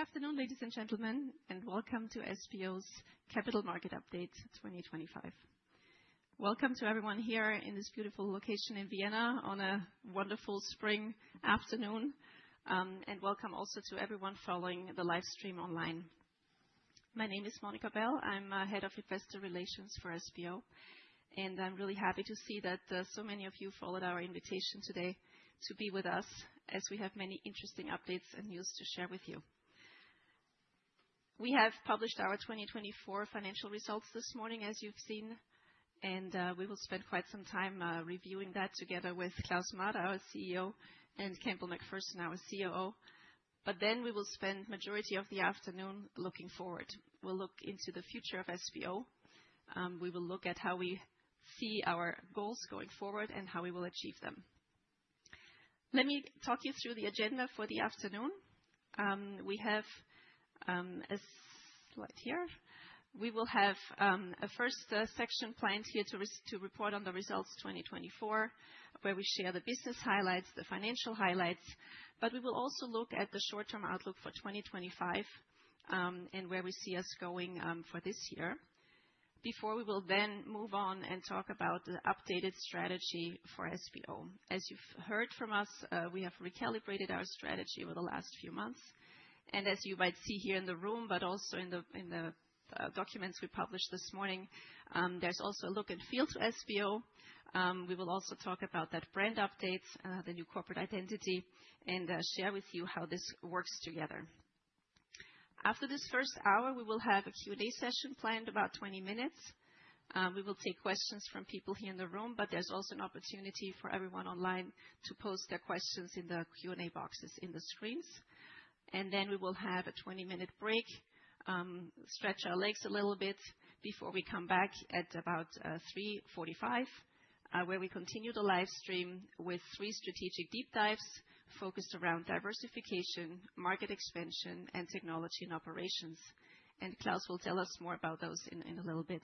Good afternoon, ladies and gentlemen, and welcome to SBO's Capital Market Update 2025. Welcome to everyone here in this beautiful location in Vienna on a wonderful spring afternoon, and welcome also to everyone following the live stream online. My name is Monica Bell, I'm Head of Investor Relations for SBO, and I'm really happy to see that so many of you followed our invitation today to be with us as we have many interesting updates and news to share with you. We have published our 2024 financial results this morning, as you've seen, and we will spend quite some time reviewing that together with Klaus Mader, our CEO, and Campbell MacPherson, our COO. We will spend the majority of the afternoon looking forward. We'll look into the future of SBO. We will look at how we see our goals going forward and how we will achieve them. Let me talk you through the agenda for the afternoon. We have a slide here. We will have a first section planned here to report on the results 2024, where we share the business highlights, the financial highlights, but we will also look at the short-term outlook for 2025 and where we see us going for this year. Before we will then move on and talk about the updated strategy for SBO. As you've heard from us, we have recalibrated our strategy over the last few months. As you might see here in the room, but also in the documents we published this morning, there's also a look and feel to SBO. We will also talk about that brand update, the new corporate identity, and share with you how this works together. After this first hour, we will have a Q&A session planned about 20 minutes. We will take questions from people here in the room, but there's also an opportunity for everyone online to post their questions in the Q&A boxes in the screens. We will have a 20-minute break, stretch our legs a little bit before we come back at about 3:45 PM, where we continue the live stream with three strategic deep dives focused around diversification, market expansion, and technology and operations. Klaus will tell us more about those in a little bit.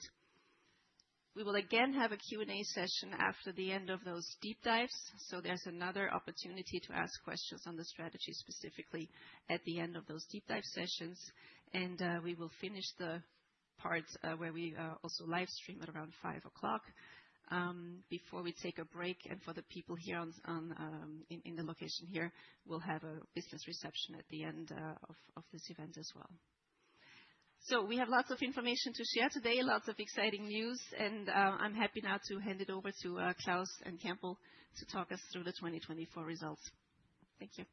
We will again have a Q&A session after the end of those deep dives, so there's another opportunity to ask questions on the strategy specifically at the end of those deep dive sessions. We will finish the part where we also live stream at around 5:00 PM before we take a break. For the people here in the location here, we'll have a business reception at the end of this event as well. We have lots of information to share today, lots of exciting news, and I'm happy now to hand it over to Klaus and Campbell to talk us through the 2024 results. Thank you.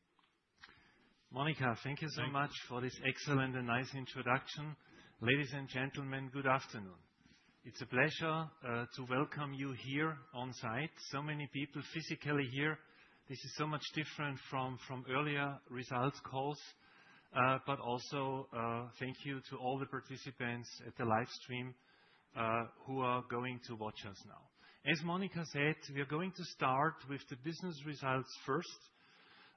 Monica, thank you so much for this excellent and nice introduction. Ladies and gentlemen, good afternoon. It's a pleasure to welcome you here on site. So many people physically here. This is so much different from earlier results calls. Also thank you to all the participants at the live stream who are going to watch us now. As Monica said, we are going to start with the business results first.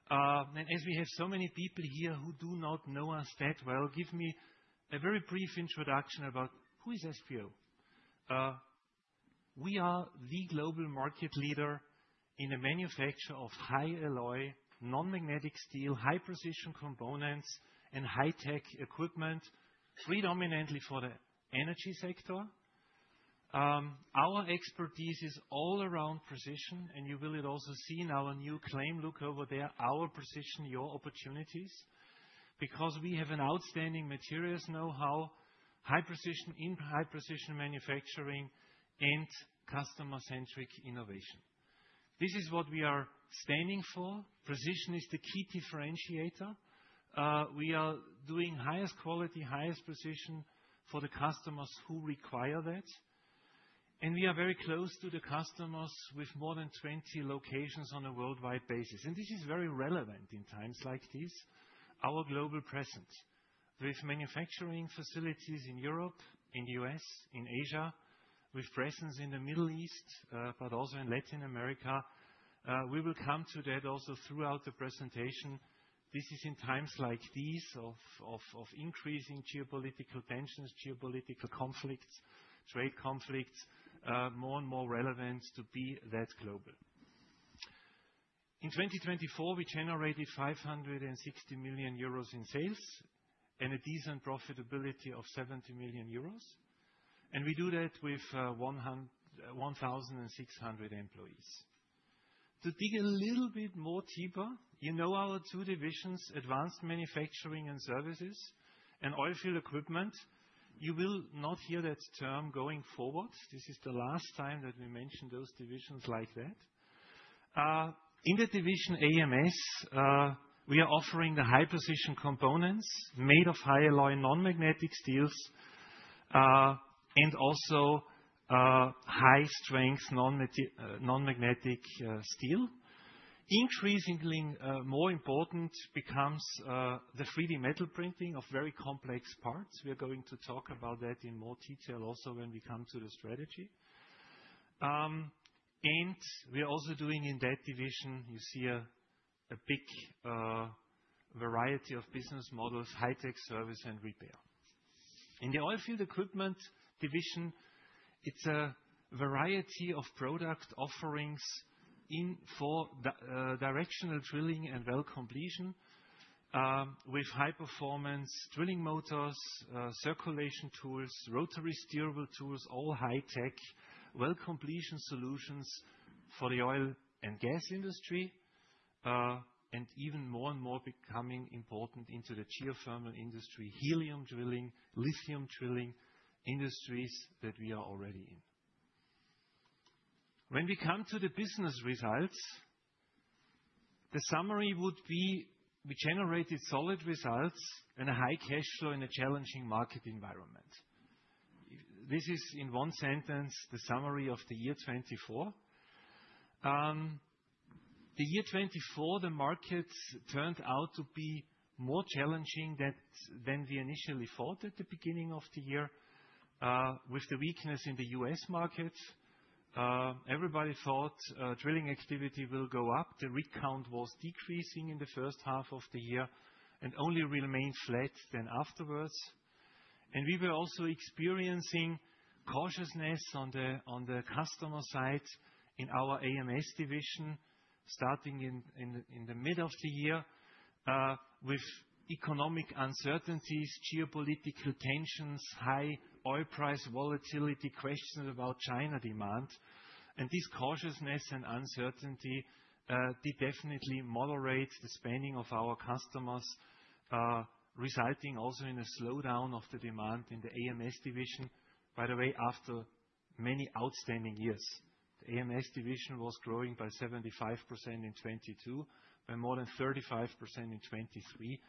As we have so many people here who do not know us that well, give me a very brief introduction about who is SBO? We are the global market leader in the manufacture of high alloy non-magnetic steel, high-precision components, and high-tech equipment, predominantly for the energy sector. Our expertise is all around precision, and you will also see in our new claim look over there, our precision, your opportunities, because we have an outstanding materials know-how, high precision in high precision manufacturing, and customer-centric innovation. This is what we are standing for. Precision is the key differentiator. We are doing highest quality, highest precision for the customers who require that. We are very close to the customers with more than 20 locations on a worldwide basis. This is very relevant in times like these, our global presence with manufacturing facilities in Europe, in the U.S., in Asia, with presence in the Middle East, but also in Latin America. We will come to that also throughout the presentation. This is in times like these of increasing geopolitical tensions, geopolitical conflicts, trade conflicts, more and more relevant to be that global. In 2024, we generated 560 million euros in sales and a decent profitability of 70 million euros. We do that with 1,600 employees. To dig a little bit more deeper, you know our two divisions, Advanced Manufacturing and Services and Oilfield Equipment. You will not hear that term going forward. This is the last time that we mention those divisions like that. In the division AMS, we are offering the high-precision components made of high alloy non-magnetic steels, and also high-strength non-magnetic steel. Increasingly more important becomes the 3D metal printing of very complex parts. We are going to talk about that in more detail also when we come to the strategy. We are also doing in that division, you see a big variety of business models, high-tech service and repair. In the oilfield equipment division, it's a variety of product offerings for directional drilling and well completion with high-performance drilling motors, circulation tools, rotary steerable tools, all high-tech, well completion solutions for the oil and gas industry, and even more and more becoming important into the geothermal industry, helium drilling, lithium drilling industries that we are already in. When we come to the business results, the summary would be we generated solid results and a high cash flow in a challenging market environment. This is in one sentence the summary of the year 2024. The year 2024, the markets turned out to be more challenging than we initially thought at the beginning of the year with the weakness in the U.S. markets. Everybody thought drilling activity will go up. The recount was decreasing in the first half of the year and only remained flat then afterwards. We were also experiencing cautiousness on the customer side in our AMS division starting in the middle of the year with economic uncertainties, geopolitical tensions, high oil price volatility, questions about China demand. This cautiousness and uncertainty did definitely moderate the spending of our customers, resulting also in a slowdown of the demand in the AMS division. By the way, after many outstanding years, the AMS division was growing by 75% in 2022, by more than 35% in 2023.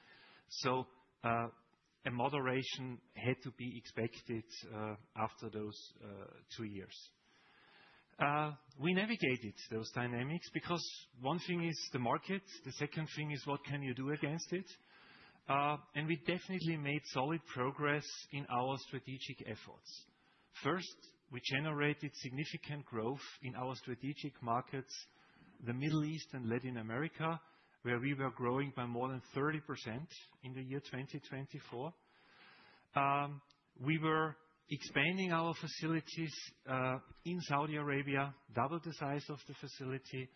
A moderation had to be expected after those two years. We navigated those dynamics because one thing is the market, the second thing is what can you do against it. We definitely made solid progress in our strategic efforts. First, we generated significant growth in our strategic markets, the Middle East and Latin America, where we were growing by more than 30% in the year 2024. We were expanding our facilities in Saudi Arabia, doubled the size of the facility.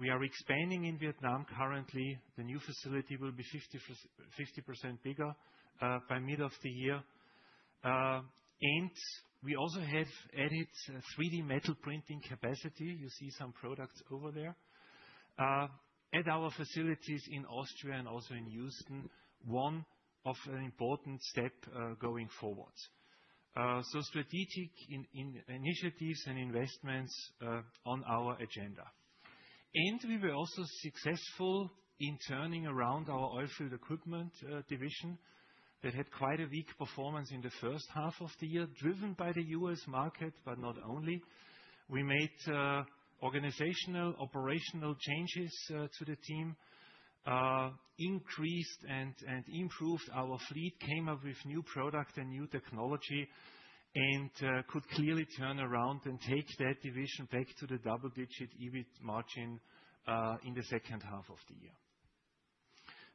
We are expanding in Vietnam currently. The new facility will be 50% bigger by mid of the year. We also have added 3D metal printing capacity. You see some products over there. At our facilities in Austria and also in Houston, one of an important step going forward. Strategic initiatives and investments on our agenda. We were also successful in turning around our oilfield equipment division that had quite a weak performance in the first half of the year, driven by the U.S. market, but not only. We made organizational operational changes to the team, increased and improved our fleet, came up with new product and new technology, and could clearly turn around and take that division back to the double-digit EBIT margin in the second half of the year.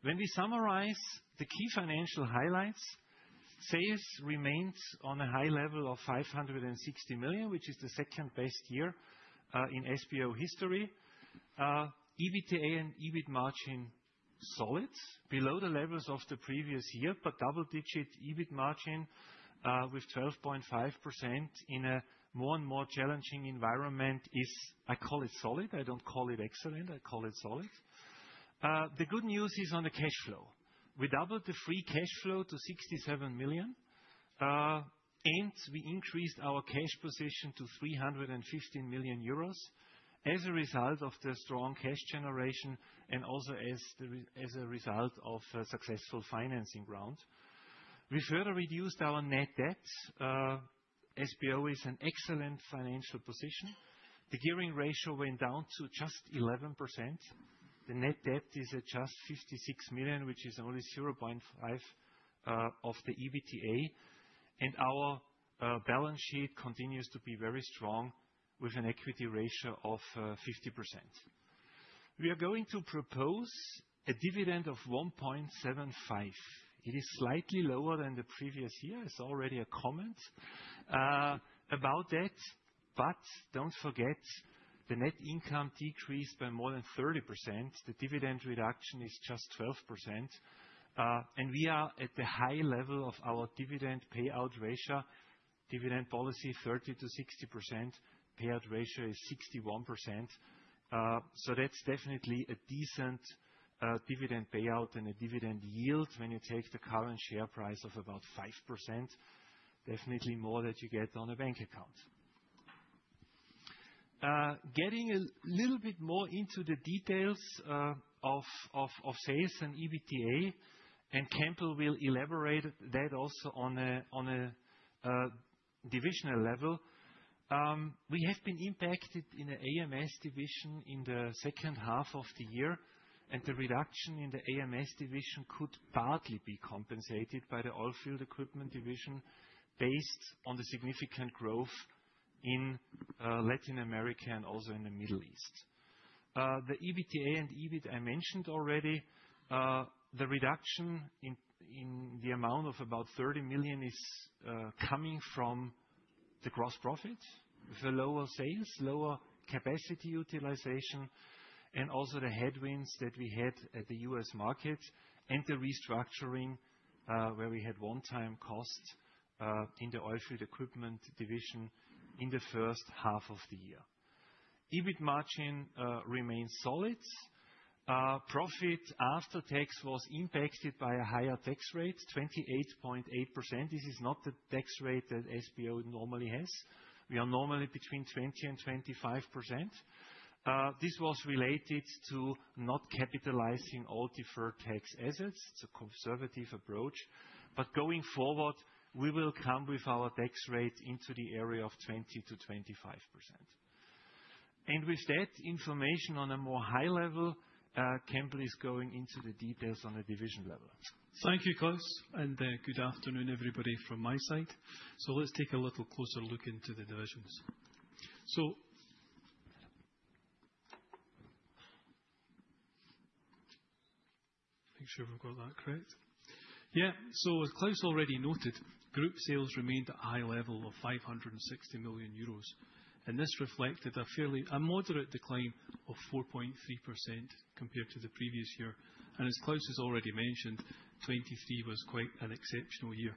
When we summarize the key financial highlights, sales remained on a high level of 560 million, which is the second best year in SBO history. EBITA and EBIT margin solid, below the levels of the previous year, but double-digit EBIT margin with 12.5% in a more and more challenging environment is, I call it solid. I do not call it excellent. I call it solid. The good news is on the cash flow. We doubled the free cash flow to 67 million, and we increased our cash position to 315 million euros as a result of the strong cash generation and also as a result of a successful financing round. We further reduced our net debt. SBO is in an excellent financial position. The gearing ratio went down to just 11%. The net debt is at just 56 million, which is only 0.5% of the EBITA. Our balance sheet continues to be very strong with an equity ratio of 50%. We are going to propose a dividend of 1.75. It is slightly lower than the previous year. It is already a comment about that. Do not forget, the net income decreased by more than 30%. The dividend reduction is just 12%. We are at the high level of our dividend payout ratio. Dividend policy 30%-60%. Payout ratio is 61%. That is definitely a decent dividend payout and a dividend yield when you take the current share price of about 5%. Definitely more than you get on a bank account. Getting a little bit more into the details of sales and EBITA, and Campbell will elaborate that also on a divisional level. We have been impacted in the AMS division in the second half of the year, and the reduction in the AMS division could partly be compensated by the oilfield equipment division based on the significant growth in Latin America and also in the Middle East. The EBITA and EBIT I mentioned already. The reduction in the amount of about 30 million is coming from the gross profit with lower sales, lower capacity utilization, and also the headwinds that we had at the U.S. market and the restructuring where we had one-time costs in the oilfield equipment division in the first half of the year. EBIT margin remains solid. Profit after tax was impacted by a higher tax rate, 28.8%. This is not the tax rate that SBO normally has. We are normally between 20% and 25%. This was related to not capitalizing all deferred tax assets. It's a conservative approach. Going forward, we will come with our tax rate into the area of 20%-25%. With that information on a more high level, Campbell is going into the details on a division level. Thank you, Klaus. Good afternoon, everybody from my side. Let's take a little closer look into the divisions to make sure we've got that correct. As Klaus already noted, group sales remained at a high level of 560 million euros. This reflected a fairly moderate decline of 4.3% compared to the previous year. As Klaus has already mentioned, 2023 was quite an exceptional year.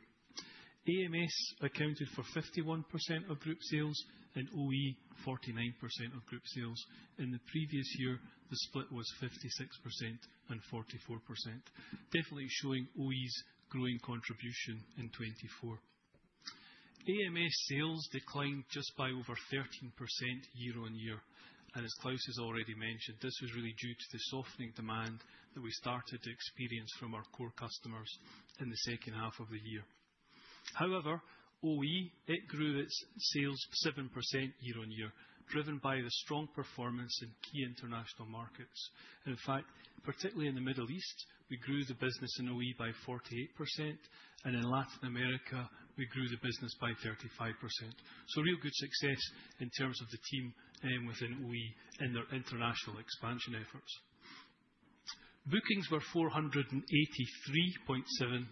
AMS accounted for 51% of group sales and OE 49% of group sales. In the previous year, the split was 56% and 44%, definitely showing OE's growing contribution in 2024. AMS sales declined just by over 13% year-on-year. As Klaus has already mentioned, this was really due to the softening demand that we started to experience from our core customers in the second half of the year. However, OE, it grew its sales 7% year-on-year, driven by the strong performance in key international markets. In fact, particularly in the Middle East, we grew the business in OE by 48%. In Latin America, we grew the business by 35%. Real good success in terms of the team within OE in their international expansion efforts. Bookings were 483.7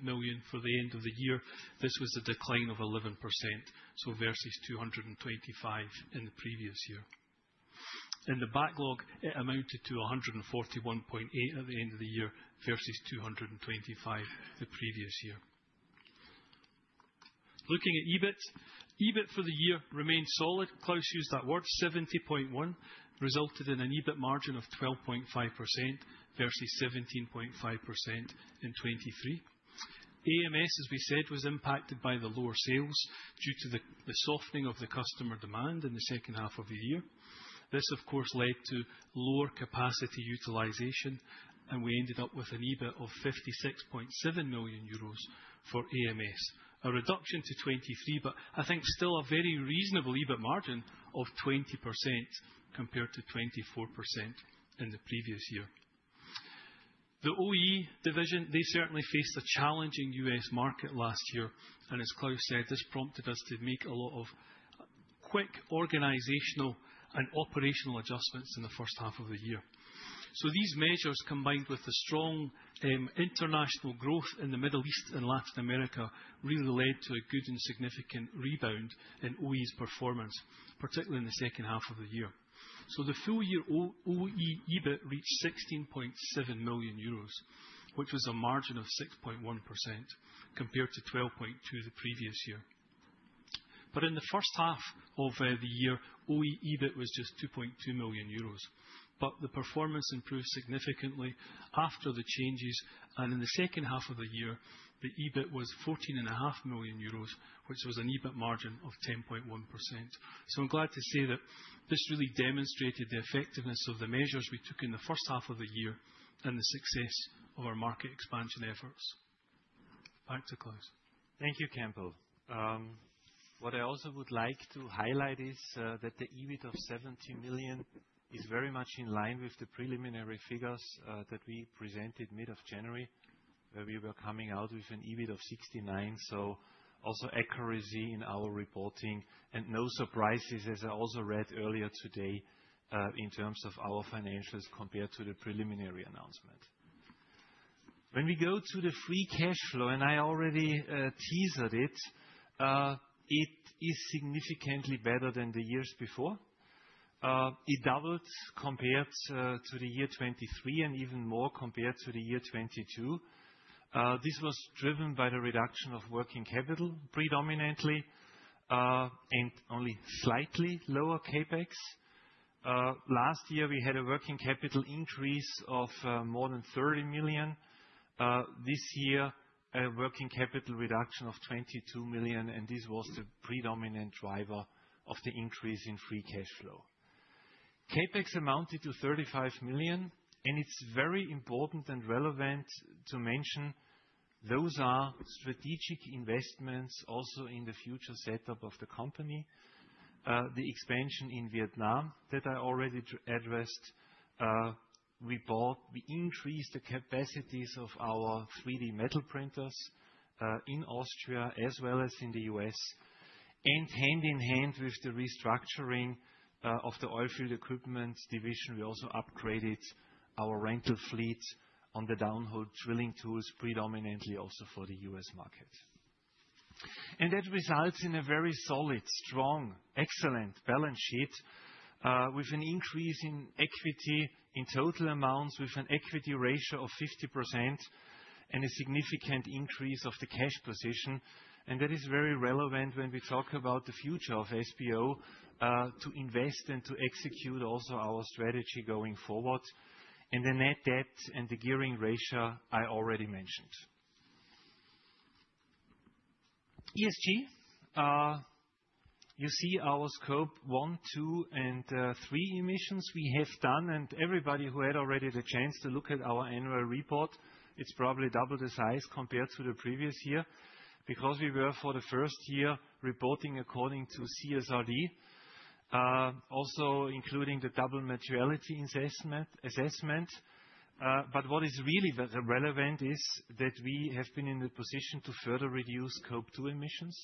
million for the end of the year. This was a decline of 11%, versus 225 million in the previous year. The backlog amounted to 141.8 million at the end of the year versus 225 million the previous year. Looking at EBIT, EBIT for the year remained solid. Klaus used that word, 70.1 million, resulted in an EBIT margin of 12.5% versus 17.5% in 2023. AMS, as we said, was impacted by the lower sales due to the softening of the customer demand in the second half of the year. This, of course, led to lower capacity utilization, and we ended up with an EBIT of 56.7 million euros for AMS, a reduction to 23, but I think still a very reasonable EBIT margin of 20% compared to 24% in the previous year. The OE division, they certainly faced a challenging U.S. market last year. As Klaus said, this prompted us to make a lot of quick organizational and operational adjustments in the first half of the year. These measures, combined with the strong international growth in the Middle East and Latin America, really led to a good and significant rebound in OE's performance, particularly in the second half of the year. The full year OE EBIT reached 16.7 million euros, which was a margin of 6.1% compared to 12.2% the previous year. In the first half of the year, OE EBIT was just 2.2 million euros. The performance improved significantly after the changes. In the second half of the year, the EBIT was 14.5 million euros, which was an EBIT margin of 10.1%. I'm glad to say that this really demonstrated the effectiveness of the measures we took in the first half of the year and the success of our market expansion efforts. Back to Klaus. Thank you, Campbell. What I also would like to highlight is that the EBIT of 70 million is very much in line with the preliminary figures that we presented mid of January, where we were coming out with an EBIT of 69 million. Also, accuracy in our reporting and no surprises, as I also read earlier today, in terms of our financials compared to the preliminary announcement. When we go to the free cash flow, and I already teased it, it is significantly better than the years before. It doubled compared to the year 2023 and even more compared to the year 2022. This was driven by the reduction of working capital predominantly and only slightly lower CapEx. Last year, we had a working capital increase of more than 30 million. This year, a working capital reduction of 22 million. This was the predominant driver of the increase in free cash flow. CapEx amounted to 35 million. It is very important and relevant to mention those are strategic investments also in the future setup of the company. The expansion in Vietnam that I already addressed, we bought, we increased the capacities of our 3D metal printers in Austria as well as in the US. Hand in hand with the restructuring of the oilfield equipment division, we also upgraded our rental fleet on the downhole drilling tools, predominantly also for the U.S. market. That results in a very solid, strong, excellent balance sheet with an increase in equity in total amounts with an equity ratio of 50% and a significant increase of the cash position. That is very relevant when we talk about the future of SBO to invest and to execute also our strategy going forward. The net debt and the gearing ratio I already mentioned. ESG, you see our scope one, two, and three emissions we have done. Everybody who had already the chance to look at our annual report, it is probably double the size compared to the previous year because we were for the first year reporting according to CSRD, also including the double materiality assessment. What is really relevant is that we have been in the position to further reduce scope two emissions.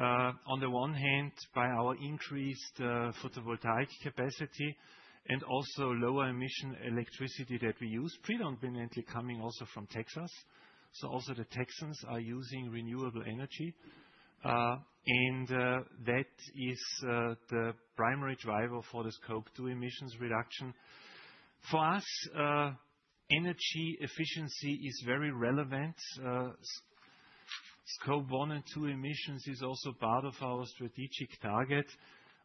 On the one hand, by our increased photovoltaic capacity and also lower emission electricity that we use, predominantly coming also from Texas. Texans are using renewable energy. That is the primary driver for the scope two emissions reduction. For us, energy efficiency is very relevant. Scope one and two emissions is also part of our strategic target,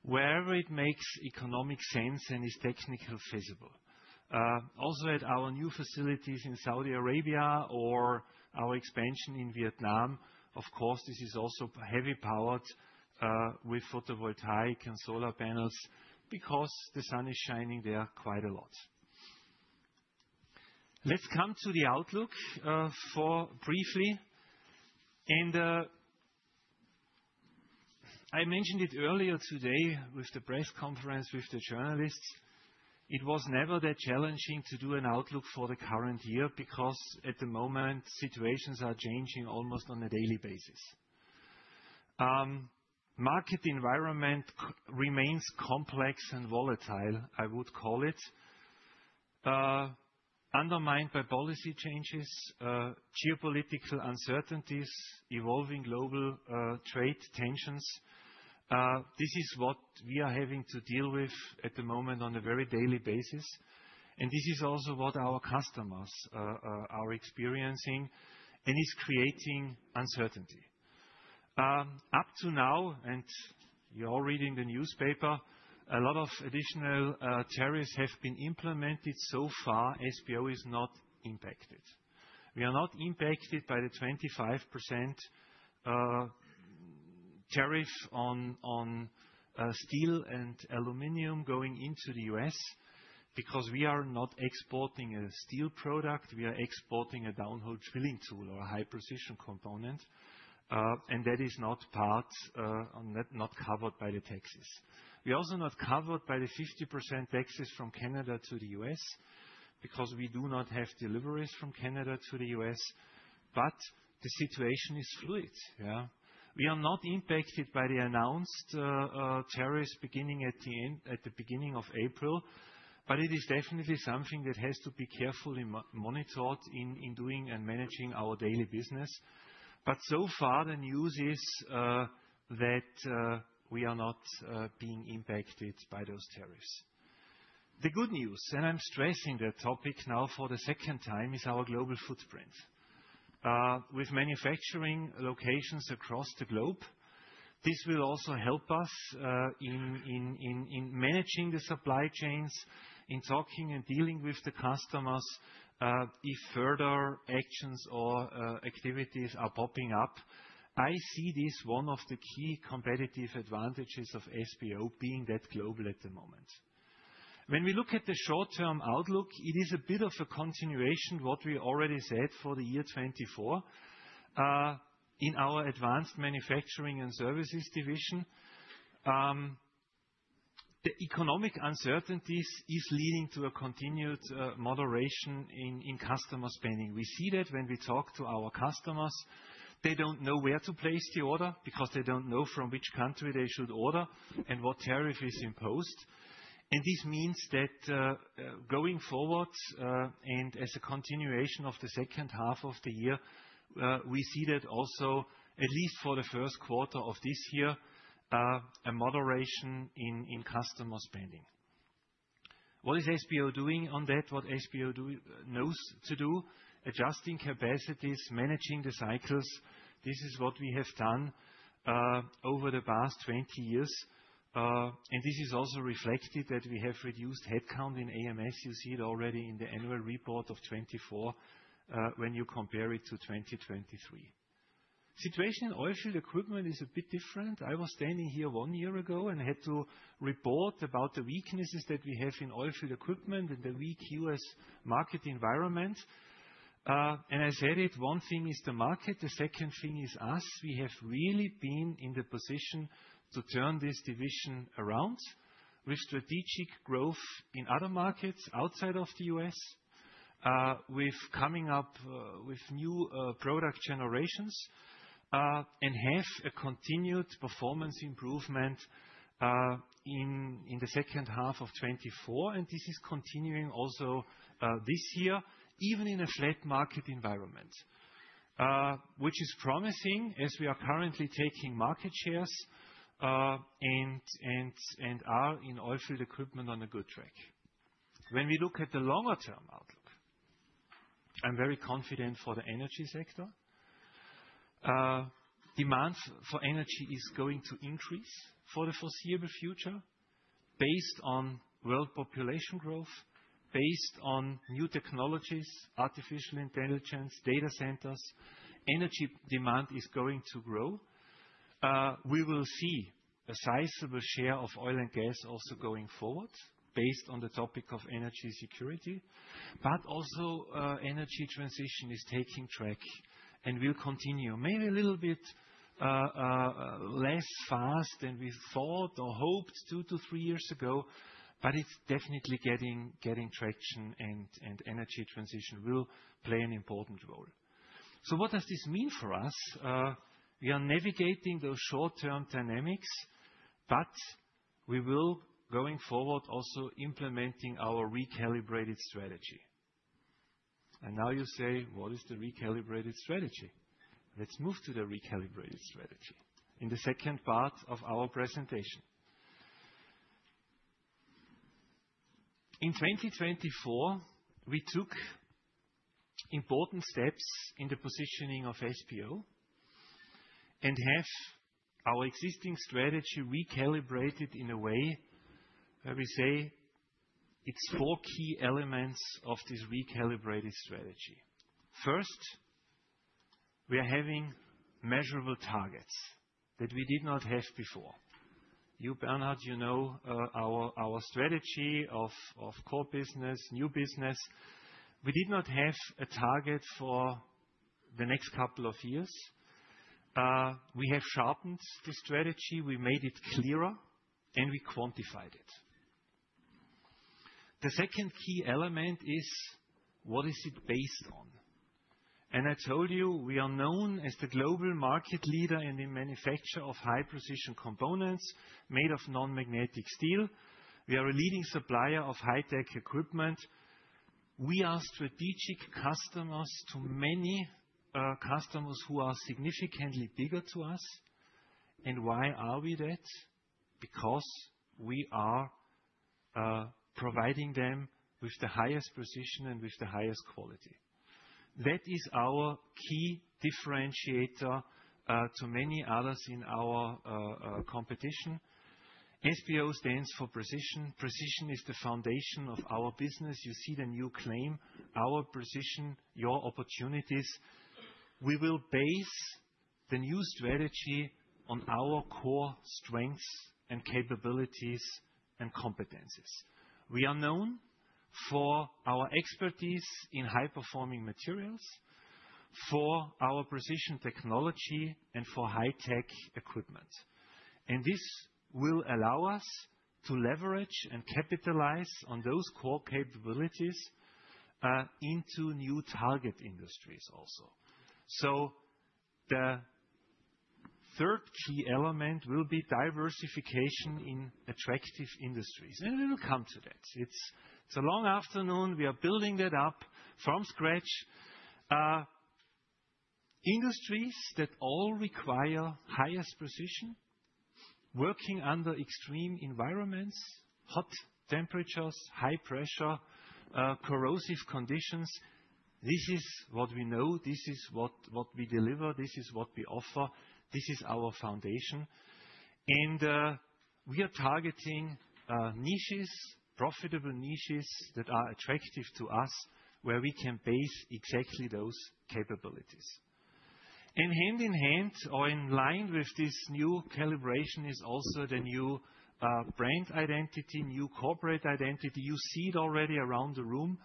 wherever it makes economic sense and is technically feasible. Also at our new facilities in Saudi Arabia or our expansion in Vietnam, of course, this is also heavy powered with photovoltaic and solar panels because the sun is shining there quite a lot. Let's come to the outlook for briefly. I mentioned it earlier today with the press conference with the journalists. It was never that challenging to do an outlook for the current year because at the moment, situations are changing almost on a daily basis. Market environment remains complex and volatile, I would call it, undermined by policy changes, geopolitical uncertainties, evolving global trade tensions. This is what we are having to deal with at the moment on a very daily basis. This is also what our customers are experiencing and is creating uncertainty. Up to now, and you're all reading the newspaper, a lot of additional tariffs have been implemented so far, SBO is not impacted. We are not impacted by the 25% tariff on steel and aluminum going into the U.S. because we are not exporting a steel product, we are exporting a downhole drilling tool or a high-precision component. That is not covered by the taxes. We are also not covered by the 50% taxes from Canada to the U.S. because we do not have deliveries from Canada to the U.S. but the situation is fluid. Yeah. We are not impacted by the announced tariffs beginning at the beginning of April, but it is definitely something that has to be carefully monitored in doing and managing our daily business. So far, the news is that we are not being impacted by those tariffs. The good news, and I'm stressing the topic now for the second time, is our global footprint with manufacturing locations across the globe. This will also help us in managing the supply chains, in talking and dealing with the customers if further actions or activities are popping up. I see this as one of the key competitive advantages of SBO being that global at the moment. When we look at the short-term outlook, it is a bit of a continuation of what we already said for the year 2024 in our Advanced Manufacturing and Services division, the economic uncertainties are leading to a continued moderation in customer spending. We see that when we talk to our customers, they don't know where to place the order because they don't know from which country they should order and what tariff is imposed. This means that going forward and as a continuation of the second half of the year, we see that also, at least for the first quarter of this year, a moderation in customer spending. What is SBO doing on that? What SBO knows to do? Adjusting capacities, managing the cycles. This is what we have done over the past 20 years. This is also reflected that we have reduced headcount in AMS. You see it already in the annual report of 2024 when you compare it to 2023. The situation in oilfield equipment is a bit different. I was standing here one year ago and had to report about the weaknesses that we have in oilfield equipment and the weak U.S. market environment. I said it, one thing is the market, the second thing is us. We have really been in the position to turn this division around with strategic growth in other markets outside of the U.S., with coming up with new product generations and have a continued performance improvement in the second half of 2024. This is continuing also this year, even in a flat market environment, which is promising as we are currently taking market shares and are in oilfield equipment on a good track. When we look at the longer-term outlook, I'm very confident for the energy sector. Demand for energy is going to increase for the foreseeable future based on world population growth, based on new technologies, artificial intelligence, data centers. Energy demand is going to grow. We will see a sizable share of oil and gas also going forward based on the topic of energy security. Energy transition is taking track and will continue, maybe a little bit less fast than we thought or hoped two to three years ago. It is definitely getting traction, and energy transition will play an important role. What does this mean for us? We are navigating those short-term dynamics, but we will going forward also implementing our recalibrated strategy. Now you say, what is the recalibrated strategy? Let's move to the recalibrated strategy in the second part of our presentation. In 2024, we took important steps in the positioning of SBO and have our existing strategy recalibrated in a way where we say it is four key elements of this recalibrated strategy. First, we are having measurable targets that we did not have before. You, Bernard, you know our strategy of core business, new business. We did not have a target for the next couple of years. We have sharpened the strategy. We made it clearer, and we quantified it. The second key element is what is it based on? I told you we are known as the global market leader in the manufacture of high-precision components made of non-magnetic steel. We are a leading supplier of high-tech equipment. We are strategic customers to many customers who are significantly bigger than us. Why are we that? Because we are providing them with the highest precision and with the highest quality. That is our key differentiator to many others in our competition. SBO stands for precision. Precision is the foundation of our business. You see the new claim, our precision, your opportunities. We will base the new strategy on our core strengths and capabilities and competencies. We are known for our expertise in high-performing materials, for our precision technology, and for high-tech equipment. This will allow us to leverage and capitalize on those core capabilities into new target industries also. The third key element will be diversification in attractive industries. We will come to that. It's a long afternoon. We are building that up from scratch. Industries that all require highest precision, working under extreme environments, hot temperatures, high pressure, corrosive conditions. This is what we know. This is what we deliver. This is what we offer. This is our foundation. We are targeting niches, profitable niches that are attractive to us where we can base exactly those capabilities. Hand in hand or in line with this new calibration is also the new brand identity, new corporate identity. You see it already around the room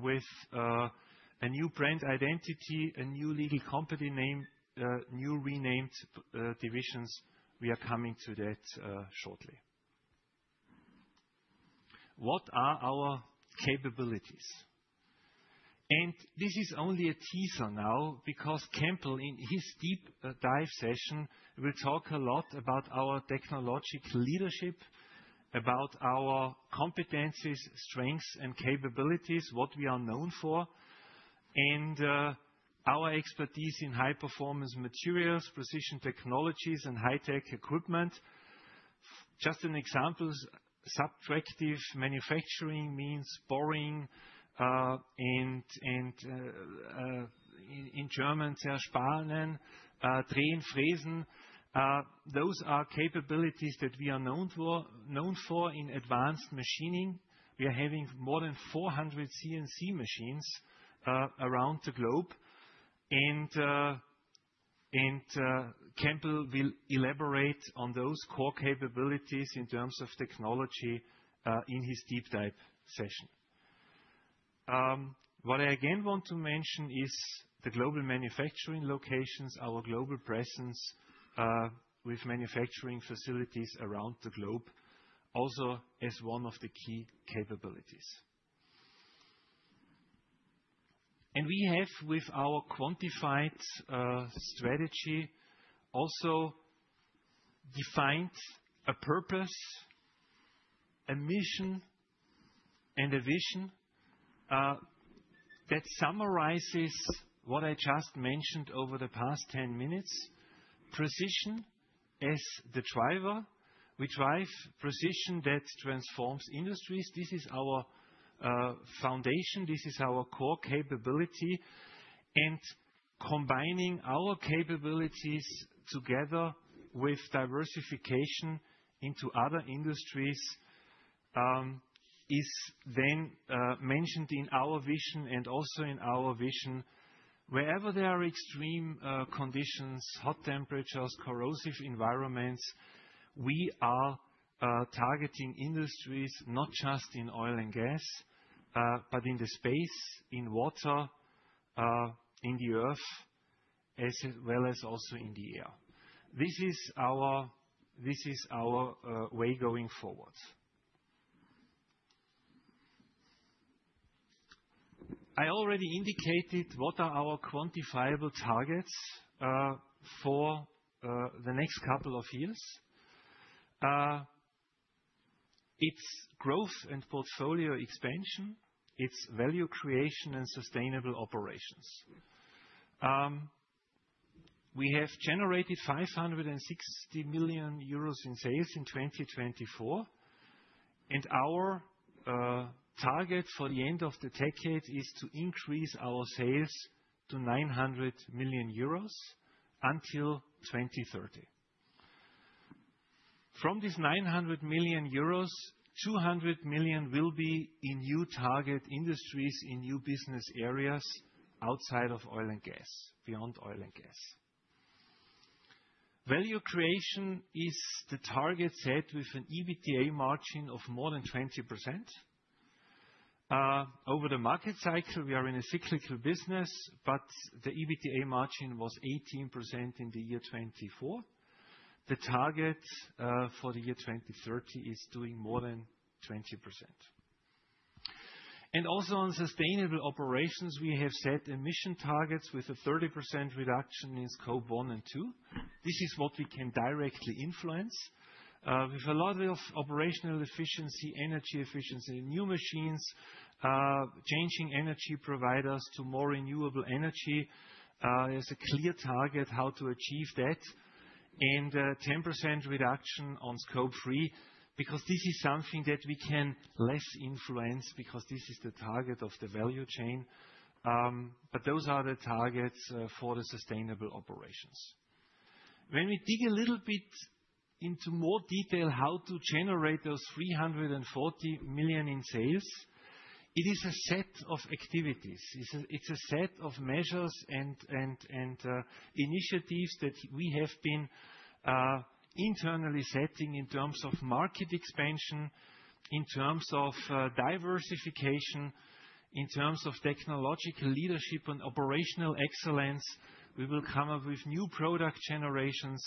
with a new brand identity, a new legal company name, new renamed divisions. We are coming to that shortly. What are our capabilities? This is only a teaser now because Campbell, in his deep dive session, will talk a lot about our technological leadership, about our competencies, strengths, and capabilities, what we are known for, and our expertise in high-performance materials, precision technologies, and high-tech equipment. Just an example, subtractive manufacturing means boring and in German, sehr sparen, drilling, fräsen. Those are capabilities that we are known for in advanced machining. We are having more than 400 CNC machines around the globe. Campbell will elaborate on those core capabilities in terms of technology in his deep dive session. What I again want to mention is the global manufacturing locations, our global presence with manufacturing facilities around the globe also as one of the key capabilities. We have, with our quantified strategy, also defined a purpose, a mission, and a vision that summarizes what I just mentioned over the past 10 minutes. Precision as the driver. We drive precision that transforms industries. This is our foundation. This is our core capability and combining our capabilities together with diversification into other industries is then mentioned in our vision and also in our vision. Wherever there are extreme conditions, hot temperatures, corrosive environments, we are targeting industries not just in oil and gas, but in the space, in water, in the earth, as well as also in the air. This is our way going forward. I already indicated what are our quantifiable targets for the next couple of years. It is growth and portfolio expansion. It is value creation and sustainable operations. We have generated 560 million euros in sales in 2024. Our target for the end of the decade is to increase our sales to 900 million euros until 2030. From this 900 million euros, 200 million will be in new target industries, in new business areas outside of oil and gas, beyond oil and gas. Value creation is the target set with an EBITDA margin of more than 20%. Over the market cycle, we are in a cyclical business, but the EBITDA margin was 18% in the year 2024. The target for the year 2030 is doing more than 20%. Also on sustainable operations, we have set emission targets with a 30% reduction in scope one and two. This is what we can directly influence with a lot of operational efficiency, energy efficiency, new machines, changing energy providers to more renewable energy. There's a clear target how to achieve that and 10% reduction on scope three because this is something that we can less influence because this is the target of the value chain. Those are the targets for the sustainable operations. When we dig a little bit into more detail how to generate those 340 million in sales, it is a set of activities. It's a set of measures and initiatives that we have been internally setting in terms of market expansion, in terms of diversification, in terms of technological leadership and operational excellence. We will come up with new product generations,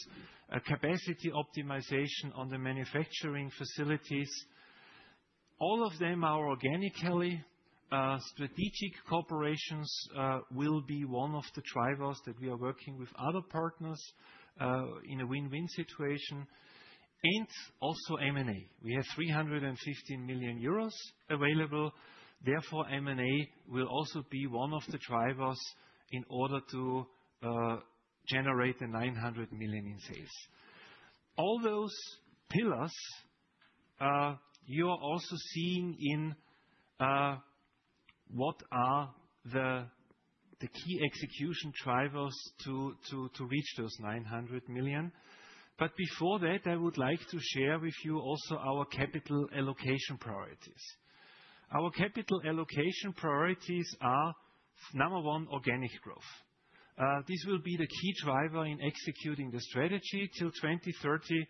capacity optimization on the manufacturing facilities. All of them are organically strategic. Corporations will be one of the drivers that we are working with other partners in a win-win situation. Also M&A. We have 315 million euros available. Therefore, M&A will also be one of the drivers in order to generate the 900 million in sales. All those pillars you are also seeing in what are the key execution drivers to reach those 900 million. Before that, I would like to share with you also our capital allocation priorities. Our capital allocation priorities are number one, organic growth. This will be the key driver in executing the strategy till 2030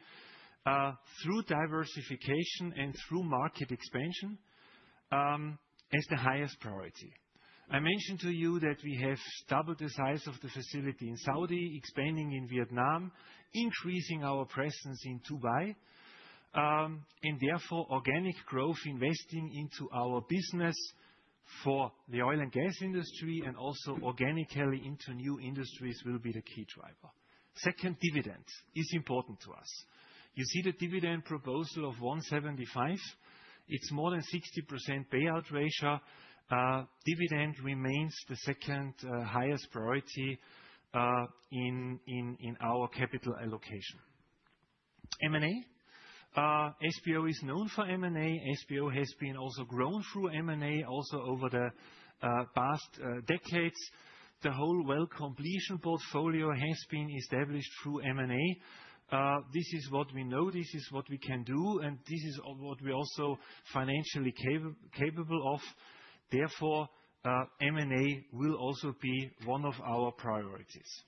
through diversification and through market expansion as the highest priority. I mentioned to you that we have doubled the size of the facility in Saudi Arabia, expanding in Vietnam, increasing our presence in Dubai. Therefore, organic growth investing into our business for the oil and gas industry and also organically into new industries will be the key driver. Second, dividends is important to us. You see the dividend proposal of 1.75. It is more than 60% payout ratio. Dividend remains the second highest priority in our capital allocation. M&A. SBO is known for M&A. SBO has also grown through M&A over the past decades. The whole well completion portfolio has been established through M&A. This is what we know. This is what we can do. This is what we are also financially capable of. Therefore, M&A will also be one of our priorities.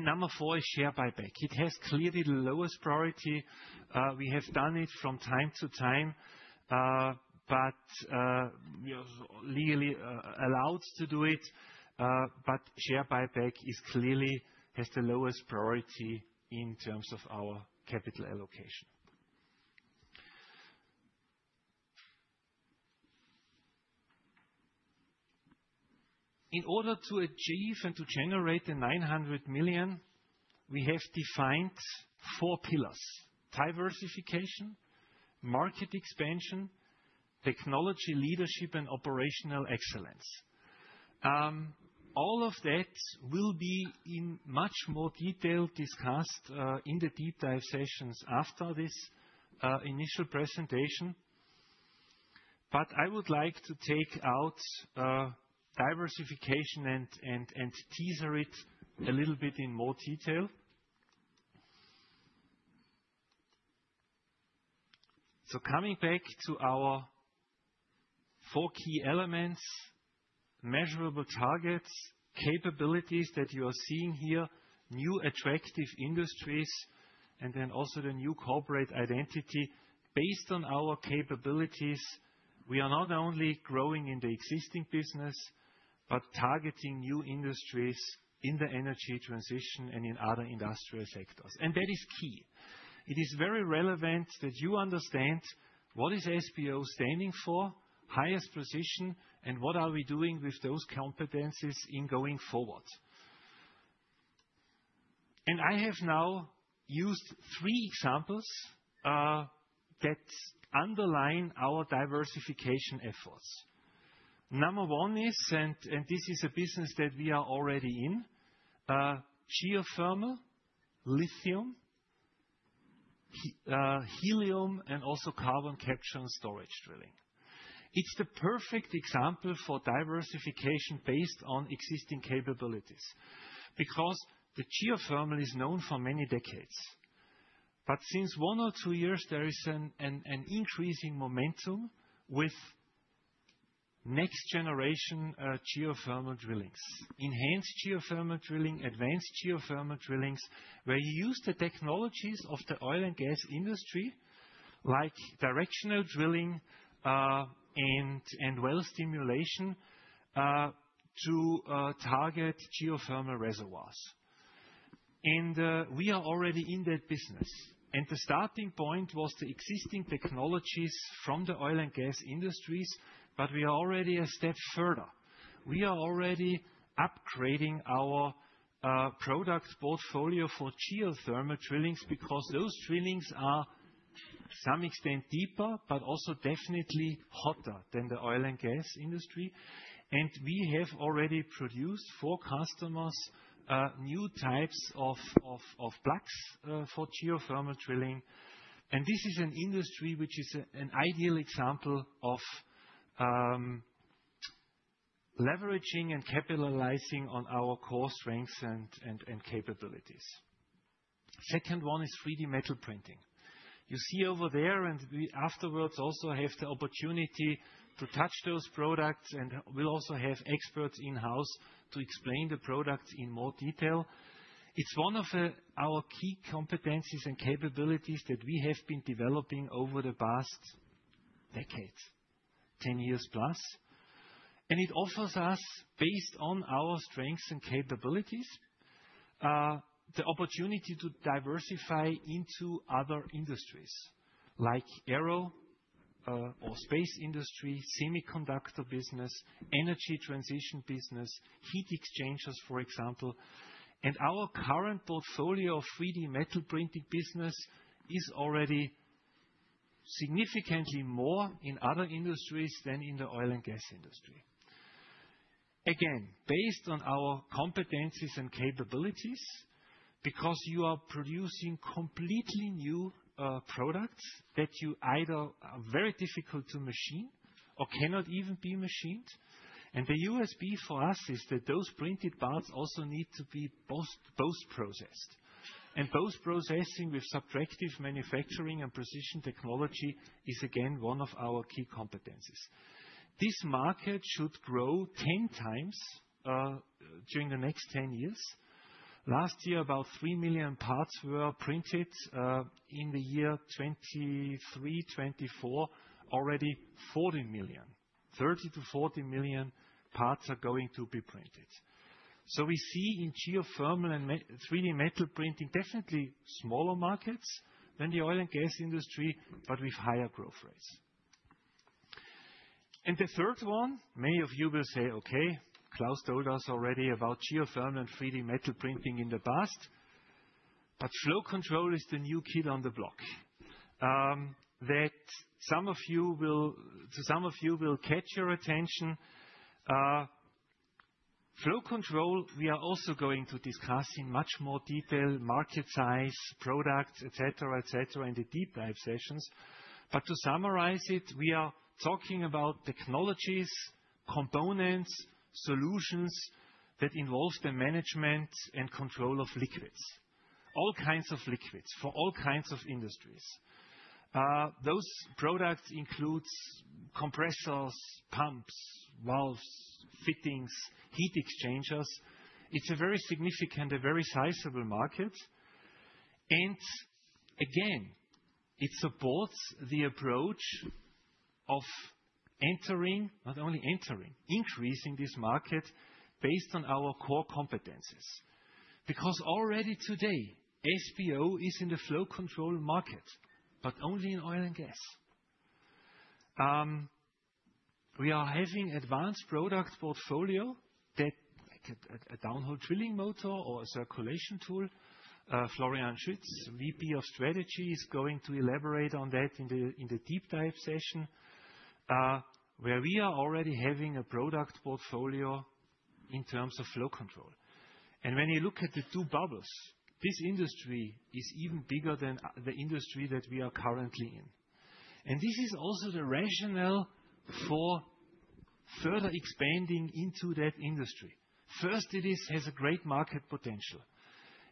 Number four is share buyback. It has clearly the lowest priority. We have done it from time to time, but we are legally allowed to do it. Share buyback clearly has the lowest priority in terms of our capital allocation. In order to achieve and to generate 900 million, we have defined four pillars: diversification, market expansion, technology leadership, and operational excellence. All of that will be in much more detail discussed in the deep dive sessions after this initial presentation. I would like to take out diversification and teaser it a little bit in more detail. Coming back to our four key elements, measurable targets, capabilities that you are seeing here, new attractive industries, and then also the new corporate identity. Based on our capabilities, we are not only growing in the existing business, but targeting new industries in the energy transition and in other industrial sectors. That is key. It is very relevant that you understand what is SBO standing for, highest precision, and what are we doing with those competencies in going forward. I have now used three examples that underline our diversification efforts. Number one is, and this is a business that we are already in, geothermal, lithium, helium, and also carbon capture and storage drilling. It's the perfect example for diversification based on existing capabilities because the geothermal is known for many decades. Since one or two years, there is an increasing momentum with next generation geothermal drillings, enhanced geothermal drilling, advanced geothermal drillings, where you use the technologies of the oil and gas industry, like directional drilling and well stimulation to target geothermal reservoirs. We are already in that business. The starting point was the existing technologies from the oil and gas industries, but we are already a step further. We are already upgrading our product portfolio for geothermal drillings because those drillings are to some extent deeper, but also definitely hotter than the oil and gas industry. We have already produced for customers new types of plugs for geothermal drilling. This is an industry which is an ideal example of leveraging and capitalizing on our core strengths and capabilities. The second one is 3D metal printing. You see over there, and we afterwards also have the opportunity to touch those products, and we'll also have experts in-house to explain the products in more detail. It's one of our key competencies and capabilities that we have been developing over the past decades, 10+ years. It offers us, based on our strengths and capabilities, the opportunity to diversify into other industries like aero or space industry, semiconductor business, energy transition business, heat exchangers, for example. Our current portfolio of 3D metal printing business is already significantly more in other industries than in the oil and gas industry. Again, based on our competencies and capabilities, because you are producing completely new products that you either are very difficult to machine or cannot even be machined. The USP for us is that those printed parts also need to be post-processed. Post-processing with subtractive manufacturing and precision technology is, again, one of our key competencies. This market should grow 10x during the next 10 years. Last year, about 3 million parts were printed. In the year 2023, 2024, already 40 million. 30 million0-40 million parts are going to be printed. We see in geothermal and 3D metal printing definitely smaller markets than the oil and gas industry, but with higher growth rates. The third one, many of you will say, "Okay, Klaus told us already about geothermal and 3D metal printing in the past." Flow control is the new kid on the block that, to some of you, will catch your attention. Flow control, we are also going to discuss in much more detail, market size, products, etc., etc., in the deep dive sessions. To summarize it, we are talking about technologies, components, solutions that involve the management and control of liquids, all kinds of liquids for all kinds of industries. Those products include compressors, pumps, valves, fittings, heat exchangers. It is a very significant, a very sizable market. Again, it supports the approach of entering, not only entering, increasing this market based on our core competencies. Because already today, SBO is in the flow control market, but only in oil and gas. We are having advanced product portfolio that a downhole drilling motor or a circulation tool. Florian Schütz, VP of strategy, is going to elaborate on that in the deep dive session where we are already having a product portfolio in terms of flow control. When you look at the two bubbles, this industry is even bigger than the industry that we are currently in. This is also the rationale for further expanding into that industry. First, it has a great market potential.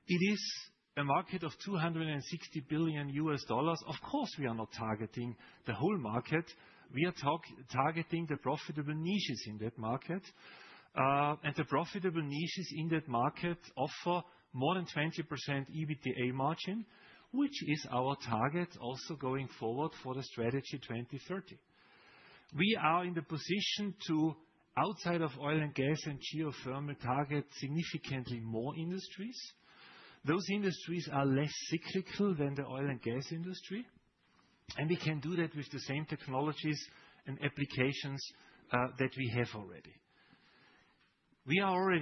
It is a market of $260 billion. Of course, we are not targeting the whole market. We are targeting the profitable niches in that market. The profitable niches in that market offer more than 20% EBITDA margin, which is our target also going forward for the strategy 2030. We are in the position to, outside of oil and gas and geothermal, target significantly more industries. Those industries are less cyclical than the oil and gas industry. We can do that with the same technologies and applications that we have already.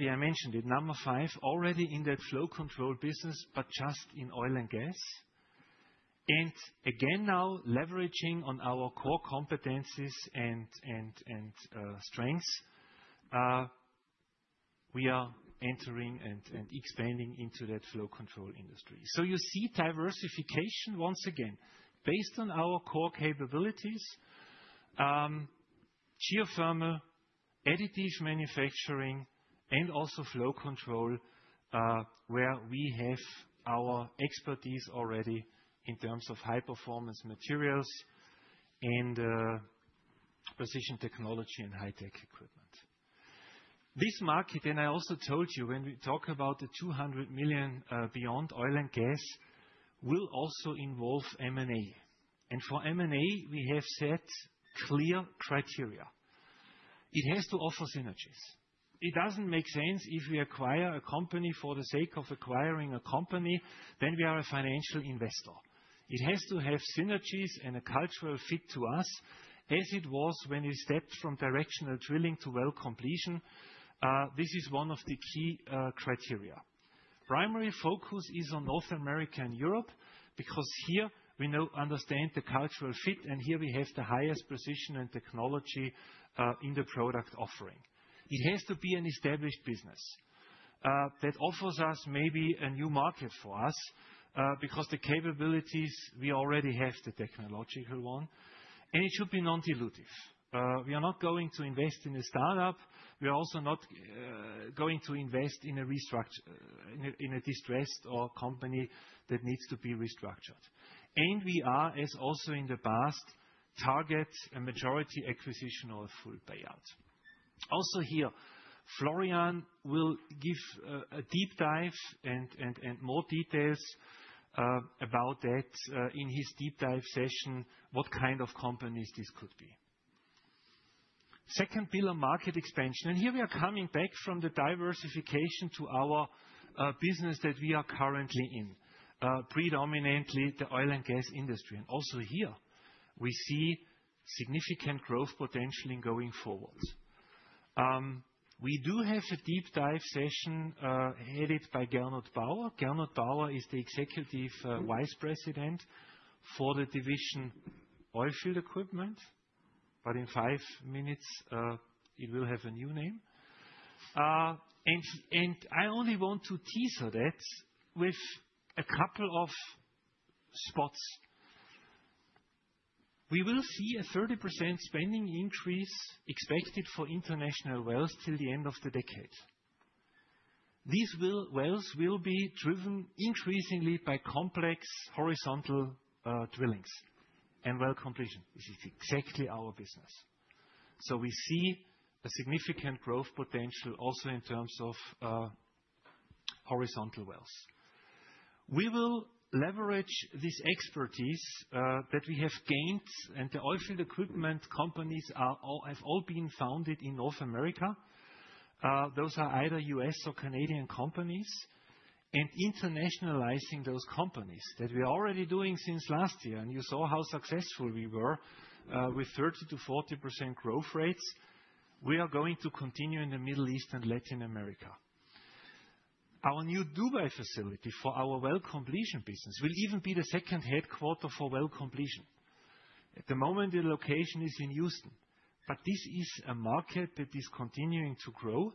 I mentioned it, number five, already in that flow control business, but just in oil and gas. Now leveraging on our core competencies and strengths, we are entering and expanding into that flow control industry. You see diversification once again based on our core capabilities, geothermal, additive manufacturing, and also flow control where we have our expertise already in terms of high-performance materials and precision technology and high-tech equipment. This market, and I also told you when we talk about the 200 million beyond oil and gas, will also involve M&A. For M&A, we have set clear criteria. It has to offer synergies. It doesn't make sense if we acquire a company for the sake of acquiring a company, then we are a financial investor. It has to have synergies and a cultural fit to us, as it was when we stepped from directional drilling to well completion. This is one of the key criteria. Primary focus is on North America and Europe because here we understand the cultural fit, and here we have the highest precision and technology in the product offering. It has to be an established business that offers us maybe a new market for us because the capabilities we already have, the technological one, and it should be non-dilutive. We are not going to invest in a startup. We are also not going to invest in a distressed company that needs to be restructured. We are, as also in the past, targeting a majority acquisition or a full payout. Also here, Florian will give a deep dive and more details about that in his deep dive session, what kind of companies this could be. Second pillar, market expansion. Here we are coming back from the diversification to our business that we are currently in, predominantly the oil and gas industry. Also here, we see significant growth potential going forward. We do have a deep dive session headed by Gernot Bauer. Gernot Bauer is the Executive Vice President for the division oilfield equipment, but in five minutes, it will have a new name. I only want to teaser that with a couple of spots. We will see a 30% spending increase expected for international wells till the end of the decade. These wells will be driven increasingly by complex horizontal drillings and well completion. This is exactly our business. We see a significant growth potential also in terms of horizontal wells. We will leverage this expertise that we have gained, and the oilfield equipment companies have all been founded in North America. Those are either U.S. or Canadian companies. Internationalizing those companies that we are already doing since last year, and you saw how successful we were with 30%-40% growth rates, we are going to continue in the Middle East and Latin America. Our new Dubai facility for our well completion business will even be the second headquarter for well completion. At the moment, the location is in Houston, but this is a market that is continuing to grow,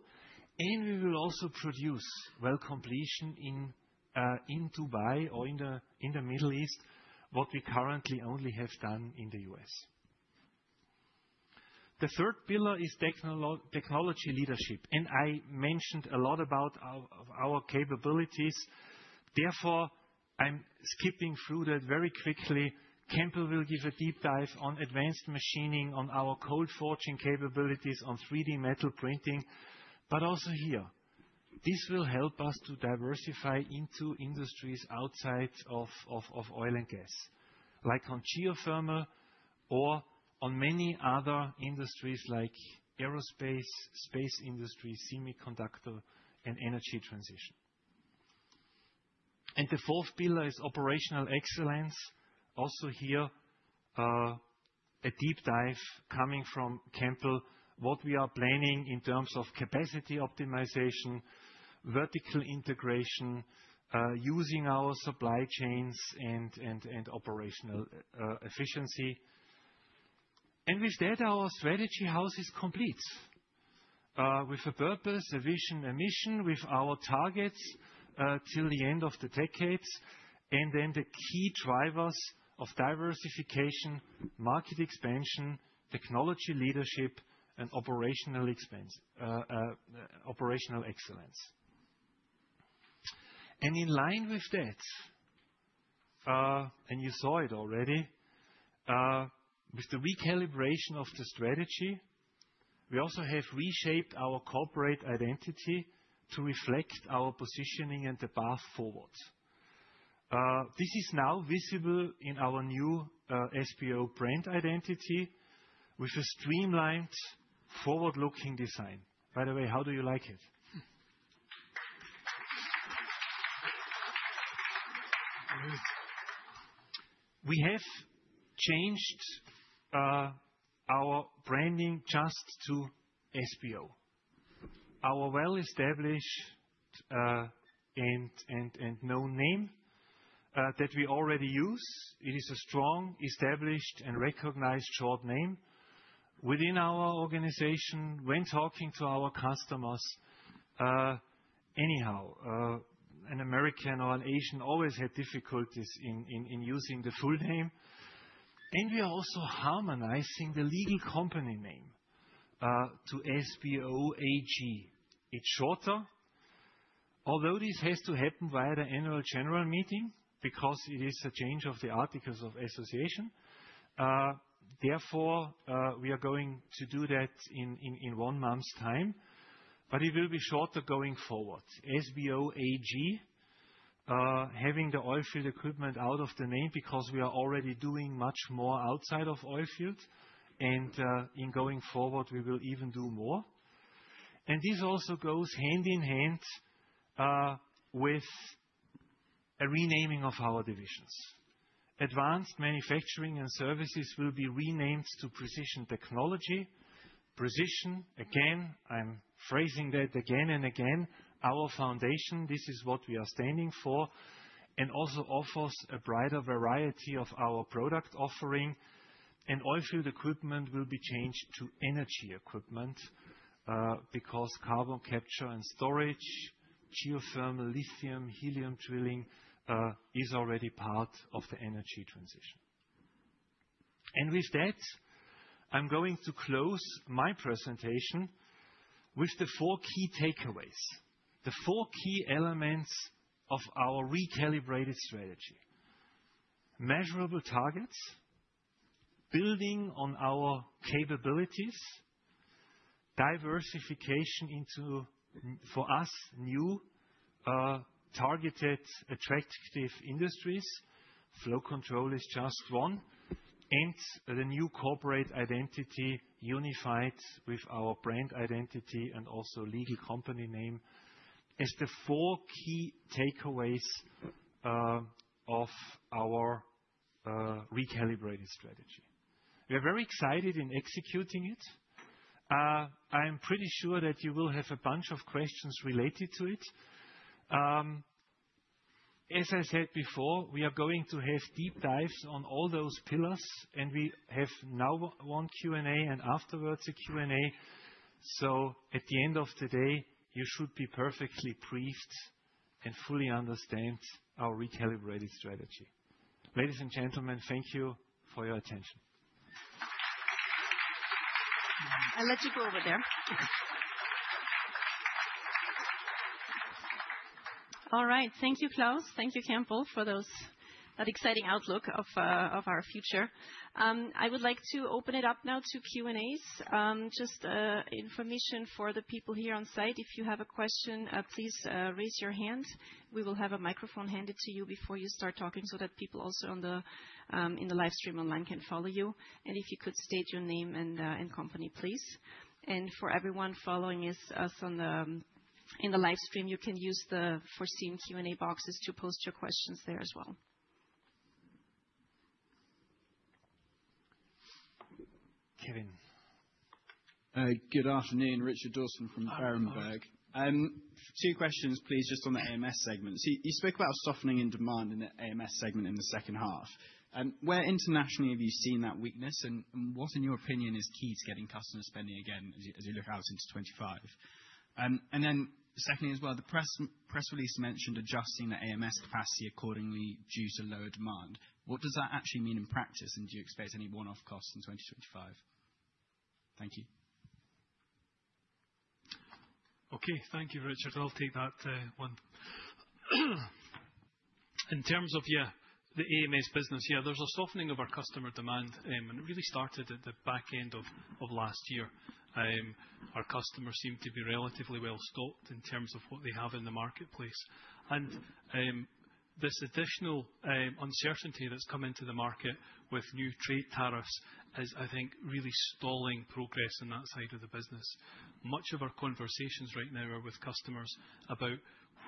and we will also produce well completion in Dubai or in the Middle East, what we currently only have done in the U.S. The third pillar is technology leadership, and I mentioned a lot about our capabilities. Therefore, I'm skipping through that very quickly. Campbell will give a deep dive on advanced machining, on our cold forging capabilities, on 3D metal printing, but also here. This will help us to diversify into industries outside of oil and gas, like on geothermal or on many other industries like aerospace, space industry, semiconductor, and energy transition. The fourth pillar is operational excellence. Also here, a deep dive coming from Campbell, what we are planning in terms of capacity optimization, vertical integration, using our supply chains and operational efficiency. With that, our strategy house is complete with a purpose, a vision, a mission with our targets till the end of the decades, and then the key drivers of diversification, market expansion, technology leadership, and operational excellence. In line with that, and you saw it already, with the recalibration of the strategy, we also have reshaped our corporate identity to reflect our positioning and the path forward. This is now visible in our new SBO brand identity with a streamlined forward-looking design. By the way, how do you like it? We have changed our branding just to SBO. Our well-established and known name that we already use, it is a strong, established, and recognized short name within our organization when talking to our customers. Anyhow, an American or an Asian always had difficulties in using the full name. We are also harmonizing the legal company name to SBO AG. It's shorter. Although this has to happen via the general meeting because it is a change of the articles of association, therefore, we are going to do that in one month's time, but it will be shorter going forward. SBO AG, having the oilfield equipment out of the name because we are already doing much more outside of oilfield, and in going forward, we will even do more. This also goes hand in hand with a renaming of our divisions. Advanced manufacturing and services will be renamed to precision technology. Precision, again, I'm phrasing that again and again, our foundation, this is what we are standing for, and also offers a broader variety of our product offering. Oilfield equipment will be changed to energy equipment because carbon capture and storage, geothermal, lithium, helium drilling is already part of the energy transition. With that, I'm going to close my presentation with the four key takeaways, the four key elements of our recalibrated strategy. Measurable targets, building on our capabilities, diversification into for us new targeted attractive industries. Flow control is just one. The new corporate identity unified with our brand identity and also legal company name as the four key takeaways of our recalibrated strategy. We are very excited in executing it. I'm pretty sure that you will have a bunch of questions related to it. As I said before, we are going to have deep dives on all those pillars, and we have now one Q&A and afterwards a Q&A. At the end of the day, you should be perfectly briefed and fully understand our recalibrated strategy. Ladies and gentlemen, thank you for your attention. I'll let you go over there. All right. Thank you, Klaus. Thank you, Campbell, for that exciting outlook of our future. I would like to open it up now to Q&As. Just information for the people here on site, if you have a question, please raise your hand. We will have a microphone handed to you before you start talking so that people also in the livestream online can follow you. If you could state your name and company, please. For everyone following us in the livestream, you can use the foreseen Q&A boxes to post your questions there as well. Good afternoon, Richard Dawson from Berenberg. Two questions, please, just on the AMS segment. You spoke about softening in demand in the AMS segment in the second half. Where internationally have you seen that weakness, and what, in your opinion, is key to getting customer spending again as you look out into 2025? Secondly as well, the press release mentioned adjusting the AMS capacity accordingly due to lower demand. What does that actually mean in practice, and do you expect any one-off costs in 2025? Thank you. Thank you, Richard. I'll take that one. In terms of the AMS business, yeah, there's a softening of our customer demand, and it really started at the back end of last year. Our customers seem to be relatively well stocked in terms of what they have in the marketplace. This additional uncertainty that's come into the market with new trade tariffs is, I think, really stalling progress on that side of the business. Much of our conversations right now are with customers about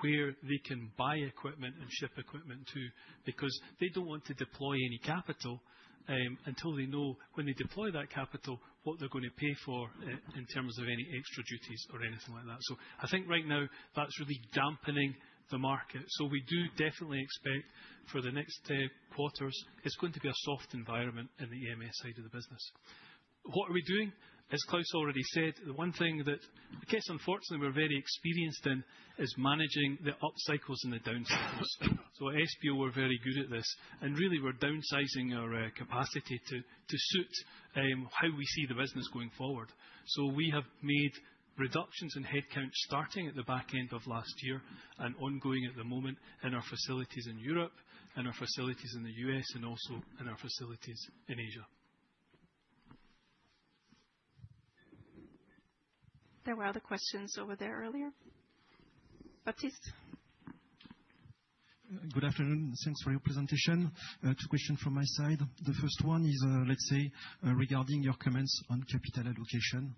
where they can buy equipment and ship equipment to because they do not want to deploy any capital until they know when they deploy that capital what they are going to pay for in terms of any extra duties or anything like that. I think right now that's really dampening the market. We do definitely expect for the next quarters, it's going to be a soft environment in the AMS side of the business. What are we doing? As Klaus already said, the one thing that I guess unfortunately we are very experienced in is managing the upcycles and the downcycles. At SBO, we're very good at this, and really we're downsizing our capacity to suit how we see the business going forward. We have made reductions in headcount starting at the back end of last year and ongoing at the moment in our facilities in Europe, in our facilities in the U.S., and also in our facilities in Asia. There were other questions over there earlier. Baptiste. Good afternoon. Thanks for your presentation. Two questions from my side. The first one is, let's say, regarding your comments on capital allocation.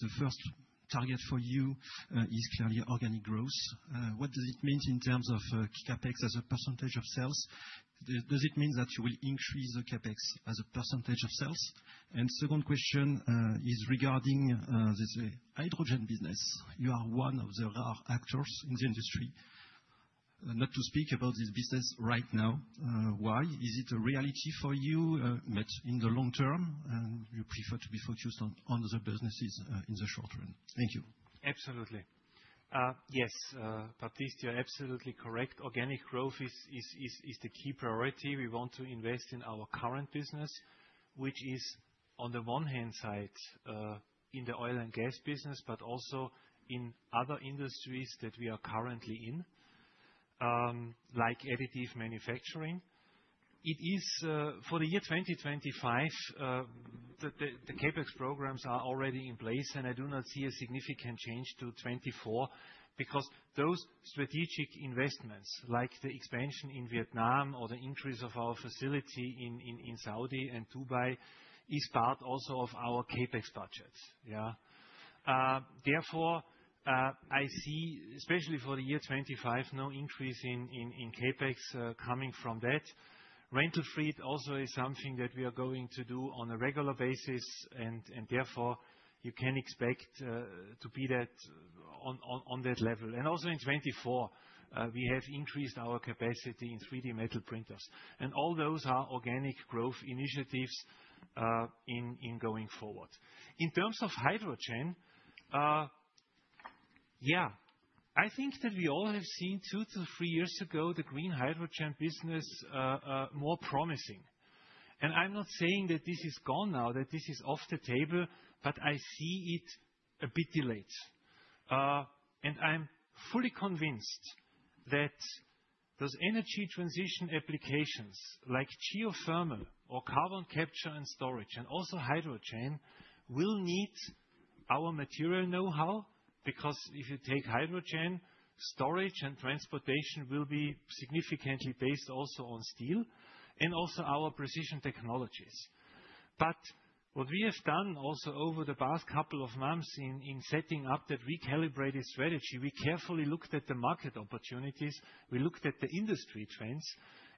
The first target for you is clearly organic growth. What does it mean in terms of CapEx as a percentage of sales? Does it mean that you will increase the CapEx as a percentage of sales? The second question is regarding the hydrogen business. You are one of the rare actors in the industry, not to speak about this business right now. Why? Is it a reality for you, but in the long term, and you prefer to be focused on other businesses in the short run? Thank you. Absolutely. Yes, Baptiste, you're absolutely correct. Organic growth is the key priority. We want to invest in our current business, which is on the one hand side in the oil and gas business, but also in other industries that we are currently in, like additive manufacturing. For the year 2025, the CapEx programs are already in place, and I do not see a significant change to 2024 because those strategic investments, like the expansion in Vietnam or the increase of our facility in Saudi and Dubai, is part also of our CapEx budget. Yeah? Therefore, I see, especially for the year 2025, no increase in CapEx coming from that. Rental freed also is something that we are going to do on a regular basis, and therefore, you can expect to be on that level. Also in 2024, we have increased our capacity in 3D metal printers. All those are organic growth initiatives going forward. In terms of hydrogen, yeah, I think that we all have seen two to three years ago the green hydrogen business more promising. I am not saying that this is gone now, that this is off the table, but I see it a bit delayed. I'm fully convinced that those energy transition applications like geothermal or carbon capture and storage and also hydrogen will need our material know-how because if you take hydrogen, storage and transportation will be significantly based also on steel and also our precision technologies. What we have done also over the past couple of months in setting up that recalibrated strategy, we carefully looked at the market opportunities, we looked at the industry trends,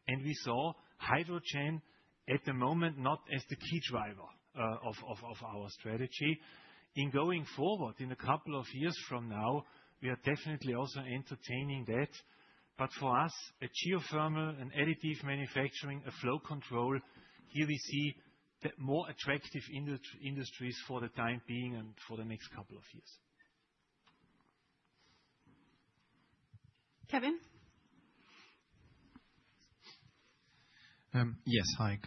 and we saw hydrogen at the moment not as the key driver of our strategy. Going forward, in a couple of years from now, we are definitely also entertaining that. For us, geothermal, additive manufacturing, flow control, here we see more attractive industries for the time being and for the next couple of years. Kevin. Yes. Hi.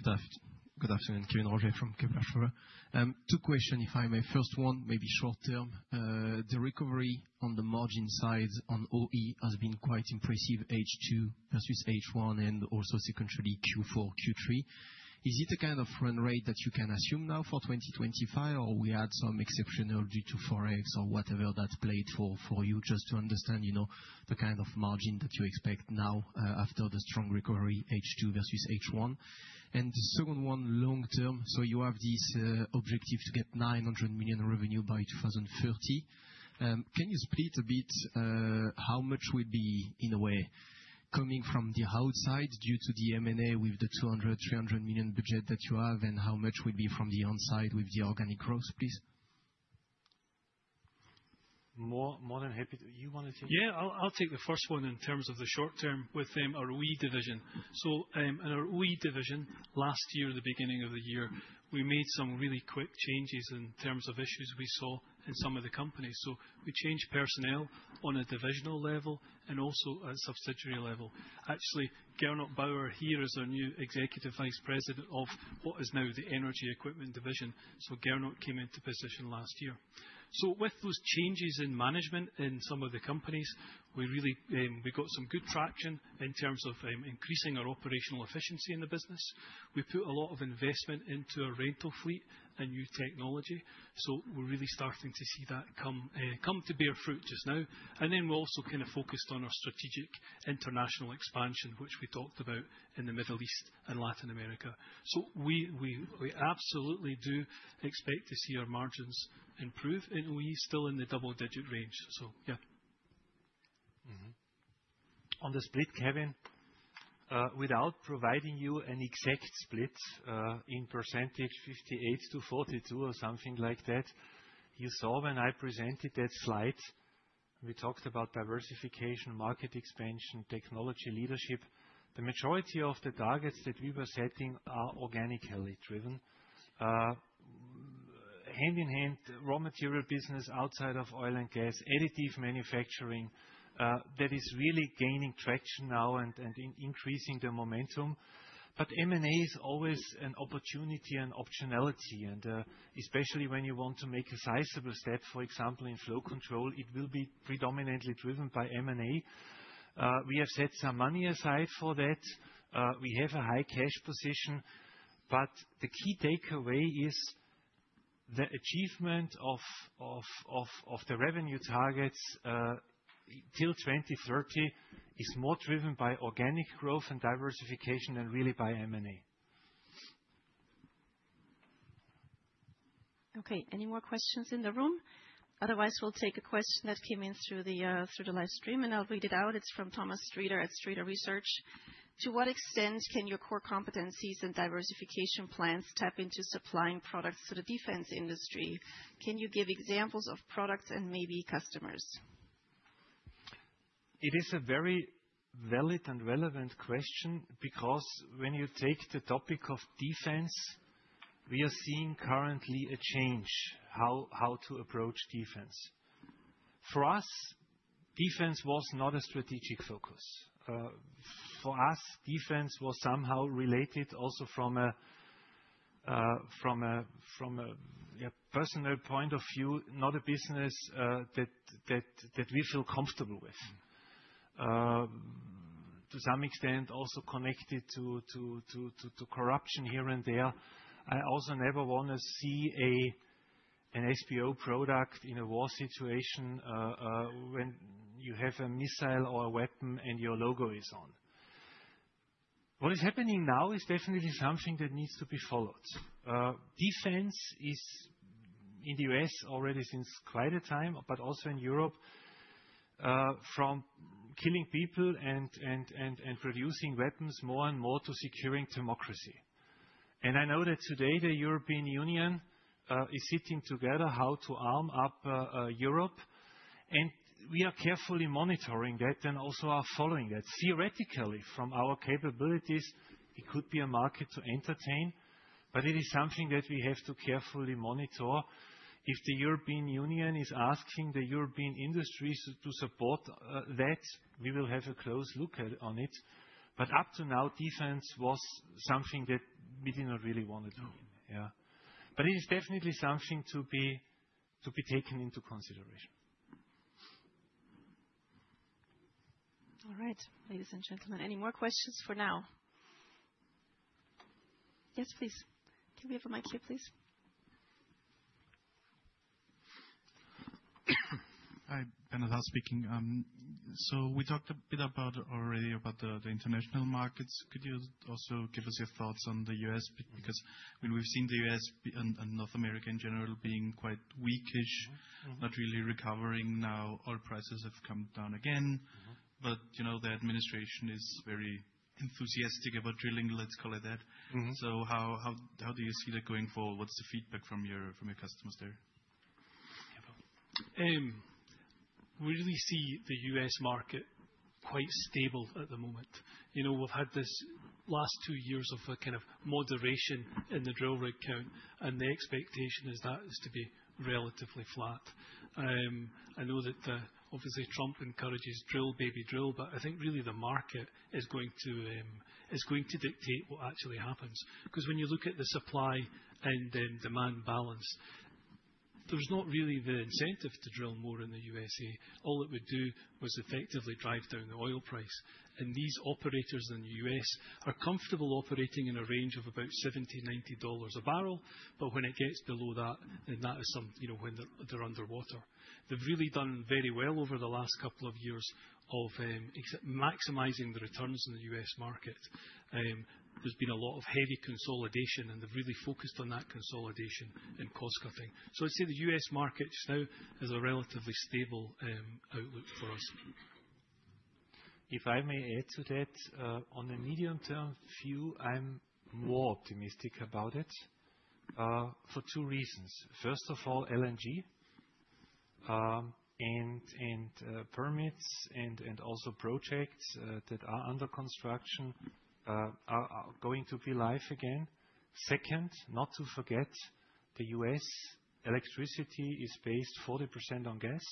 Good afternoon. Kevin Rogers from Kempenberg. Two questions, if I may. First one, maybe short term. The recovery on the margin side on OE has been quite impressive, H2 versus H1, and also secondarily Q4, Q3. Is it a kind of run rate that you can assume now for 2025, or we had some exceptional due to Forex or whatever that played for you just to understand the margin that you expect now after the strong recovery, H2 versus H1? The second one, long term. You have this objective to get 900 million revenue by 2030. Can you split a bit how much would be, in a way, coming from the outside due to the M&A with the 200 million-300 million budget that you have, and how much would be from the onside with the organic growth, please? More than happy to. You want to take it? Yeah, I'll take the first one in terms of the short term with our OE division. In our OE division, last year, at the beginning of the year, we made some really quick changes in terms of issues we saw in some of the companies. We changed personnel on a divisional level and also at subsidiary level. Actually, Gernot Bauer here is our new Executive Vice President of what is now the Energy Equipment division. Gernot came into position last year. With those changes in management in some of the companies, we really got some good traction in terms of increasing our operational efficiency in the business. We put a lot of investment into our rental fleet and new technology. We're really starting to see that come to bear fruit just now. We also kind of focused on our strategic international expansion, which we talked about in the Middle East and Latin America. We absolutely do expect to see our margins improve in OE, still in the double-digit range. Yeah. On the split, Kevin, without providing you an exact split in percentage, 58-42 or something like that, you saw when I presented that slide, we talked about diversification, market expansion, technology leadership. The majority of the targets that we were setting are organically driven. Hand in hand, raw material business outside of oil and gas, additive manufacturing, that is really gaining traction now and increasing the momentum. M&A is always an opportunity and optionality, and especially when you want to make a sizable step, for example, in flow control, it will be predominantly driven by M&A. We have set some money aside for that. We have a high cash position, but the key takeaway is the achievement of the revenue targets till 2030 is more driven by organic growth and diversification than really by M&A. Okay. Any more questions in the room? Otherwise, we'll take a question that came in through the livestream, and I'll read it out. It's from Thomas Streeter at Streeter Research. To what extent can your core competencies and diversification plans tap into supplying products to the defense industry? Can you give examples of products and maybe customers? It is a very valid and relevant question because when you take the topic of defense, we are seeing currently a change how to approach defense. For us, defense was not a strategic focus. For us, defense was somehow related also from a personal point of view, not a business that we feel comfortable with. To some extent, also connected to corruption here and there. I also never want to see an SBO product in a war situation when you have a missile or a weapon and your logo is on. What is happening now is definitely something that needs to be followed. Defense is in the U.S. already since quite a time, also in Europe, from killing people and producing weapons more and more to securing democracy. I know that today the European Union is sitting together how to arm up Europe, and we are carefully monitoring that and also are following that. Theoretically, from our capabilities, it could be a market to entertain, but it is something that we have to carefully monitor. If the European Union is asking the European industries to support that, we will have a close look on it. But up to now, defense was something that we did not really want to do. Yeah. It is definitely something to be taken into consideration. All right. Ladies and gentlemen, any more questions for now? Yes, please. Can we have a mic here, please? Hi, Bernadette speaking. We talked a bit already about the international markets. Could you also give us your thoughts on the U.S.? Because we've seen the US and North America in general being quite weakish, not really recovering now. Oil prices have come down again, but the administration is very enthusiastic about drilling, let's call it that. How do you see that going forward? What's the feedback from your customers there? We really see the U.S. market quite stable at the moment. We've had this last two years of kind of moderation in the drill recount, and the expectation is that is to be relatively flat. I know that obviously Trump encourages drill, baby drill, but I think really the market is going to dictate what actually happens. Because when you look at the supply and demand balance, there's not really the incentive to drill more in the U.S.A. All it would do was effectively drive down the oil price. And these operators in the U.S. are comfortable operating in a range of about $70-$90 a barrel, but when it gets below that, then that is when they're underwater. They've really done very well over the last couple of years of maximizing the returns in the U.S. market. There's been a lot of heavy consolidation, and they've really focused on that consolidation and cost-cutting. I'd say the U.S. market just now is a relatively stable outlook for us. If I may add to that, on the medium-term view, I'm more optimistic about it for two reasons. First of all, LNG and permits and also projects that are under construction are going to be live again. Second, not to forget, the U.S. electricity is based 40% on gas,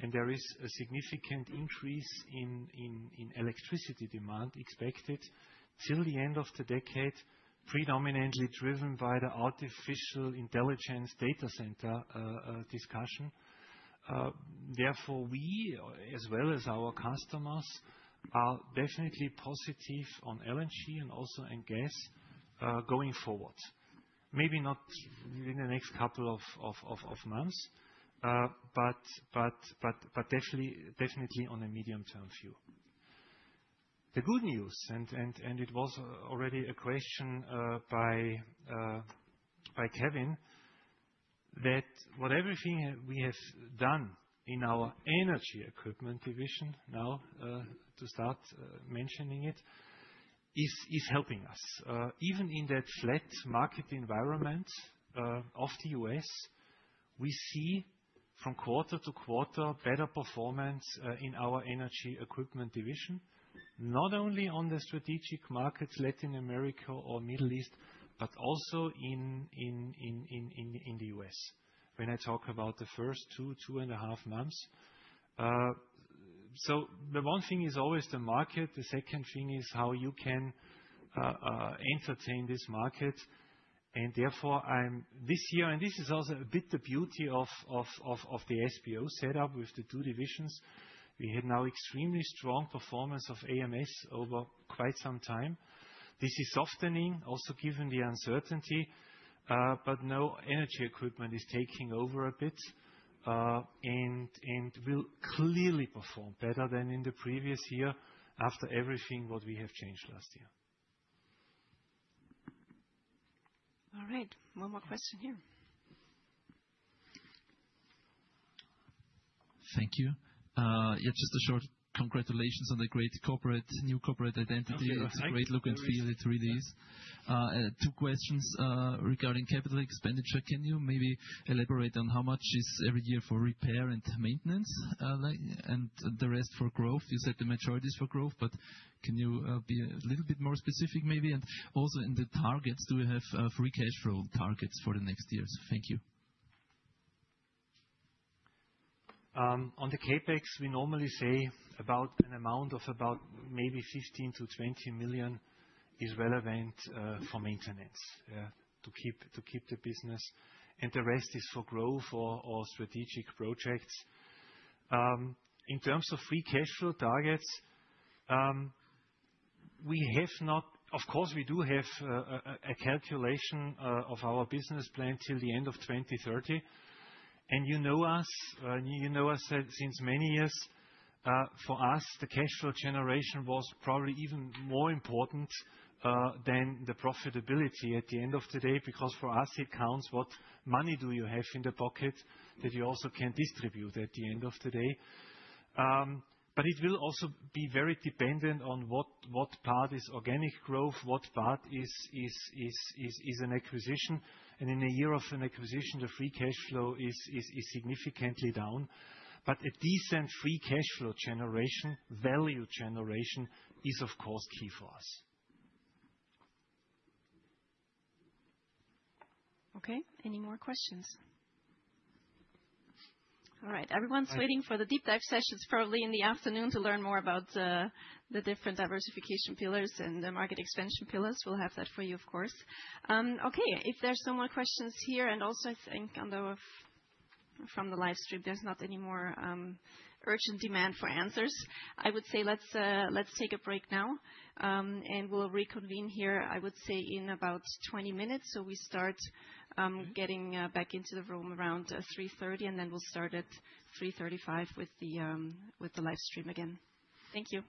and there is a significant increase in electricity demand expected till the end of the decade, predominantly driven by the artificial intelligence data center discussion. Therefore, we, as well as our customers, are definitely positive on LNG and also on gas going forward. Maybe not within the next couple of months, but definitely on a medium-term view. The good news, and it was already a question by Kevin, that whatever thing we have done in our energy equipment division now, to start mentioning it, is helping us. Even in that flat market environment of the U.S., we see from quarter-to-quarter better performance in our energy equipment division, not only on the strategic markets, Latin America or Middle East, but also in the US. When I talk about the first two, two and a half months. The one thing is always the market. The second thing is how you can entertain this market. Therefore, this year, and this is also a bit the beauty of the SBO setup with the two divisions. We had now extremely strong performance of AMS over quite some time. This is softening, also given the uncertainty, but now energy equipment is taking over a bit and will clearly perform better than in the previous year after everything what we have changed last year. All right. One more question here. Thank you. Yeah, just a short congratulations on the great new corporate identity. It's a great look and feel. It really is. Two questions regarding capital expenditure. Can you maybe elaborate on how much is every year for repair and maintenance and the rest for growth? You said the majority is for growth, but can you be a little bit more specific maybe? Also in the targets, do we have free cash flow targets for the next years? Thank you. On the CapEx, we normally say about an amount of about maybe 15 million-20 million is relevant for maintenance to keep the business. The rest is for growth or strategic projects. In terms of free cash flow targets, we have not, of course, we do have a calculation of our business plan till the end of 2030. You know us since many years. For us, the cash flow generation was probably even more important than the profitability at the end of the day because for us, it counts what money do you have in the pocket that you also can distribute at the end of the day. It will also be very dependent on what part is organic growth, what part is an acquisition. In the year of an acquisition, the free cash flow is significantly down. A decent free cash flow generation, value generation is, of course, key for us. Okay. Any more questions? All right. Everyone's waiting for the deep dive sessions probably in the afternoon to learn more about the different diversification pillars and the market expansion pillars. We'll have that for you, of course. Okay. If there's some more questions here, and also I think from the livestream, there's not any more urgent demand for answers, I would say let's take a break now and we'll reconvene here, I would say, in about 20 minutes. We start getting back into the room around 3:30 PM, and then we'll start at 3:35 PM with the livestream again. Thank you.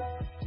All right,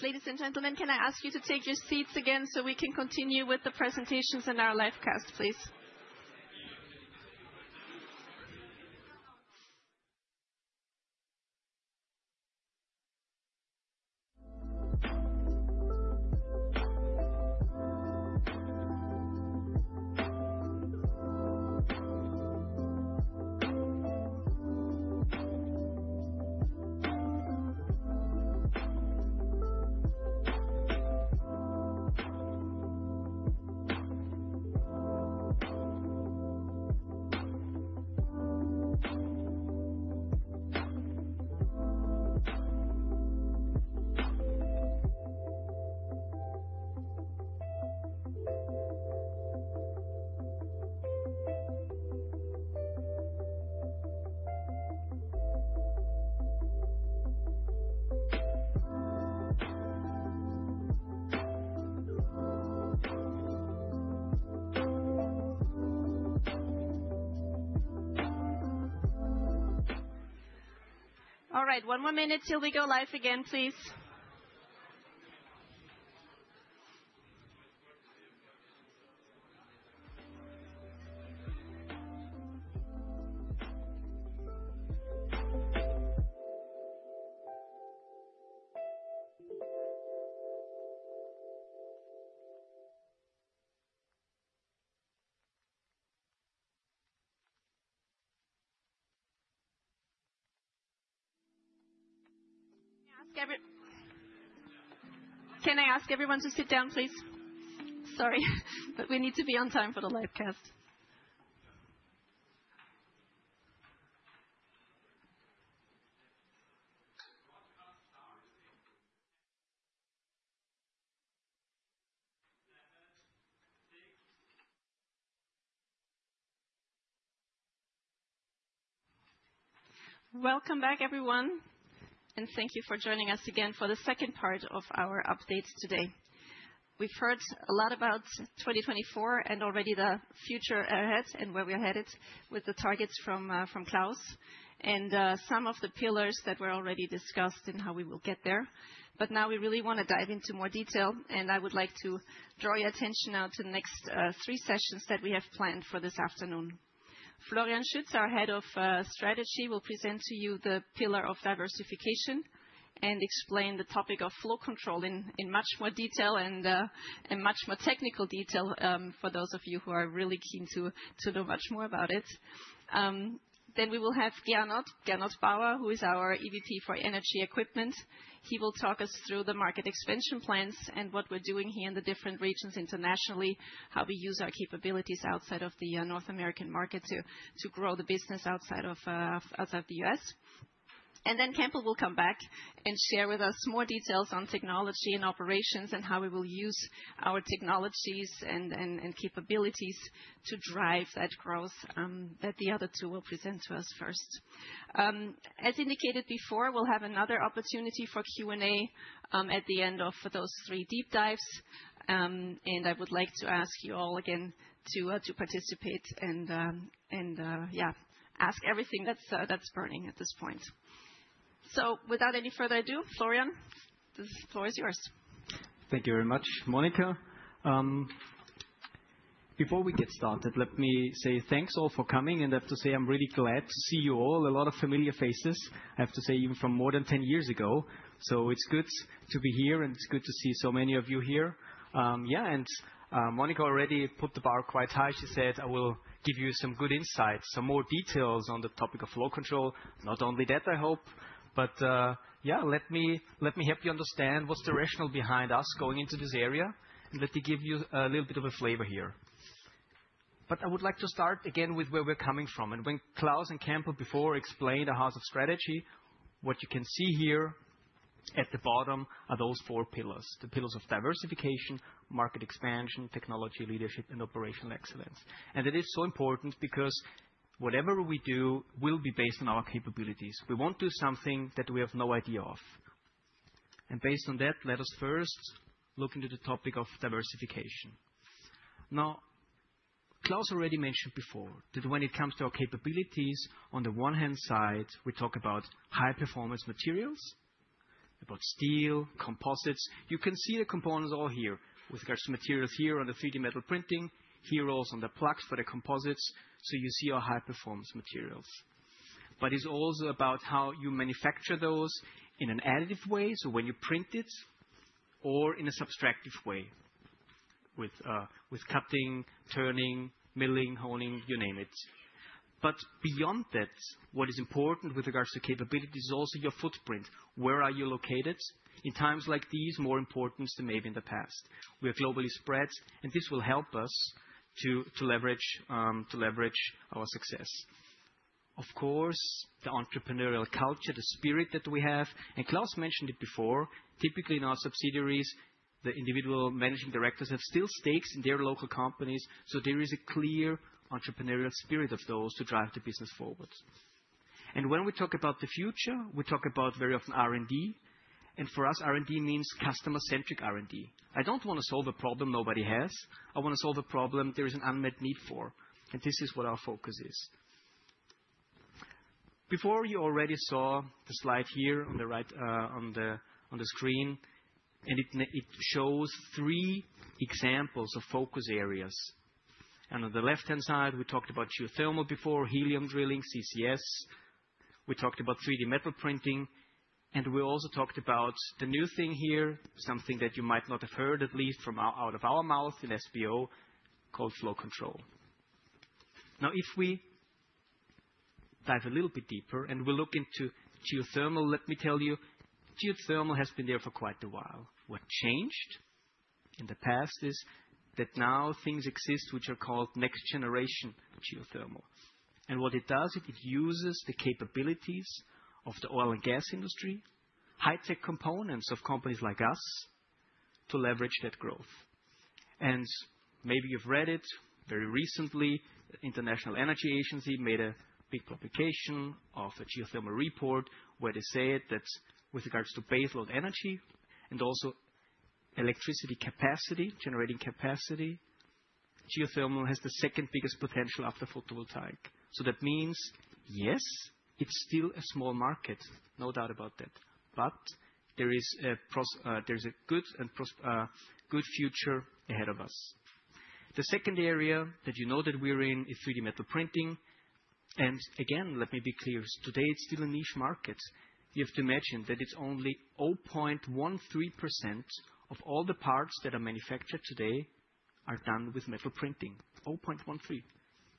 ladies and gentlemen, can I ask you to take your seats again so we can continue with the presentations and our live cast, please? All right, one more minute till we go live again, please. Can I ask everyone to sit down, please? Sorry, but we need to be on time for the live cast. Welcome back, everyone, and thank you for joining us again for the second part of our updates today. We've heard a lot about 2024 and already the future ahead and where we're headed with the targets from Klaus and some of the pillars that were already discussed and how we will get there. Now we really want to dive into more detail, and I would like to draw your attention now to the next three sessions that we have planned for this afternoon. Florian Schütz, our Head of Strategy, will present to you the pillar of diversification and explain the topic of flow control in much more detail and in much more technical detail for those of you who are really keen to know much more about it. We will have Gernot Bauer, who is our EVP for Energy Equipment. He will talk us through the market expansion plans and what we are doing here in the different regions internationally, how we use our capabilities outside of the North American market to grow the business outside of the US. Campbell will come back and share with us more details on technology and operations and how we will use our technologies and capabilities to drive that growth that the other two will present to us first. As indicated before, we will have another opportunity for Q&A at the end of those three deep dives. I would like to ask you all again to participate and, yeah, ask everything that is burning at this point. Without any further ado, Florian, the floor is yours. Thank you very much, Monica. Before we get started, let me say thanks all for coming. I have to say I'm really glad to see you all. A lot of familiar faces, I have to say, even from more than 10 years ago. It's good to be here, and it's good to see so many of you here. Monica already put the bar quite high. She said, "I will give you some good insights, some more details on the topic of flow control." Not only that, I hope, but let me help you understand what's the rationale behind us going into this area and let me give you a little bit of a flavor here. I would like to start again with where we're coming from. When Klaus and Campbell before explained the house of strategy, what you can see here at the bottom are those four pillars, the pillars of diversification, market expansion, technology leadership, and operational excellence. It is so important because whatever we do will be based on our capabilities. We will not do something that we have no idea of. Based on that, let us first look into the topic of diversification. Now, Klaus already mentioned before that when it comes to our capabilities, on the one hand side, we talk about high-performance materials, about steel, composites. You can see the components all here with regards to materials here on the 3D metal printing, heroes on the plugs for the composites. You see our high-performance materials. It is also about how you manufacture those in an additive way, so when you print it, or in a subtractive way with cutting, turning, milling, honing, you name it. Beyond that, what is important with regards to capability is also your footprint. Where are you located? In times like these, more important than maybe in the past. We are globally spread, and this will help us to leverage our success. Of course, the entrepreneurial culture, the spirit that we have, and Klaus mentioned it before, typically in our subsidiaries, the individual managing directors have still stakes in their local companies. There is a clear entrepreneurial spirit of those to drive the business forward. When we talk about the future, we talk about very often R&D. For us, R&D means customer-centric R&D. I do not want to solve a problem nobody has, I want to solve a problem there is an unmet need for. And this is what our focus is. Before, you already saw the slide here on the right on the screen, and it shows three examples of focus areas. On the left-hand side, we talked about geothermal before, helium drilling, CCS. We talked about 3D metal printing. We also talked about the new thing here, something that you might not have heard at least from out of our mouth in SBO called flow control. Now, if we dive a little bit deeper and we look into geothermal, let me tell you, geothermal has been there for quite a while. What changed in the past is that now things exist which are called next-generation geothermal. What it does, it uses the capabilities of the oil and gas industry, high-tech components of companies like us to leverage that growth. Maybe you've read it very recently, the International Energy Agency made a big publication of a geothermal report where they say that with regards to baseload energy and also electricity capacity, generating capacity, geothermal has the second biggest potential after photovoltaic. That means, yes, it's still a small market, no doubt about that. There is a good future ahead of us. The second area that you know that we're in is 3D metal printing. Again, let me be clear, today it's still a niche market. You have to imagine that it's only 0.13% of all the parts that are manufactured today are done with metal printing, 0.13%.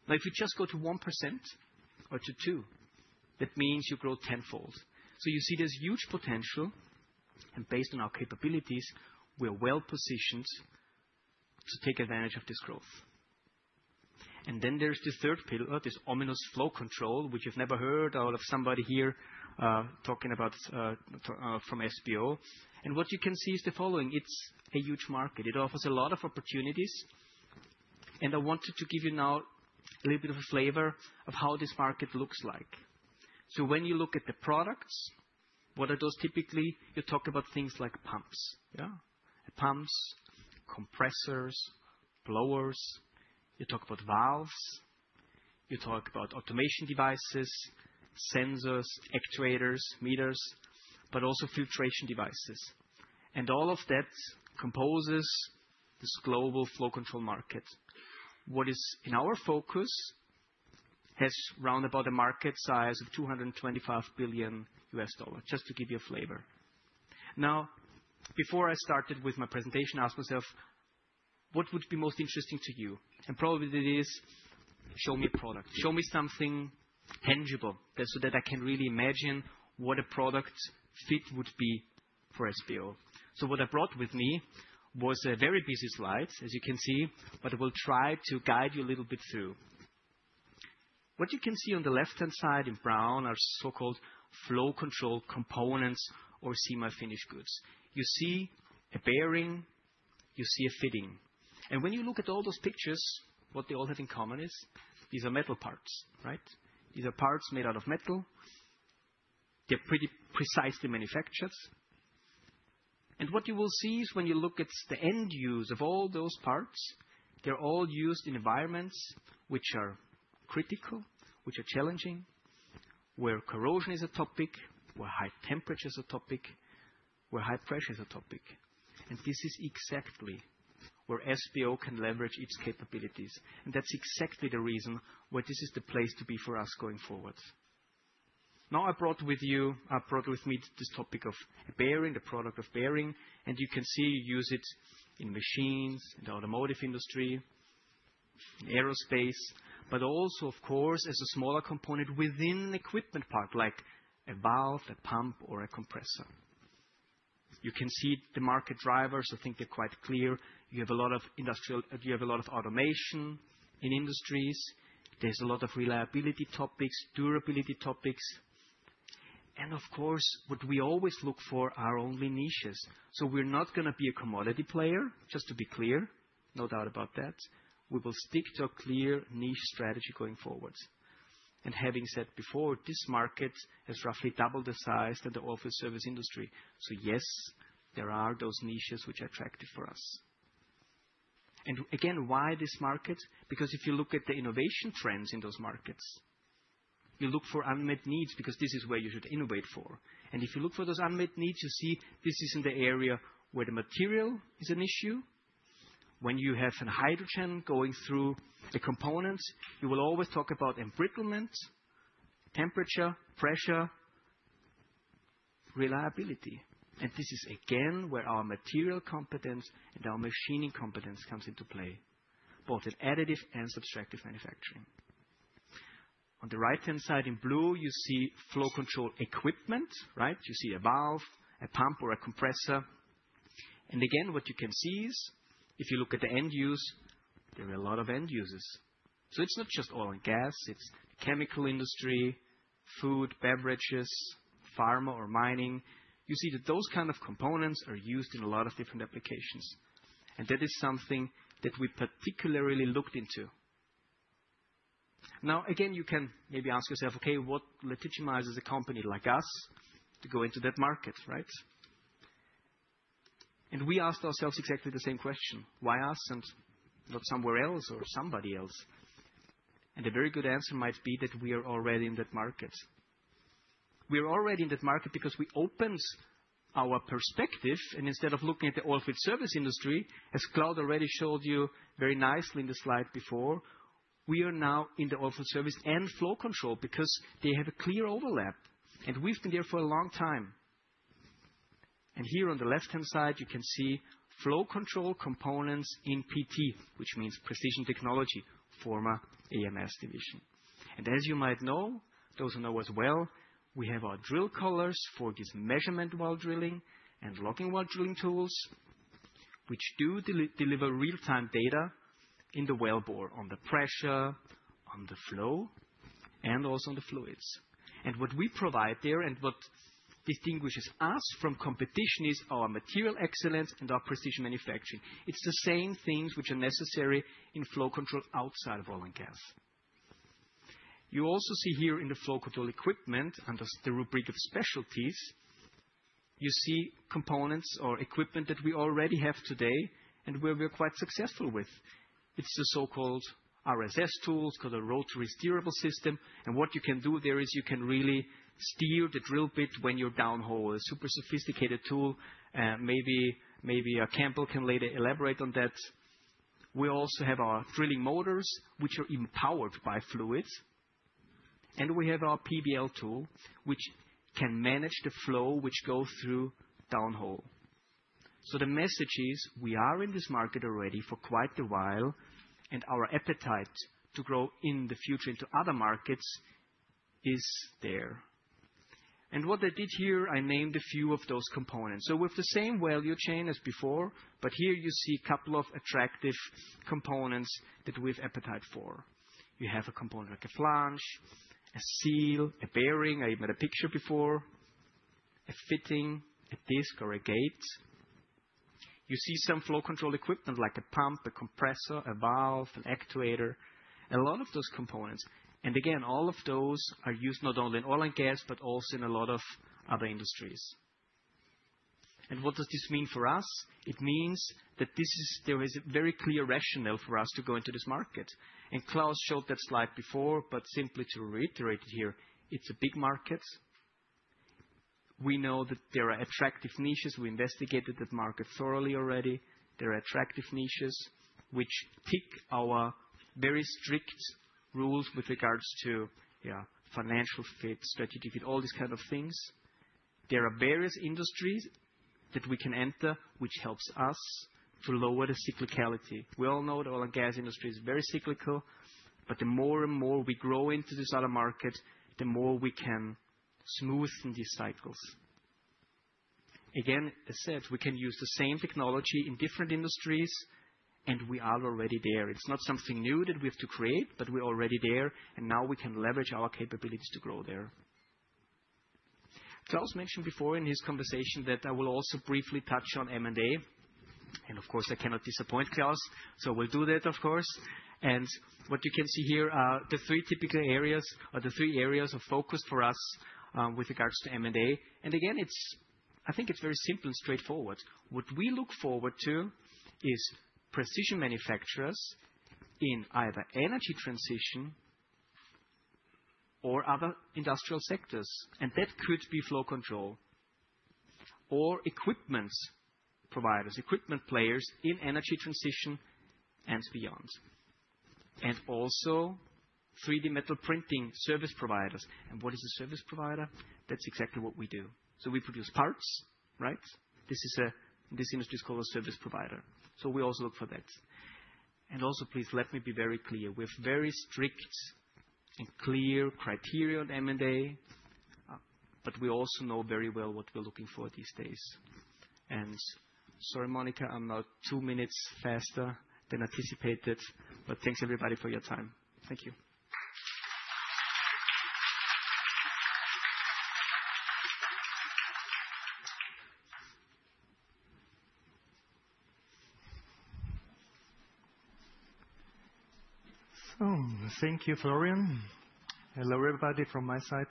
Now, if we just go to 1% or to 2%, that means you grow tenfold. You see there's huge potential. Based on our capabilities, we're well positioned to take advantage of this growth. There's the third pillar, this ominous flow control, which you've never heard out of somebody here talking about from SBO. What you can see is the following. It's a huge market. It offers a lot of opportunities. I wanted to give you now a little bit of a flavor of how this market looks like. When you look at the products, what are those typically? You talk about things like pumps, yeah? Pumps, compressors, blowers. You talk about valves. You talk about automation devices, sensors, actuators, meters, but also filtration devices. All of that composes this global flow control market. What is in our focus has roundabout a market size of $225 billion U.S. dollars, just to give you a flavor. Now, before I started with my presentation, I asked myself, what would be most interesting to you? Probably it is, show me a product. Show me something tangible so that I can really imagine what a product fit would be for SBO. What I brought with me was a very busy slide, as you can see, but I will try to guide you a little bit through. What you can see on the left-hand side in brown are so-called flow control components or semi-finished goods. You see a bearing. You see a fitting. When you look at all those pictures, what they all have in common is these are metal parts, right? These are parts made out of metal. They're pretty precisely manufactured. What you will see is when you look at the end use of all those parts, they're all used in environments which are critical, which are challenging, where corrosion is a topic, where high temperature is a topic, where high pressure is a topic. This is exactly where SBO can leverage its capabilities. That's exactly the reason why this is the place to be for us going forward. I brought with me this topic of a bearing, the product of bearing. You can see you use it in machines in the automotive industry, in aerospace, but also, of course, as a smaller component within an equipment part like a valve, a pump, or a compressor. You can see the market drivers. I think they're quite clear. You have a lot of industrial, you have a lot of automation in industries. is a lot of reliability topics, durability topics. Of course, what we always look for are only niches. We are not going to be a commodity player, just to be clear, no doubt about that. We will stick to a clear niche strategy going forward. Having said before, this market has roughly doubled the size of the office service industry. Yes, there are those niches which are attractive for us. Again, why this market? If you look at the innovation trends in those markets, you look for unmet needs because this is where you should innovate for. If you look for those unmet needs, you see this is in the area where the material is an issue. When you have a hydrogen going through the components, you will always talk about embrittlement, temperature, pressure, reliability. This is again where our material competence and our machining competence comes into play, both in additive and subtractive manufacturing. On the right-hand side in blue, you see flow control equipment, right? You see a valve, a pump, or a compressor. What you can see is if you look at the end use, there are a lot of end uses. It is not just oil and gas. It is the chemical industry, food, beverages, pharma, or mining. You see that those kinds of components are used in a lot of different applications. That is something that we particularly looked into. Now, you can maybe ask yourself, okay, what legitimizes a company like us to go into that market, right? We asked ourselves exactly the same question. Why us and not somewhere else or somebody else? A very good answer might be that we are already in that market. We are already in that market because we opened our perspective. Instead of looking at the oilfield service industry, as Klaus already showed you very nicely in the slide before, we are now in the oilfield service and flow control because they have a clear overlap. We have been there for a long time. Here on the left-hand side, you can see flow control components in PT, which means Precision Technology, former AMS division. As you might know, those who know us well, we have our drill collars for these measurement while drilling and logging while drilling tools, which do deliver real-time data in the wellbore on the pressure, on the flow, and also on the fluids. What we provide there and what distinguishes us from competition is our material excellence and our precision manufacturing. It's the same things which are necessary in flow control outside of oil and gas. You also see here in the flow control equipment under the rubric of specialties, you see components or equipment that we already have today and where we are quite successful with. It's the so-called RSS tools called a rotary steerable system. What you can do there is you can really steer the drill bit when you're downhole, a super sophisticated tool. Maybe Campbell can later elaborate on that. We also have our drilling motors, which are even powered by fluids. We have our PBL tool, which can manage the flow which goes through downhole. The message is we are in this market already for quite a while, and our appetite to grow in the future into other markets is there. What I did here, I named a few of those components. We have the same value chain as before, but here you see a couple of attractive components that we have appetite for. You have a component like a flange, a seal, a bearing. I made a picture before, a fitting, a disc, or a gate. You see some flow control equipment like a pump, a compressor, a valve, an actuator, a lot of those components. Again, all of those are used not only in oil and gas, but also in a lot of other industries. What does this mean for us? It means that there is a very clear rationale for us to go into this market. Claus showed that slide before, but simply to reiterate it here, it's a big market. We know that there are attractive niches. We investigated that market thoroughly already. There are attractive niches which tick our very strict rules with regards to financial fit, strategic fit, all these kinds of things. There are various industries that we can enter which helps us to lower the cyclicality. We all know the oil and gas industry is very cyclical, but the more and more we grow into this other market, the more we can smoothen these cycles. Again, as I said, we can use the same technology in different industries, and we are already there. It's not something new that we have to create, but we're already there, and now we can leverage our capabilities to grow there. Claus mentioned before in his conversation that I will also briefly touch on M&A. Of course, I cannot disappoint Claus, so we'll do that, of course. What you can see here are the three typical areas or the three areas of focus for us with regards to M&A. I think it's very simple and straightforward. What we look forward to is precision manufacturers in either energy transition or other industrial sectors. That could be flow control or equipment providers, equipment players in energy transition and beyond. Also 3D metal printing service providers. What is a service provider? That's exactly what we do. We produce parts, right? This industry is called a service provider. We also look for that. Please let me be very clear. We have very strict and clear criteria on M&A, but we also know very well what we're looking for these days. Sorry, Monica, I'm now two minutes faster than anticipated, but thanks, everybody, for your time. Thank you. Thank you, Florian. Hello, everybody, from my side.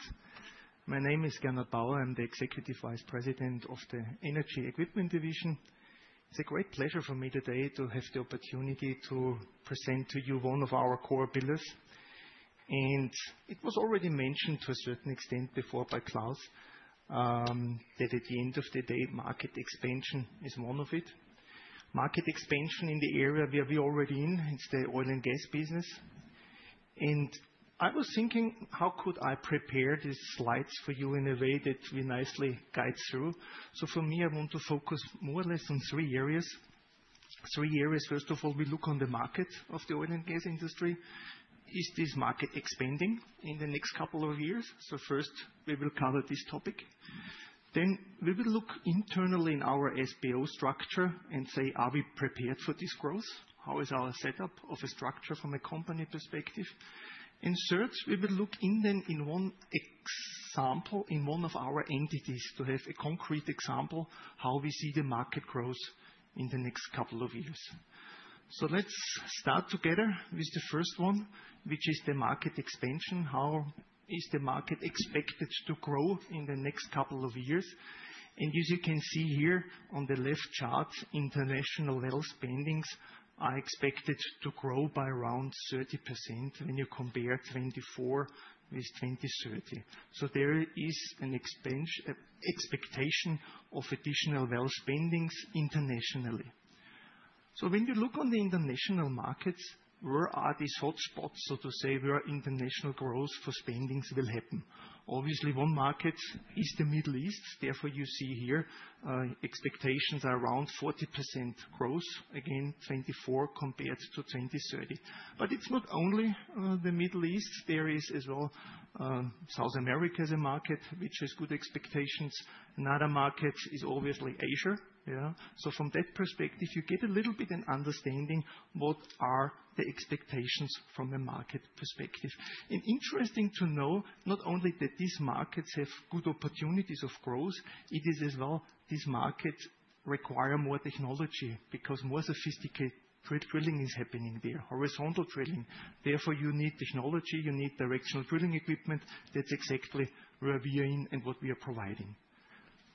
My name is Gernot Bauer. I'm the Executive Vice President of the Energy Equipment Division. It's a great pleasure for me today to have the opportunity to present to you one of our core pillars. It was already mentioned to a certain extent before by Klaus that at the end of the day, market expansion is one of it. Market expansion in the area where we are already in, it's the oil and gas business. I was thinking, how could I prepare these slides for you in a way that we nicely guide through? For me, I want to focus more or less on three areas. Three areas. First of all, we look on the market of the oil and gas industry. Is this market expanding in the next couple of years? First, we will cover this topic. Then we will look internally in our SBO structure and say, are we prepared for this growth? How is our setup of a structure from a company perspective? Third, we will look in then in one example in one of our entities to have a concrete example how we see the market growth in the next couple of years. Let's start together with the first one, which is the market expansion. How is the market expected to grow in the next couple of years? As you can see here on the left chart, international well spendings are expected to grow by around 30% when you compare 2024 with 2030. There is an expectation of additional well spendings internationally. When you look on the international markets, where are these hotspots, so to say, where international growth for spendings will happen? Obviously, one market is the Middle East. Therefore, you see here expectations are around 40% growth, again, 2024 compared to 2030. It is not only the Middle East. There is as well South America as a market, which has good expectations. Another market is obviously Asia. Yeah? From that perspective, you get a little bit an understanding what are the expectations from a market perspective. Interesting to know, not only that these markets have good opportunities of growth, it is as well these markets require more technology because more sophisticated drilling is happening there, horizontal drilling. Therefore, you need technology. You need directional drilling equipment. That is exactly where we are in and what we are providing.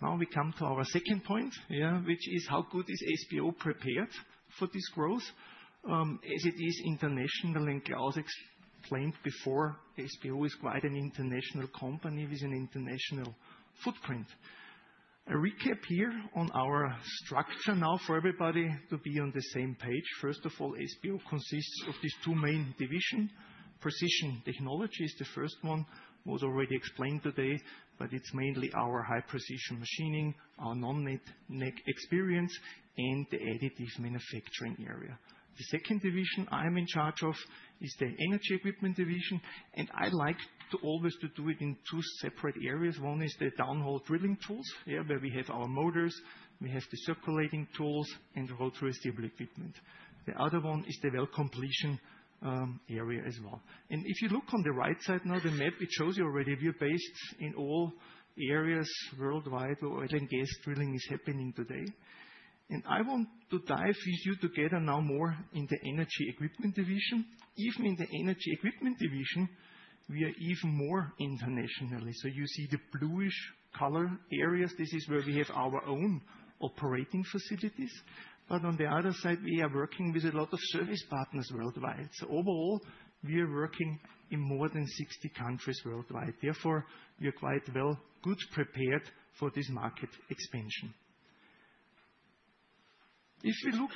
Now we come to our second point, which is how good is SBO prepared for this growth as it is internationally. Klaus explained before, SBO is quite an international company with an international footprint. A recap here on our structure now for everybody to be on the same page. First of all, SBO consists of these two main divisions. Precision Technology is the first one, was already explained today, but it's mainly our high precision machining, our non-neck experience, and the additive manufacturing area. The second division I'm in charge of is the Energy Equipment division. I like to always do it in two separate areas. One is the downhole drilling tools, where we have our motors, we have the circulating tools, and the rotary steerable equipment. The other one is the well completion area as well. If you look on the right side now, the map, it shows you already we are based in all areas worldwide where oil and gas drilling is happening today. I want to dive with you together now more in the energy equipment division. Even in the energy equipment division, we are even more internationally. You see the bluish color areas. This is where we have our own operating facilities. On the other side, we are working with a lot of service partners worldwide. Overall, we are working in more than 60 countries worldwide. Therefore, we are quite well good prepared for this market expansion. If we look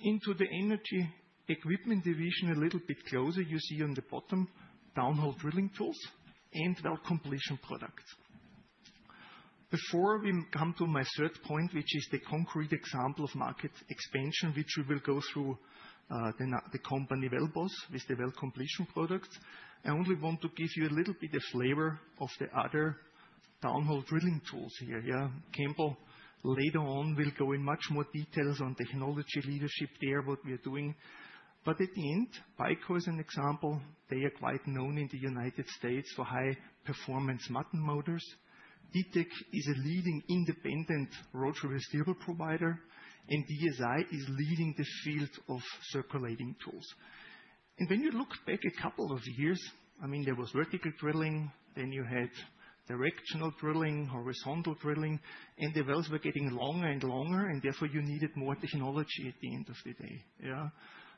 into the energy equipment division a little bit closer, you see on the bottom downhole drilling tools and well completion products. Before we come to my third point, which is the concrete example of market expansion, which we will go through the company Wellboss with the well completion products, I only want to give you a little bit of flavor of the other downhole drilling tools here. Campbell, later on, will go in much more details on technology leadership there, what we are doing. At the end, Piko is an example. They are quite known in the United States for high performance mud motors. DTEC is a leading independent rotary steerable provider, and DSI is leading the field of circulating tools. When you look back a couple of years, I mean, there was vertical drilling, then you had directional drilling, horizontal drilling, and the wells were getting longer and longer, and therefore you needed more technology at the end of the day. Yeah?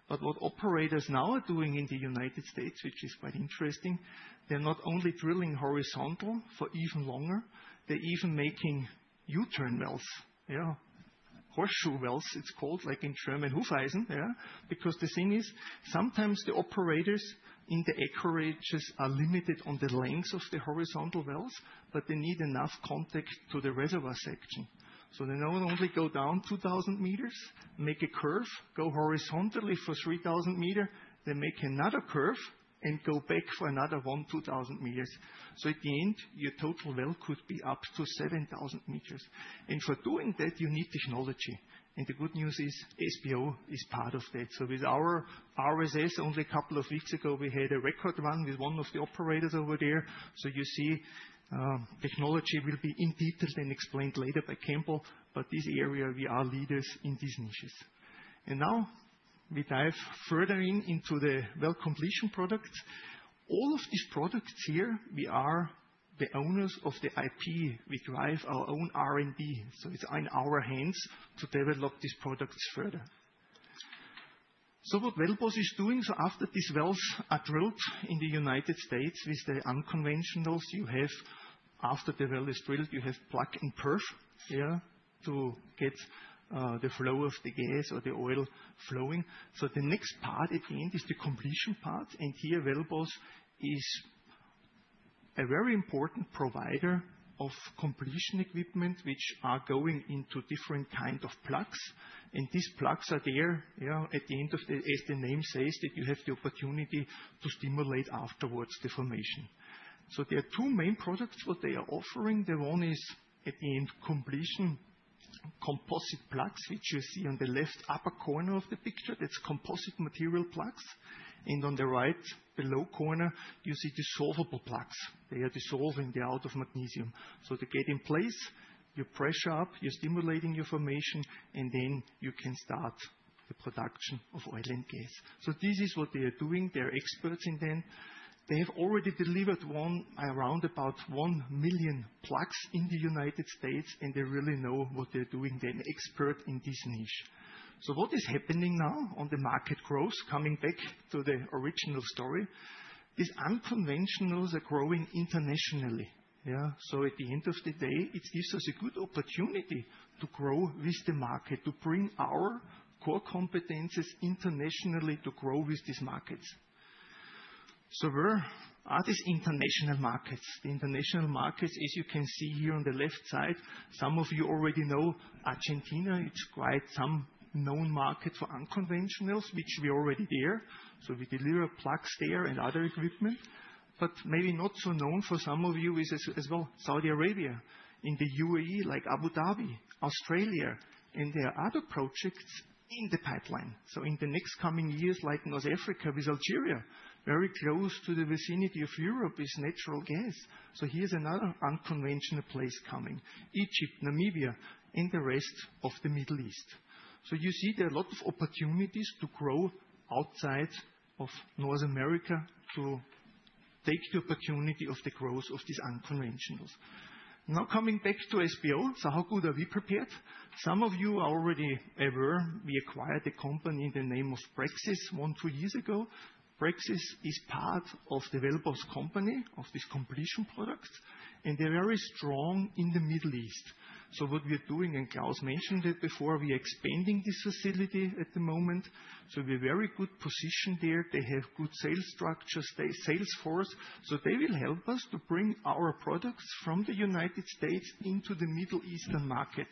What operators now are doing in the United States, which is quite interesting, they're not only drilling horizontal for even longer, they're even making U-turn wells, yeah? Horseshoe wells, it's called like in German Hufeisen, yeah? The thing is, sometimes the operators in the acreages are limited on the length of the horizontal wells, but they need enough contact to the reservoir section. They not only go down 2,000 meters, make a curve, go horizontally for 3,000 meters, they make another curve and go back for another 1, 2,000 meters. At the end, your total well could be up to 7,000 meters. For doing that, you need technology. The good news is SBO is part of that. With our RSS, only a couple of weeks ago, we had a record run with one of the operators over there. You see technology will be in detail and explained later by Campbell, but this area, we are leaders in these niches. Now we dive further into the well completion products. All of these products here, we are the owners of the IP. We drive our own R&D. It is in our hands to develop these products further. What Wellboss is doing, after these wells are drilled in the United States with the unconventionals you have, after the well is drilled, you have plug and perf, yeah, to get the flow of the gas or the oil flowing. The next part at the end is the completion part. Here, Wellboss is a very important provider of completion equipment, which are going into different kinds of plugs. These plugs are there, yeah, at the end of the, as the name says, that you have the opportunity to stimulate afterwards deformation. There are two main products what they are offering. The one is at the end, completion composite plugs, which you see on the left upper corner of the picture. That is composite material plugs. On the right below corner, you see dissolvable plugs. They are dissolving, they are out of magnesium. To get in place, you pressure up, you are stimulating your formation, and then you can start the production of oil and gas. This is what they are doing. They are experts in them. They have already delivered around about 1 million plugs in the United States, and they really know what they are doing. They are an expert in this niche. What is happening now on the market growth, coming back to the original story, these unconventionals are growing internationally. Yeah? At the end of the day, it gives us a good opportunity to grow with the market, to bring our core competences internationally to grow with these markets. Where are these international markets? The international markets, as you can see here on the left side, some of you already know Argentina. It's quite some known market for unconventionals, which we are already there. We deliver plugs there and other equipment. Maybe not so known for some of you is as well Saudi Arabia in the UAE, like Abu Dhabi, Australia. There are other projects in the pipeline. In the next coming years, like North Africa with Algeria, very close to the vicinity of Europe is natural gas. Here's another unconventional place coming: Egypt, Namibia, and the rest of the Middle East. You see there are a lot of opportunities to grow outside of North America to take the opportunity of the growth of these unconventionals. Now coming back to SBO, how good are we prepared? Some of you are already aware, we acquired a company in the name of Brexis one or two years ago. Brexis is part of the Wellboss company of these completion products, and they're very strong in the Middle East. What we're doing, and Klaus mentioned it before, we are expanding this facility at the moment. We're in a very good position there. They have good sales structures, they have a sales force. They will help us to bring our products from the United States into the Middle Eastern market.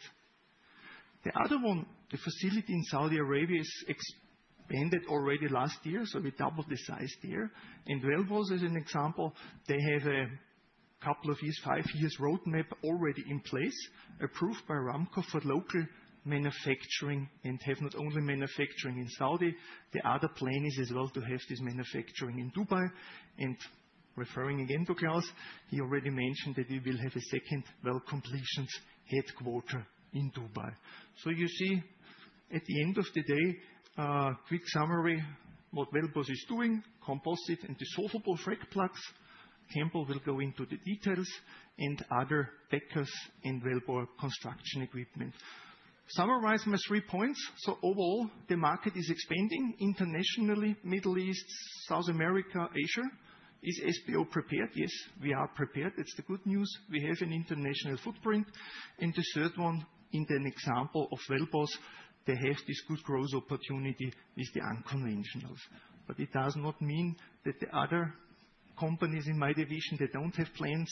The other one, the facility in Saudi Arabia is expanded already last year, so we doubled the size there. Wellboss, as an example, they have a couple of years, five years roadmap already in place, approved by Aramco for local manufacturing and have not only manufacturing in Saudi. The other plan is as well to have this manufacturing in Dubai. Referring again to Klaus, he already mentioned that we will have a second well completions headquarter in Dubai. You see, at the end of the day, a quick summary of what Wellboss is doing: composite and dissolvable frac plugs. Campbell will go into the details and other backers and Wellboss construction equipment. Summarize my three points. Overall, the market is expanding internationally, Middle East, South America, Asia. Is SBO prepared? Yes, we are prepared. That's the good news. We have an international footprint. The third one, in the example of Wellboss, they have this good growth opportunity with the unconventionals. It does not mean that the other companies in my division do not have plans.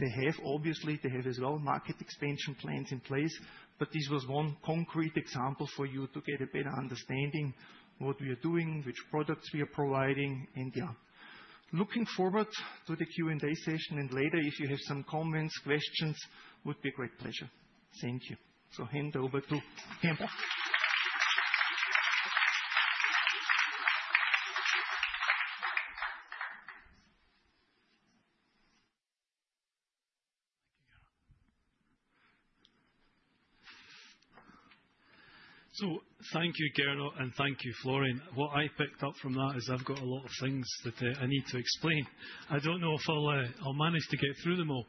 They have, obviously, they have as well market expansion plans in place. This was one concrete example for you to get a better understanding of what we are doing, which products we are providing. Looking forward to the Q&A session and later, if you have some comments, questions, it would be a great pleasure. Thank you. I hand over to Campbell. Thank you, Gernot, and thank you, Florian. What I picked up from that is I have got a lot of things that I need to explain. I do not know if I will manage to get through them all.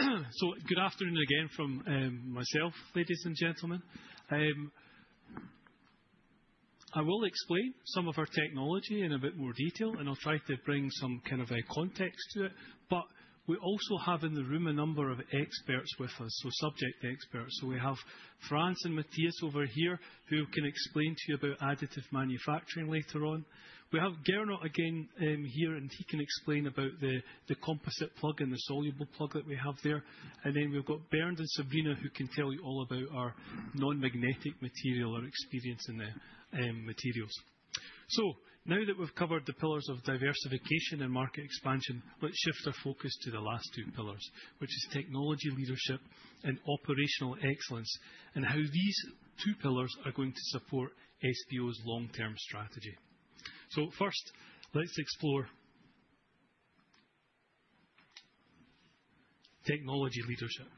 Good afternoon again from myself, ladies and gentlemen. I will explain some of our technology in a bit more detail, and I'll try to bring some kind of a context to it. We also have in the room a number of experts with us, subject experts. We have Franz and Matthias over here, who can explain to you about additive manufacturing later on. We have Gernot again here, and he can explain about the composite plug and the dissolvable plug that we have there. We have Bernd and Sabrina, who can tell you all about our non-magnetic material or experience in the materials. Now that we've covered the pillars of diversification and market expansion, let's shift our focus to the last two pillars, which is technology leadership and operational excellence and how these two pillars are going to support SBO's long-term strategy. First, let's explore technology leadership.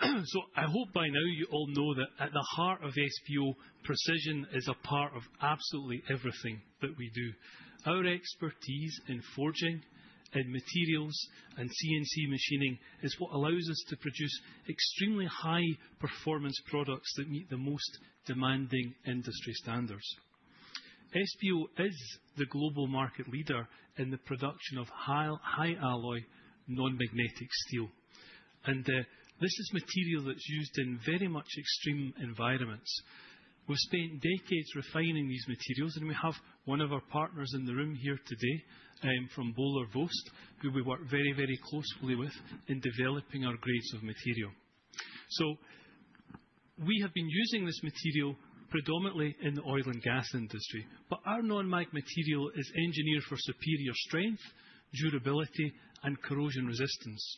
I hope by now you all know that at the heart of SBO, precision is a part of absolutely everything that we do. Our expertise in forging, in materials, and CNC machining is what allows us to produce extremely high-performance products that meet the most demanding industry standards. SBO is the global market leader in the production of high alloy non-magnetic steel. This is material that's used in very much extreme environments. We've spent decades refining these materials, and we have one of our partners in the room here today from Böhler, who we work very, very closely with in developing our grades of material. We have been using this material predominantly in the oil and gas industry, but our non-mag material is engineered for superior strength, durability, and corrosion resistance.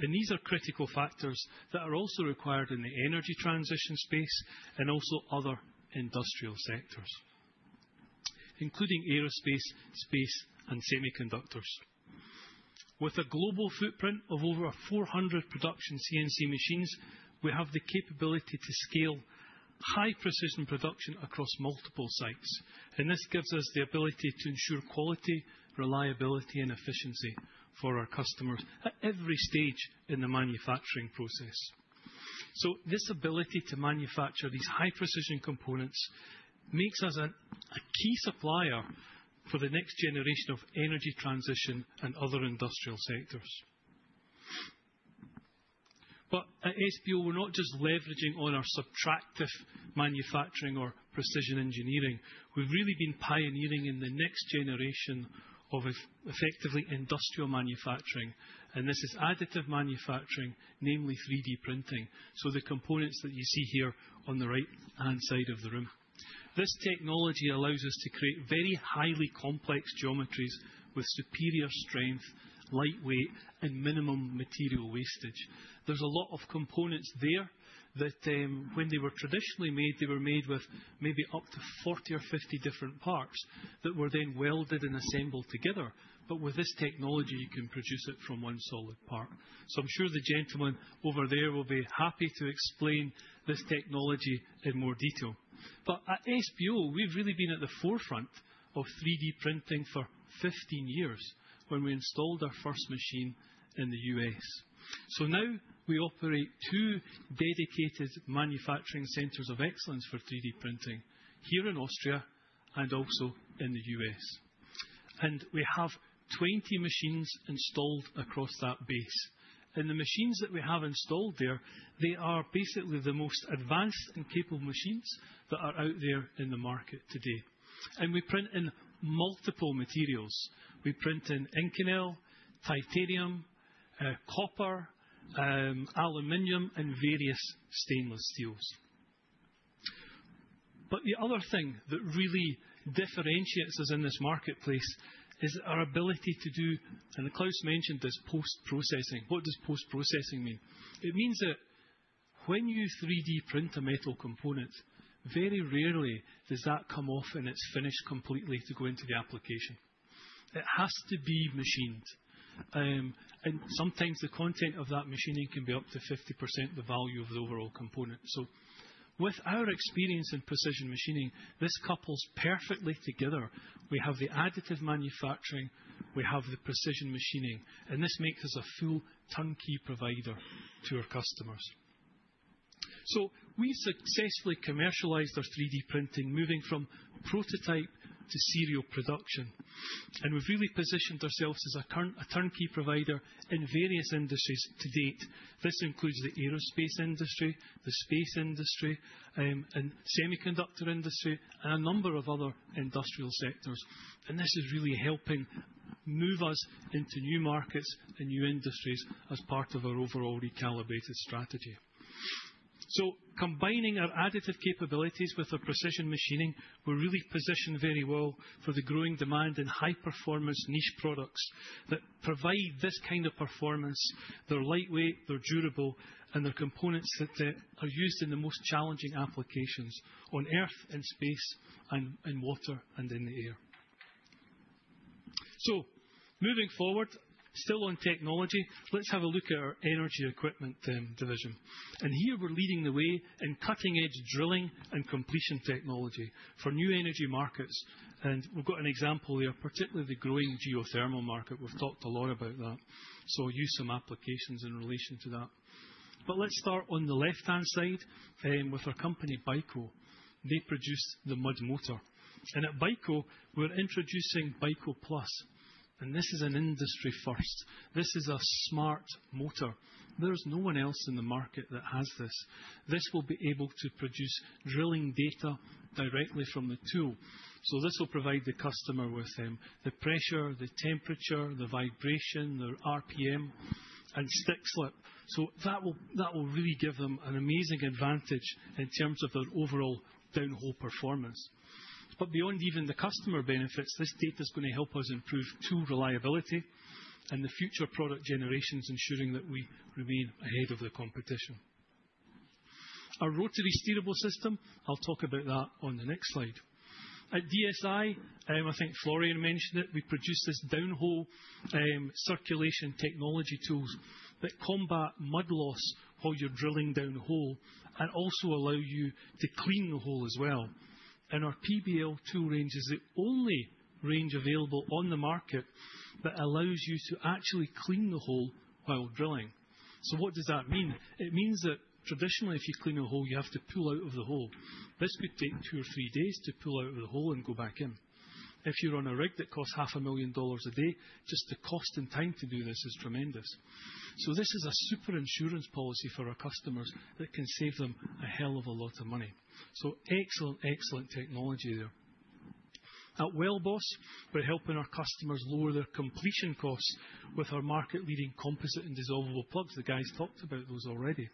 These are critical factors that are also required in the energy transition space and also other industrial sectors, including aerospace, space, and semiconductors. With a global footprint of over 400 production CNC machines, we have the capability to scale high-precision production across multiple sites. This gives us the ability to ensure quality, reliability, and efficiency for our customers at every stage in the manufacturing process. This ability to manufacture these high-precision components makes us a key supplier for the next generation of energy transition and other industrial sectors. At SBO, we're not just leveraging on our subtractive manufacturing or precision engineering. We've really been pioneering in the next generation of effectively industrial manufacturing. This is additive manufacturing, namely 3D printing. The components that you see here on the right-hand side of the room, this technology allows us to create very highly complex geometries with superior strength, lightweight, and minimum material wastage. There's a lot of components there that when they were traditionally made, they were made with maybe up to 40 or 50 different parts that were then welded and assembled together. With this technology, you can produce it from one solid part. I'm sure the gentleman over there will be happy to explain this technology in more detail. At SBO, we've really been at the forefront of 3D printing for 15 years when we installed our first machine in the U.S. Now we operate two dedicated manufacturing centers of excellence for 3D printing here in Austria and also in the U.S. We have 20 machines installed across that base. The machines that we have installed there are basically the most advanced and capable machines that are out there in the market today. We print in multiple materials. We print in Inconel, titanium, copper, aluminum, and various stainless steels. The other thing that really differentiates us in this marketplace is our ability to do, and Klaus mentioned this, post-processing. What does post-processing mean? It means that when you 3D print a metal component, very rarely does that come off and it is finished completely to go into the application. It has to be machined. Sometimes the content of that machining can be up to 50% of the value of the overall component. With our experience in precision machining, this couples perfectly together. We have the additive manufacturing, we have the precision machining, and this makes us a full turnkey provider to our customers. We have successfully commercialized our 3D printing, moving from prototype to serial production. We have really positioned ourselves as a turnkey provider in various industries to date. This includes the aerospace industry, the space industry, the semiconductor industry, and a number of other industrial sectors. This is really helping move us into new markets and new industries as part of our overall recalibrated strategy. Combining our additive capabilities with our precision machining, we are really positioned very well for the growing demand in high-performance niche products that provide this kind of performance. They are lightweight, they are durable, and they are components that are used in the most challenging applications on Earth, in space, in water, and in the air. Moving forward, still on technology, let's have a look at our energy equipment division. Here we are leading the way in cutting-edge drilling and completion technology for new energy markets. We have got an example here, particularly the growing geothermal market. We have talked a lot about that, so use some applications in relation to that. Let us start on the left-hand side with our company, Piko. They produce the mud motor. At Piko, we are introducing Piko Plus. This is an industry first. This is a smart motor. There is no one else in the market that has this. This will be able to produce drilling data directly from the tool. This will provide the customer with the pressure, the temperature, the vibration, the RPM, and stick slip. That will really give them an amazing advantage in terms of their overall downhole performance. Beyond even the customer benefits, this data is going to help us improve tool reliability and the future product generations, ensuring that we remain ahead of the competition. Our rotary steerable system, I'll talk about that on the next slide. At DSI, I think Florian mentioned it, we produce these downhole circulation technology tools that combat mud loss while you're drilling down a hole and also allow you to clean the hole as well. Our PBL tool range is the only range available on the market that allows you to actually clean the hole while drilling. What does that mean? It means that traditionally, if you clean a hole, you have to pull out of the hole. This could take two or three days to pull out of the hole and go back in. If you're on a rig that costs $500,000 a day, just the cost and time to do this is tremendous. This is a super insurance policy for our customers that can save them a hell of a lot of money. Excellent technology there. At Wellboss, we're helping our customers lower their completion costs with our market-leading composite and dissolvable plugs. The guys talked about those already.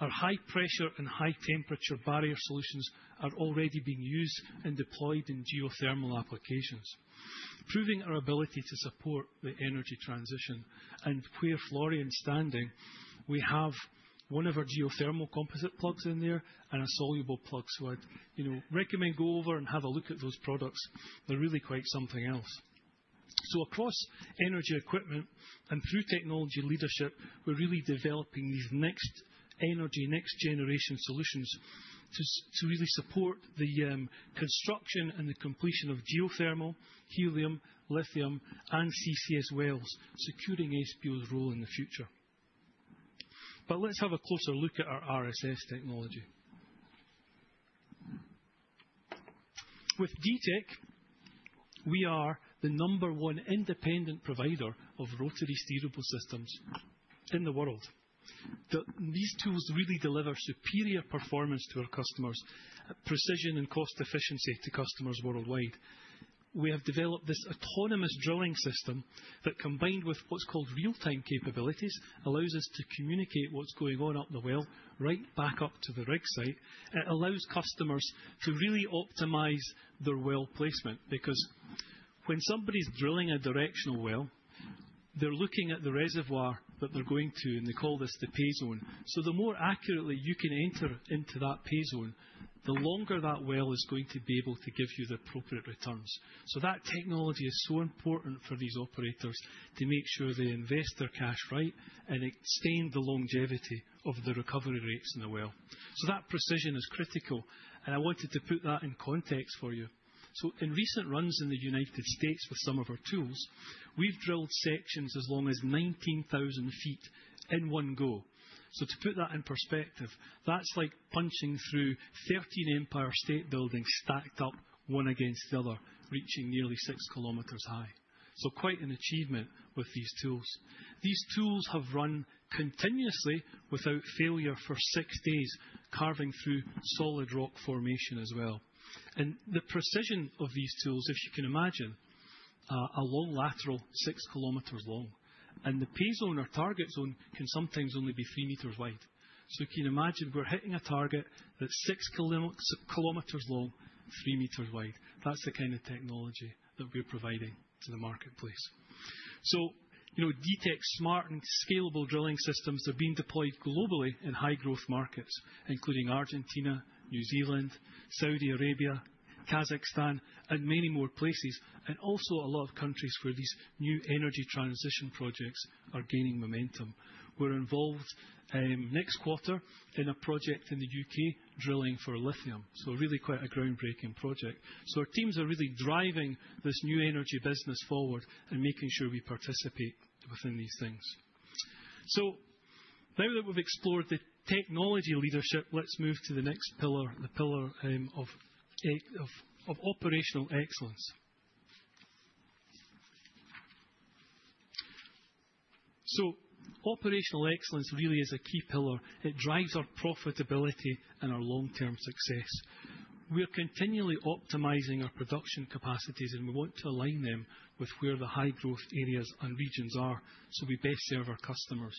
Our high-pressure and high-temperature barrier solutions are already being used and deployed in geothermal applications, proving our ability to support the energy transition. Where Florian's standing, we have one of our geothermal composite plugs in there and a soluble plug. I'd recommend go over and have a look at those products. They're really quite something else. Across energy equipment and through technology leadership, we're really developing these next energy, next-generation solutions to really support the construction and the completion of geothermal, helium, lithium, and CCS wells, securing SBO's role in the future. Let's have a closer look at our RSS technology. With DTEC, we are the number one independent provider of rotary steerable systems in the world. These tools really deliver superior performance to our customers, precision and cost efficiency to customers worldwide. We have developed this autonomous drilling system that, combined with what's called real-time capabilities, allows us to communicate what's going on up the well right back up to the rig site. It allows customers to really optimize their well placement because when somebody's drilling a directional well, they're looking at the reservoir that they're going to, and they call this the pay zone. The more accurately you can enter into that pay zone, the longer that well is going to be able to give you the appropriate returns. That technology is so important for these operators to make sure they invest their cash right and extend the longevity of the recovery rates in the well. That precision is critical. I wanted to put that in context for you. In recent runs in the United States with some of our tools, we've drilled sections as long as 19,000 ft in one go. To put that in perspective, that's like punching through 13 Empire State Buildings stacked up one against the other, reaching nearly 6 km high. Quite an achievement with these tools. These tools have run continuously without failure for six days, carving through solid rock formation as well. The precision of these tools, if you can imagine, our long lateral, 6 km long. The pay zone or target zone can sometimes only be 3 m wide. You can imagine we're hitting a target that's 6 km long, 3 m wide. That's the kind of technology that we're providing to the marketplace. DTEC's smart and scalable drilling systems are being deployed globally in high-growth markets, including Argentina, New Zealand, Saudi Arabia, Kazakhstan, and many more places, and also a lot of countries where these new energy transition projects are gaining momentum. We're involved next quarter in a project in the U.K. drilling for lithium. Really quite a groundbreaking project. Our teams are really driving this new energy business forward and making sure we participate within these things. Now that we've explored the technology leadership, let's move to the next pillar, the pillar of operational excellence. Operational excellence really is a key pillar. It drives our profitability and our long-term success. We're continually optimizing our production capacities, and we want to align them with where the high-growth areas and regions are so we best serve our customers.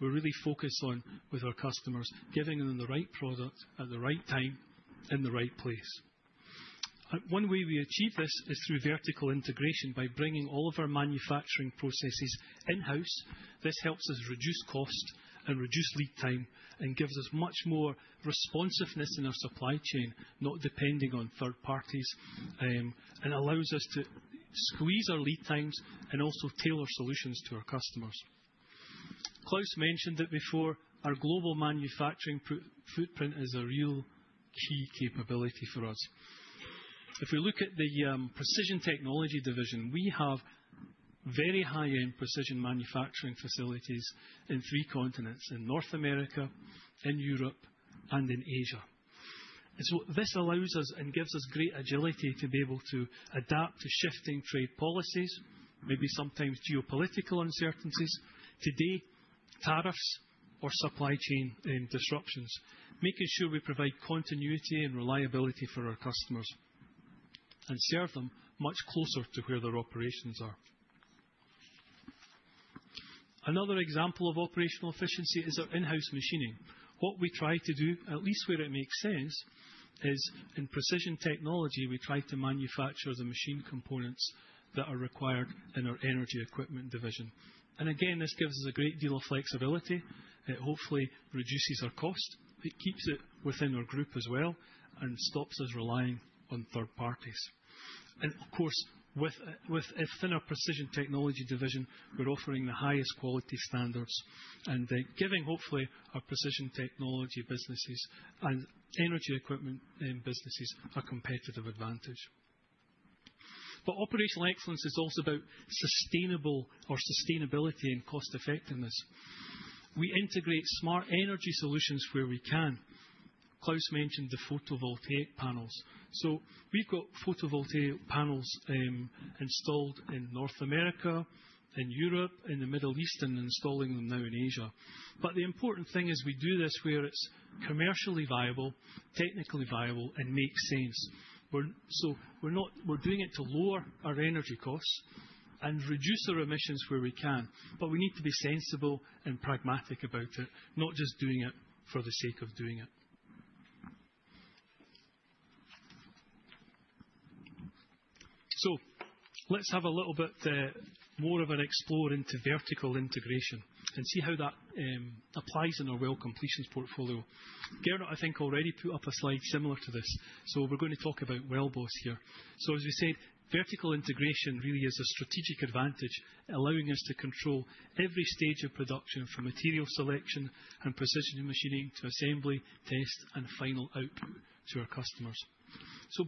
We're really focused on, with our customers, giving them the right product at the right time in the right place. One way we achieve this is through vertical integration by bringing all of our manufacturing processes in-house. This helps us reduce cost and reduce lead time and gives us much more responsiveness in our supply chain, not depending on third parties, and allows us to squeeze our lead times and also tailor solutions to our customers. Klaus mentioned it before. Our global manufacturing footprint is a real key capability for us. If we look at the Precision Technology division, we have very high-end precision manufacturing facilities in three continents, in North America, in Europe, and in Asia. This allows us and gives us great agility to be able to adapt to shifting trade policies, maybe sometimes geopolitical uncertainties, today tariffs or supply chain disruptions, making sure we provide continuity and reliability for our customers and serve them much closer to where their operations are. Another example of operational efficiency is our in-house machining. What we try to do, at least where it makes sense, is in Precision Technology, we try to manufacture the machine components that are required in our Energy Equipment division. This gives us a great deal of flexibility. It hopefully reduces our cost. It keeps it within our group as well and stops us relying on third parties. Of course, with a thinner Precision Technology division, we're offering the highest quality standards and giving hopefully our Precision Technology businesses and Energy Equipment businesses a competitive advantage. Operational excellence is also about sustainability and cost-effectiveness. We integrate smart energy solutions where we can. Klaus mentioned the photovoltaic panels. We have photovoltaic panels installed in North America, in Europe, in the Middle East, and are installing them now in Asia. The important thing is we do this where it is commercially viable, technically viable, and makes sense. We are doing it to lower our energy costs and reduce our emissions where we can. We need to be sensible and pragmatic about it, not just doing it for the sake of doing it. Let's have a little bit more of an explore into vertical integration and see how that applies in our well completions portfolio. Gernot, I think, already put up a slide similar to this. We are going to talk about Wellboss here. As we said, vertical integration really is a strategic advantage, allowing us to control every stage of production from material selection and precision machining to assembly, test, and final output to our customers.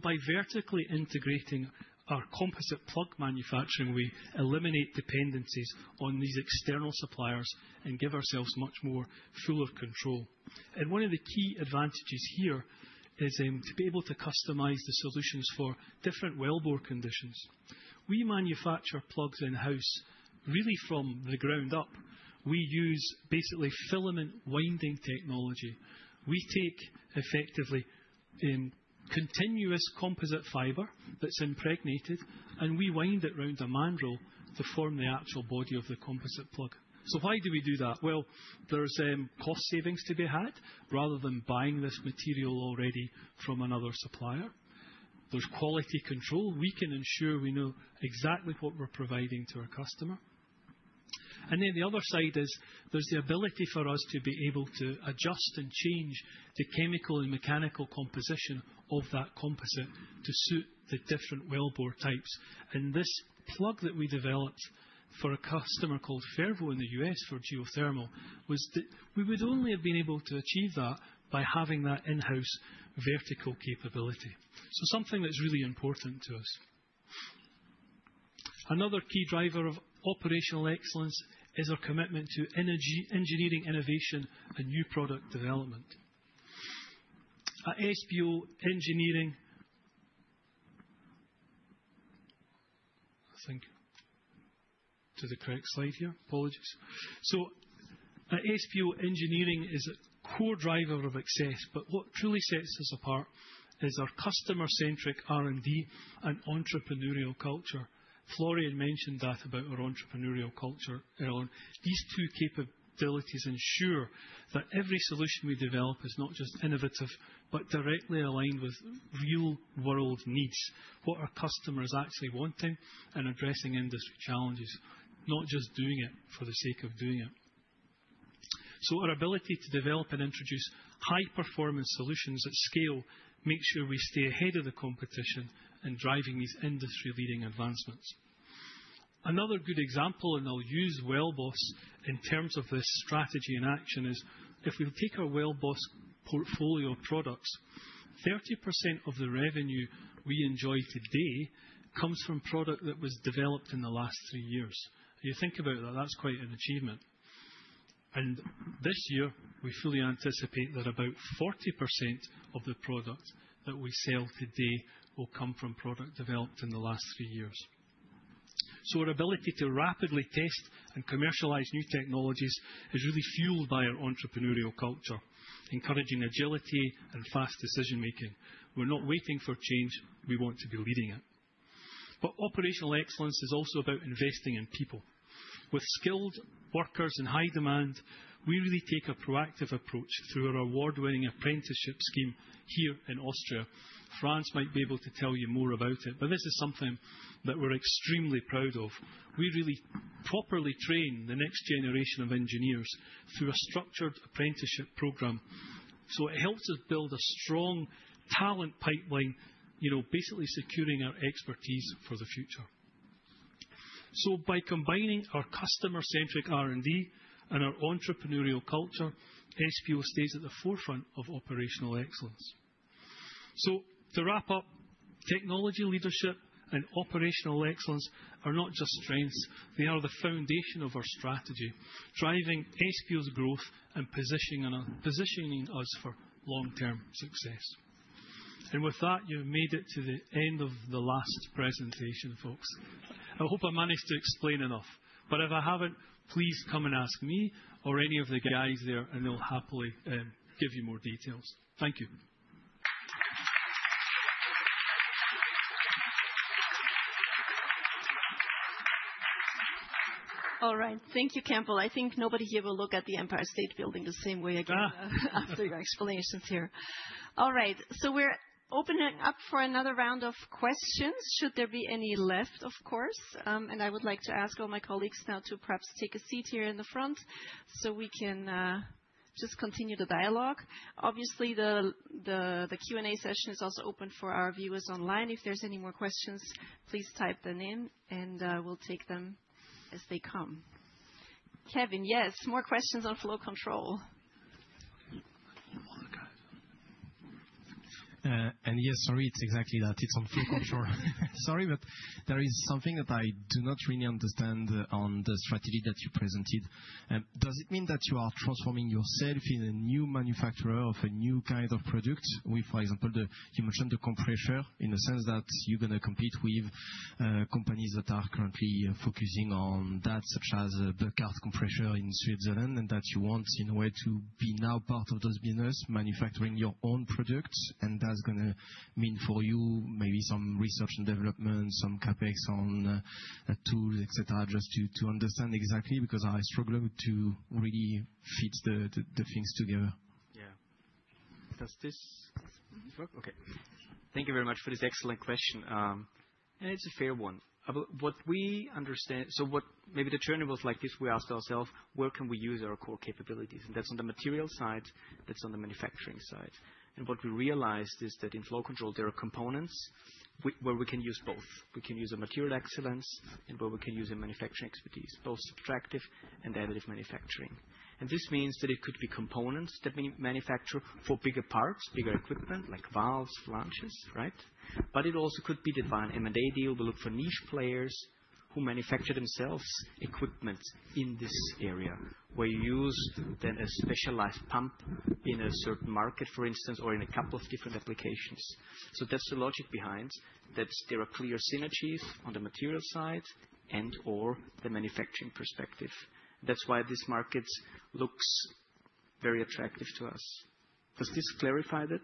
By vertically integrating our composite plug manufacturing, we eliminate dependencies on these external suppliers and give ourselves much more fuller control. One of the key advantages here is to be able to customize the solutions for different wellbore conditions. We manufacture plugs in-house really from the ground up. We use basically filament winding technology. We take effectively continuous composite fiber that's impregnated, and we wind it around a mandrel to form the actual body of the composite plug. Why do we do that? There's cost savings to be had rather than buying this material already from another supplier. There's quality control. We can ensure we know exactly what we're providing to our customer. The other side is there's the ability for us to be able to adjust and change the chemical and mechanical composition of that composite to suit the different wellbore types. This plug that we developed for a customer called Fervo in the U.S. for geothermal was that we would only have been able to achieve that by having that in-house vertical capability. Something that's really important to us. Another key driver of operational excellence is our commitment to engineering innovation and new product development. At SBO Engineering, I think to the correct slide here, apologies. At SBO Engineering, it is a core driver of success, but what truly sets us apart is our customer-centric R&D and entrepreneurial culture. Florian mentioned that about our entrepreneurial culture earlier. These two capabilities ensure that every solution we develop is not just innovative, but directly aligned with real-world needs, what our customers are actually wanting and addressing industry challenges, not just doing it for the sake of doing it. Our ability to develop and introduce high-performance solutions at scale makes sure we stay ahead of the competition in driving these industry-leading advancements. Another good example, and I'll use Wellboss in terms of this strategy in action, is if we take our Wellboss portfolio of products, 30% of the revenue we enjoy today comes from product that was developed in the last three years. You think about that, that's quite an achievement. This year, we fully anticipate that about 40% of the product that we sell today will come from product developed in the last three years. Our ability to rapidly test and commercialize new technologies is really fueled by our entrepreneurial culture, encouraging agility and fast decision-making. We're not waiting for change, we want to be leading it. Operational excellence is also about investing in people. With skilled workers and high demand, we really take a proactive approach through our award-winning apprenticeship scheme here in Austria. France might be able to tell you more about it, but this is something that we're extremely proud of. We really properly train the next generation of engineers through a structured apprenticeship program. It helps us build a strong talent pipeline, basically securing our expertise for the future. By combining our customer-centric R&D and our entrepreneurial culture, SBO stays at the forefront of operational excellence. To wrap up, technology leadership and operational excellence are not just strengths; they are the foundation of our strategy, driving SBO's growth and positioning us for long-term success. With that, you've made it to the end of the last presentation, folks. I hope I managed to explain enough. If I haven't, please come and ask me or any of the guys there, and they'll happily give you more details. Thank you. All right. Thank you, Campbell. I think nobody here will look at the Empire State Building the same way again after your explanations here. All right. We're opening up for another round of questions. Should there be any left, of course? I would like to ask all my colleagues now to perhaps take a seat here in the front so we can just continue the dialogue. Obviously, the Q&A session is also open for our viewers online. If there are any more questions, please type them in, and we'll take them as they come. Kevin, yes, more questions on flow control. Yes, sorry, it's exactly that. It's on flow control. Sorry, but there is something that I do not really understand on the strategy that you presented. Does it mean that you are transforming yourself in a new manufacturer of a new kind of product with, for example, you mentioned the compressor in the sense that you're going to compete with companies that are currently focusing on that, such as Burkhardt Compressor in Switzerland, and that you want in a way to be now part of those businesses, manufacturing your own products? That is going to mean for you maybe some research and development, some CapEx on tools, etc., just to understand exactly because I struggle to really fit the things together. Yeah. Does this work? Okay. Thank you very much for this excellent question. It is a fair one. Maybe the journey was like this. We asked ourselves, where can we use our core capabilities? That is on the material side. That is on the manufacturing side. What we realized is that in flow control, there are components where we can use both. We can use material excellence and we can use manufacturing expertise, both subtractive and additive manufacturing. This means that it could be components that we manufacture for bigger parts, bigger equipment, like valves, flanges, right? It also could be that by an M&A deal, we look for niche players who manufacture themselves equipment in this area where you use then a specialized pump in a certain market, for instance, or in a couple of different applications. That is the logic behind that there are clear synergies on the material side and/or the manufacturing perspective. That is why this market looks very attractive to us. Does this clarify that?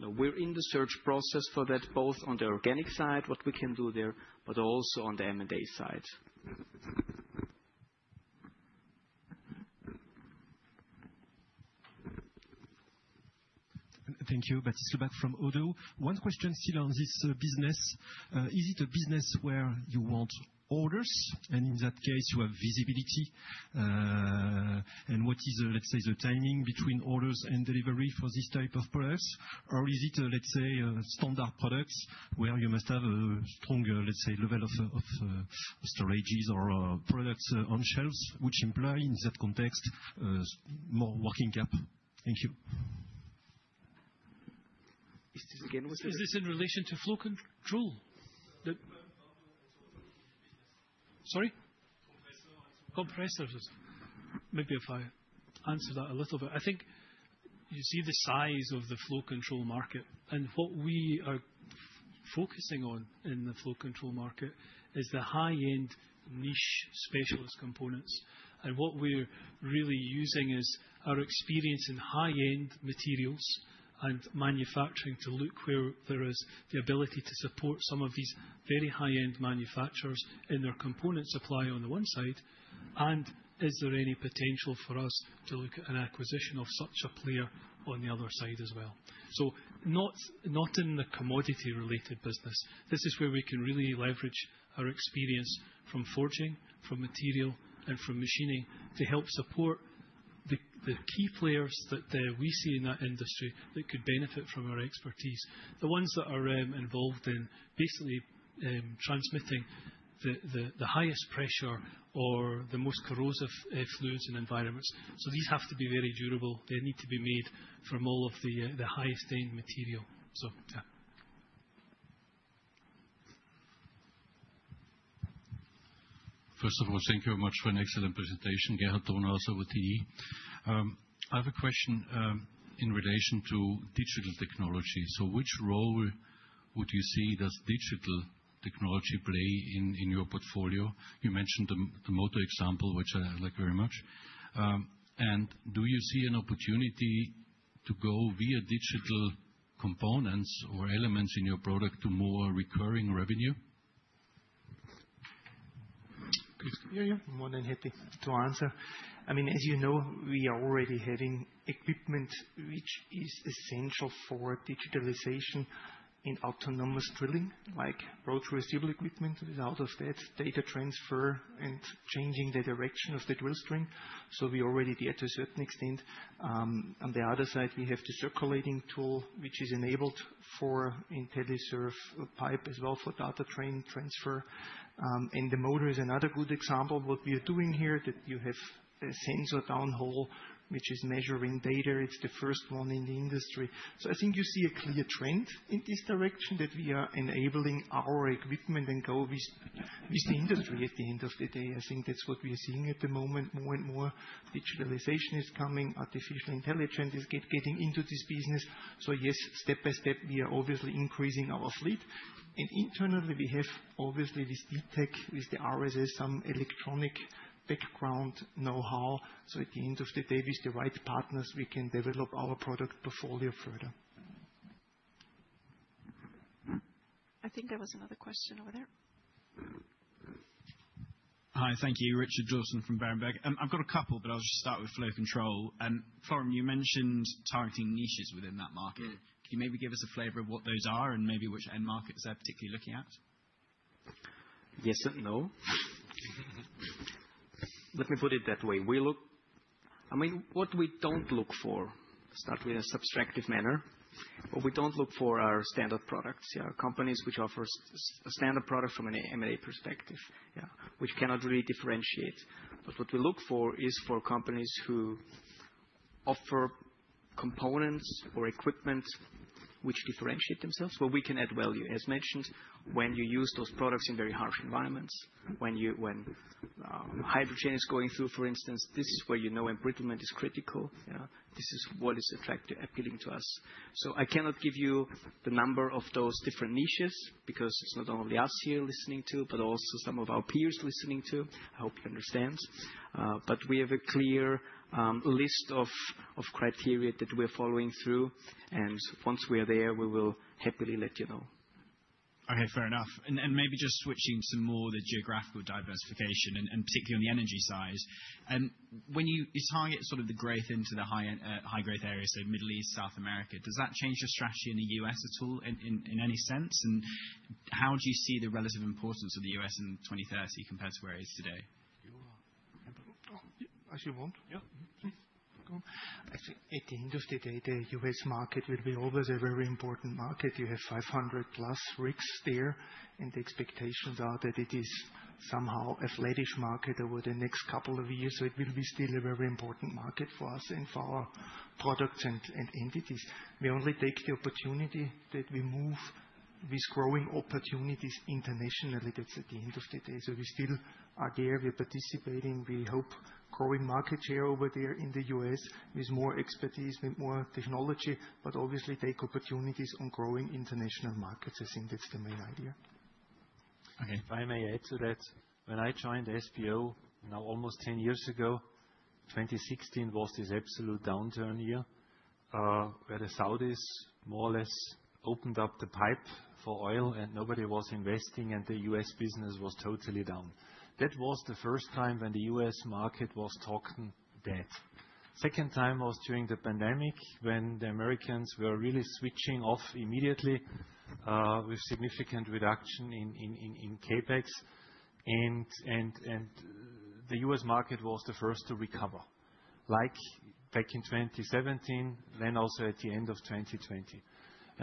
Just to be sure that it works based on research and development process, is it still too early for everything else? Or maybe you define the. No, we are in the search process for that, both on the organic side, what we can do there, but also on the M&A side. Thank you. Baptiste back from Odo. One question still on this business. Is it a business where you want orders, and in that case, you have visibility? What is, let's say, the timing between orders and delivery for this type of products? Is it, let's say, standard products where you must have a strong, let's say, level of storages or products on shelves, which imply in that context more working gap? Thank you. Is this again? Is this in relation to flow control? Sorry? Compressor. Maybe if I answer that a little bit. I think you see the size of the flow control market. What we are focusing on in the flow control market is the high-end niche specialist components. What we're really using is our experience in high-end materials and manufacturing to look where there is the ability to support some of these very high-end manufacturers in their component supply on the one side, and is there any potential for us to look at an acquisition of such a player on the other side as well? Not in the commodity-related business. This is where we can really leverage our experience from forging, from material, and from machining to help support the key players that we see in that industry that could benefit from our expertise, the ones that are involved in basically transmitting the highest pressure or the most corrosive fluids and environments. These have to be very durable. They need to be made from all of the highest-end material. Yeah. First of all, thank you very much for an excellent presentation. Gernot Bauer, over to you. I have a question in relation to digital technology. Which role would you see does digital technology play in your portfolio? You mentioned the motor example, which I like very much. Do you see an opportunity to go via digital components or elements in your product to more recurring revenue? Yeah, yeah. More than happy to answer. I mean, as you know, we are already having equipment which is essential for digitalization in autonomous drilling, like rotary steerable equipment with data transfer and changing the direction of the drill string. We already did to a certain extent. On the other side, we have the circulating tool, which is enabled for IntelliServe pipe as well for data train transfer. The motor is another good example. What we are doing here is that you have a sensor downhole which is measuring data. It's the first one in the industry. I think you see a clear trend in this direction that we are enabling our equipment and go with the industry at the end of the day. I think that's what we are seeing at the moment. More and more digitalization is coming. Artificial intelligence is getting into this business. Yes, step by step, we are obviously increasing our fleet. Internally, we have obviously this deep tech with the RSS, some electronic background know-how. At the end of the day, with the right partners, we can develop our product portfolio further. I think there was another question over there. Hi, thank you. Richard Dawson from Berenberg. I've got a couple, but I'll just start with flow control. Florian, you mentioned targeting niches within that market. Can you maybe give us a flavor of what those are and maybe which end markets they're particularly looking at? Yes and no. Let me put it that way. I mean, what we don't look for, start with a subtractive manner, what we don't look for are standard products. Yeah, companies which offer a standard product from an M&A perspective, yeah, which cannot really differentiate. What we look for is for companies who offer components or equipment which differentiate themselves, where we can add value. As mentioned, when you use those products in very harsh environments, when hydrogen is going through, for instance, this is where you know embrittlement is critical. Yeah, this is what is attractive, appealing to us. I cannot give you the number of those different niches because it's not only us here listening to, but also some of our peers listening to I hope you understand. We have a clear list of criteria that we're following through. Once we are there, we will happily let you know. Okay, fair enough. Maybe just switching to more the geographical diversification, and particularly on the energy side. When you target sort of the growth into the high-growth areas, say Middle East, South America, does that change your strategy in the U.S. at all in any sense? How do you see the relative importance of the U.S. in 2030 compared to where it is today? As you want. Yeah, please. Actually, at the end of the day, the U.S. market will be always a very important market. You have 500-plus rigs there, and the expectations are that it is somehow a flat-ish market over the next couple of years. It will be still a very important market for us and for our products and entities. We only take the opportunity that we move with growing opportunities internationally. That's at the end of the day. We still are there. We're participating. We hope growing markets here over there in the U.S. with more expertise, with more technology, but obviously take opportunities on growing international markets. I think that's the main idea. Okay, if I may add to that, when I joined SBO now almost 10 years ago, 2016 was this absolute downturn year where the Saudis more or less opened up the pipe for oil and nobody was investing, and the U.S. business was totally down. That was the first time when the U.S. market was talking dead. Second time was during the pandemic when the Americans were really switching off immediately with significant reduction in CapEx. The U.S. market was the first to recover, like back in 2017, then also at the end of 2020.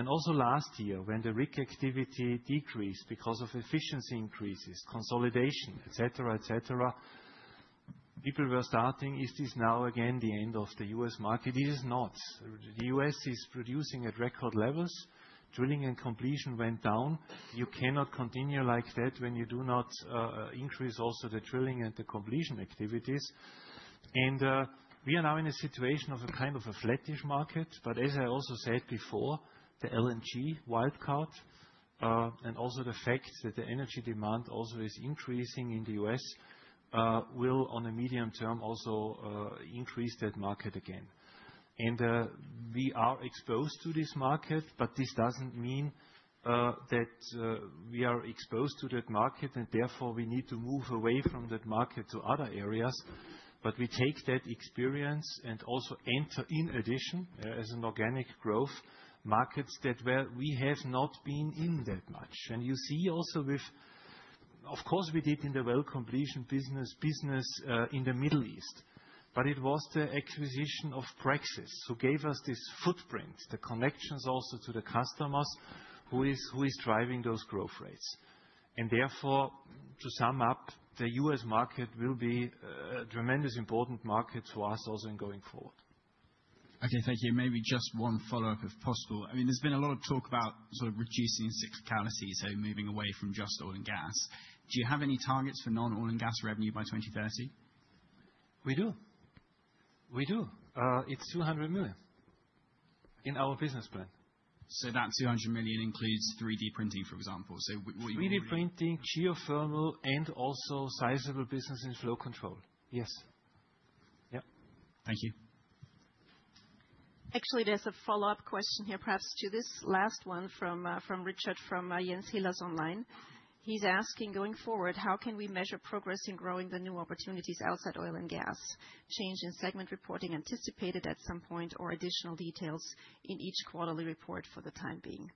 Also last year, when the RIC activity decreased because of efficiency increases, consolidation, etc., etc., people were starting, is this now again the end of the U.S. market? It is not. The U.S. is producing at record levels. Drilling and completion went down. You cannot continue like that when you do not increase also the drilling and the completion activities. We are now in a situation of a kind of a flat-ish market. As I also said before, the LNG wildcard and also the fact that the energy demand also is increasing in the U.S. will, on a medium term, also increase that market again. We are exposed to this market, but this does not mean that we are exposed to that market, and therefore we need to move away from that market to other areas. We take that experience and also enter, in addition, as an organic growth, markets that we have not been in that much. You see also with, of course, what we did in the well completion business in the Middle East, but it was the acquisition of Praxis who gave us this footprint, the connections also to the customers who is driving those growth rates. Therefore, to sum up, the U.S. market will be a tremendously important market for us also in going forward. Okay, thank you. Maybe just one follow-up, if possible. I mean, there has been a lot of talk about sort of reducing cyclicality, so moving away from just oil and gas. Do you have any targets for non-oil and gas revenue by 2030? We do. It's 200 million in our business plan. That 200 million includes 3D printing, for example. What you mean by that? 3D printing, geothermal, and also sizable business in flow control. Yes. Yeah. Thank you. Actually, there's a follow-up question here, perhaps to this last one from Richard from Jens Hillers Online. He's asking, going forward, how can we measure progress in growing the new opportunities outside oil and gas? Change in segment reporting anticipated at some point or additional details in each quarterly report for the time being?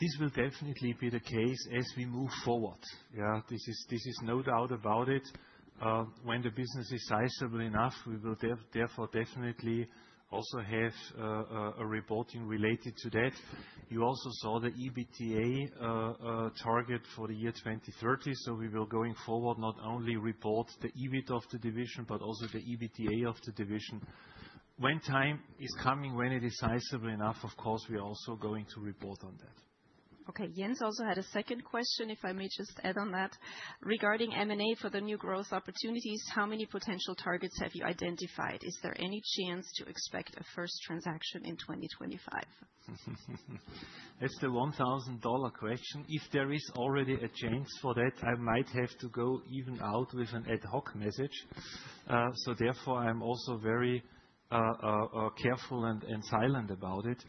This will definitely be the case as we move forward. Yeah, this is no doubt about it. When the business is sizable enough, we will therefore definitely also have a reporting related to that. You also saw the EBITDA target for the year 2030. We will, going forward, not only report the EBIT of the division, but also the EBITDA of the division. When time is coming, when it is sizable enough, of course, we are also going to report on that. Okay, Jens also had a second question, if I may just add on that. Regarding M&A for the new growth opportunities, how many potential targets have you identified? Is there any chance to expect a first transaction in 2025? That's the $1,000 question. If there is already a chance for that, I might have to go even out with an ad hoc message. Therefore, I am also very careful and silent about it.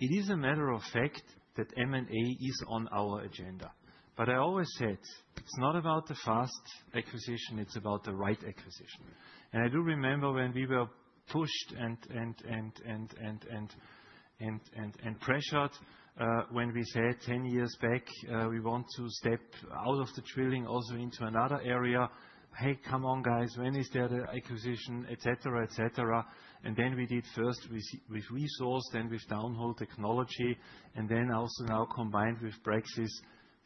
It is a matter of fact that M&A is on our agenda. I always said, it's not about the fast acquisition, it's about the right acquisition. I do remember when we were pushed and pressured when we said 10 years back, we want to step out of the drilling also into another area. Hey, come on, guys, when is there the acquisition, etc., etc. We did first with resource, then with downhole technology, and then also now combined with Brexis,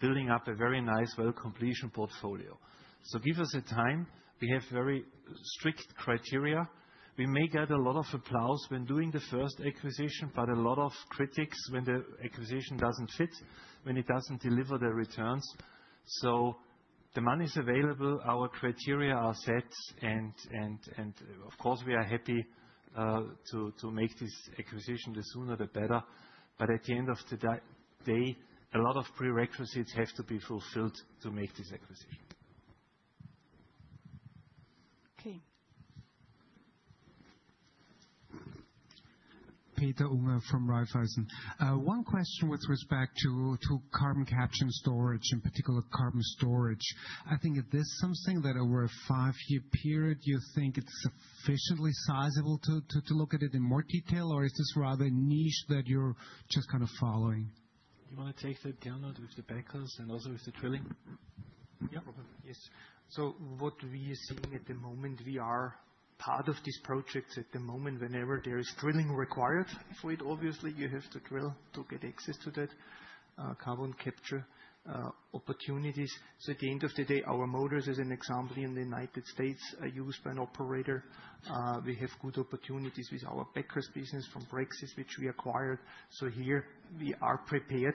building up a very nice well completion portfolio. Give us a time. We have very strict criteria. We may get a lot of applause when doing the first acquisition, but a lot of critics when the acquisition does not fit, when it does not deliver the returns. The money is available. Our criteria are set. Of course, we are happy to make this acquisition the sooner the better. At the end of the day, a lot of prerequisites have to be fulfilled to make this acquisition. Okay. Peter Unger from Raiffeisen. One question with respect to carbon capture and storage, in particular carbon storage. I think this is something that over a five-year period, you think it's sufficiently sizable to look at it in more detail, or is this rather niche that you're just kind of following? Do you want to take that download with the backers and also with the drilling? Yes. What we are seeing at the moment, we are part of this project at the moment. Whenever there is drilling required for it, obviously, you have to drill to get access to that carbon capture opportunities. At the end of the day, our motors, as an example, in the United States are used by an operator. We have good opportunities with our backers business from Brexis, which we acquired. Here, we are prepared.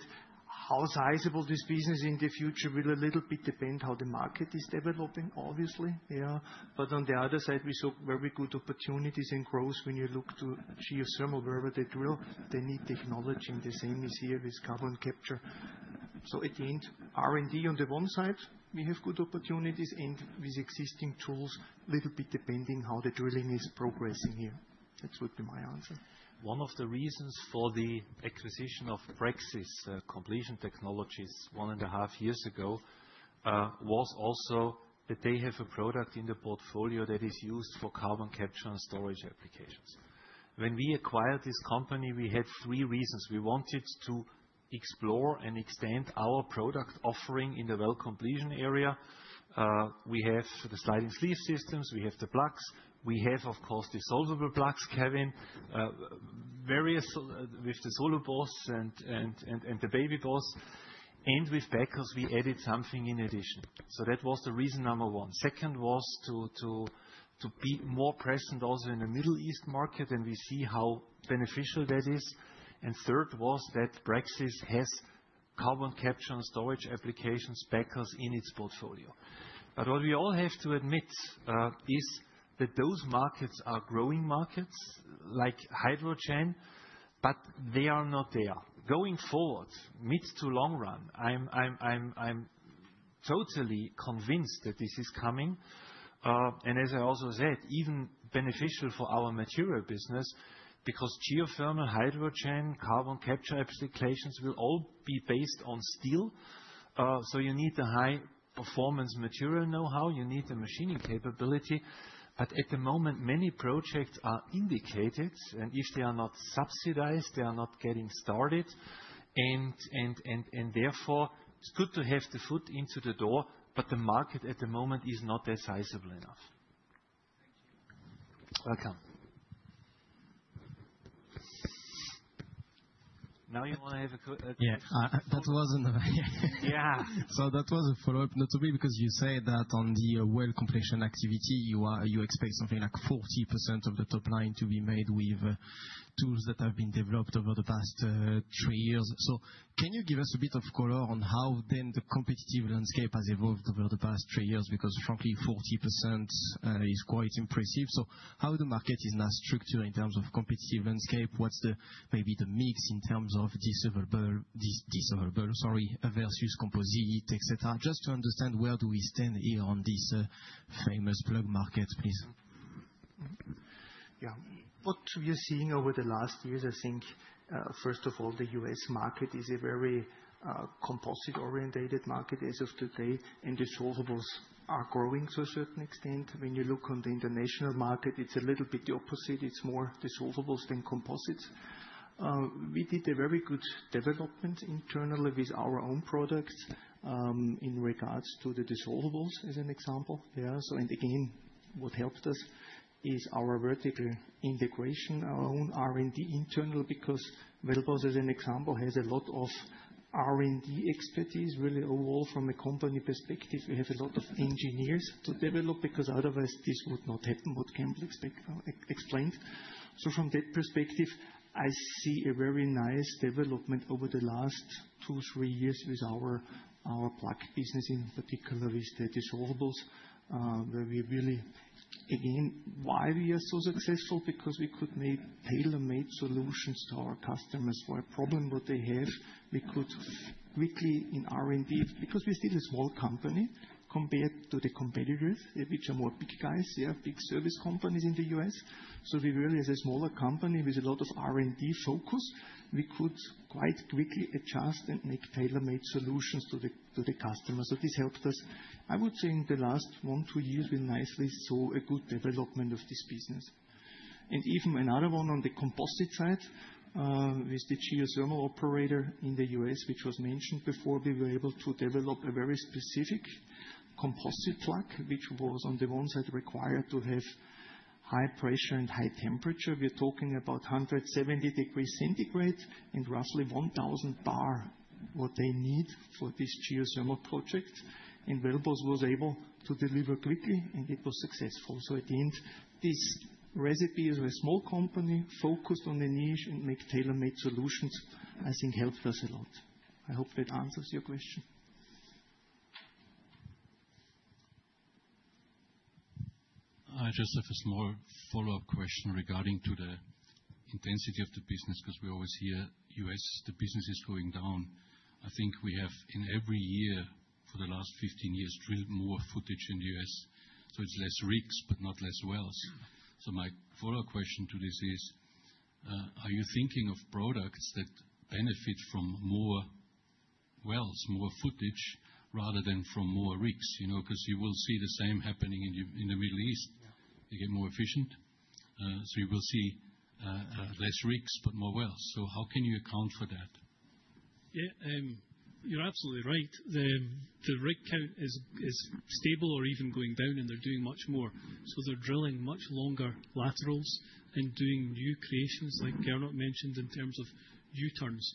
How sizable this business in the future will a little bit depend on how the market is developing, obviously. Yeah. On the other side, we saw very good opportunities in growth when you look to geothermal. Wherever they drill, they need technology in the same as here with carbon capture. At the end, R&D on the one side, we have good opportunities and with existing tools, a little bit depending on how the drilling is progressing here. That would be my answer. One of the reasons for the acquisition of Brexis Completion Technologies one and a half years ago was also that they have a product in the portfolio that is used for carbon capture and storage applications. When we acquired this company, we had three reasons. We wanted to explore and extend our product offering in the well completion area. We have the sliding sleeve systems. We have the plugs. We have, of course, the dissolvable plugs, Kevin, various with the Solo Boss and the Baby Boss. With Brexis, we added something in addition. That was the reason number one. Second was to be more present also in the Middle East market, and we see how beneficial that is. Third was that Brexis has carbon capture and storage applications, backers in its portfolio. What we all have to admit is that those markets are growing markets like hydrogen, but they are not there. Going forward, mid to long run, I'm totally convinced that this is coming. As I also said, even beneficial for our material business because geothermal, hydrogen, carbon capture applications will all be based on steel. You need the high-performance material know-how. You need the machining capability. At the moment, many projects are indicated, and if they are not subsidized, they are not getting started. Therefore, it's good to have the foot into the door, but the market at the moment is not that sizable enough. Thank you. Welcome. Now you want to have a quick—yeah, that wasn't the way. Yeah. That was a follow-up not to me because you said that on the well completion activity, you expect something like 40% of the top line to be made with tools that have been developed over the past three years. Can you give us a bit of color on how then the competitive landscape has evolved over the past three years? Because frankly, 40% is quite impressive. How is the market now structured in terms of competitive landscape? What's maybe the mix in terms of dissolvable, sorry, versus composite, etc.? Just to understand where do we stand here on this famous plug market, please. Yeah. What we are seeing over the last years, I think, first of all, the US market is a very composite-orientated market as of today, and disposables are growing to a certain extent. When you look on the international market, it's a little bit the opposite. It's more disposables than composites. We did a very good development internally with our own products in regards to the disposables as an example. Yeah. What helped us is our vertical integration, our own R&D internal because Wellboss, as an example, has a lot of R&D expertise, really overall from a company perspective. We have a lot of engineers to develop because otherwise this would not happen what Campbell explained. From that perspective, I see a very nice development over the last two, three years with our plug business, in particular with the disposables, where we really, again, why we are so successful? Because we could make tailor-made solutions to our customers for a problem that they have. We could quickly in R&D because we're still a small company compared to the competitors, which are more big guys, yeah, big service companies in the U.S. We really, as a smaller company with a lot of R&D focus, we could quite quickly adjust and make tailor-made solutions to the customers. This helped us, I would say, in the last one, two years we nicely saw a good development of this business. Even another one on the composite side with the geothermal operator in the U.S., which was mentioned before, we were able to develop a very specific composite plug, which was on the one side required to have high pressure and high temperature. We're talking about 170 degrees Celsius and roughly 1,000 bar what they need for this geothermal project. Wellboss was able to deliver quickly, and it was successful. At the end, this recipe is a small company focused on the niche and makes tailor-made solutions, I think helped us a lot. I hope that answers your question. I just have a small follow-up question regarding the intensity of the business because we always hear U.S., the business is going down. I think we have in every year for the last 15 years drilled more footage in the U.S. It is less rigs, but not less wells. My follow-up question to this is, are you thinking of products that benefit from more wells, more footage, rather than from more rigs? You will see the same happening in the Middle East. They get more efficient. You will see fewer rigs, but more wells. How can you account for that? Yeah, you're absolutely right. The rig count is stable or even going down, and they're doing much more. They're drilling much longer laterals and doing new creations like Gernot mentioned in terms of U-turns.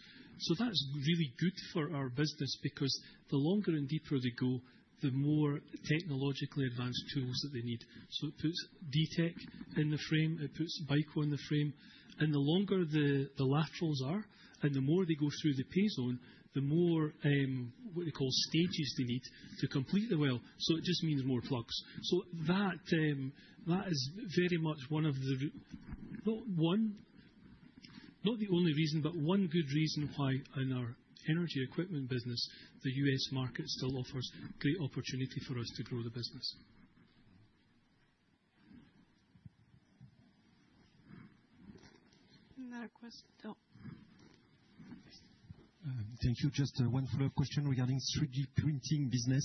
That's really good for our business because the longer and deeper they go, the more technologically advanced tools that they need. It puts DTEC in the frame. It puts Piko in the frame. The longer the laterals are and the more they go through the P-zone, the more what they call stages they need to complete the well. It just means more plugs. That is very much one of the, not the only reason, but one good reason why in our energy equipment business, the US market still offers great opportunity for us to grow the business. Thank you. Just one follow-up question regarding 3D printing business.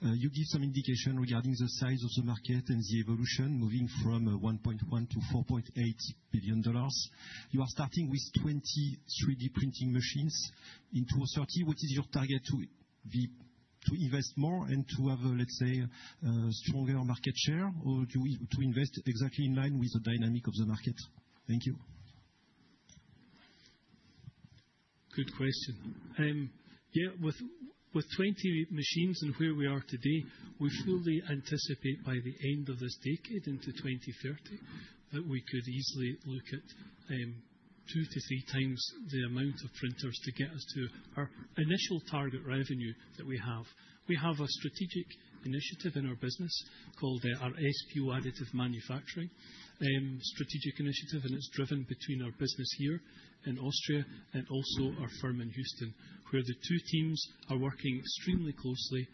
You gave some indication regarding the size of the market and the evolution moving from $1.1 billion-$4.8 billion. You are starting with 20 3D printing machines in 2030. What is your target to invest more and to have, let's say, a stronger market share or to invest exactly in line with the dynamic of the market? Thank you. Good question. Yeah, with 20 machines and where we are today, we fully anticipate by the end of this decade into 2030 that we could easily look at two to three times the amount of printers to get us to our initial target revenue that we have. We have a strategic initiative in our business called our SBO additive manufacturing strategic initiative, and it's driven between our business here in Austria and also our firm in Houston, where the two teams are working extremely closely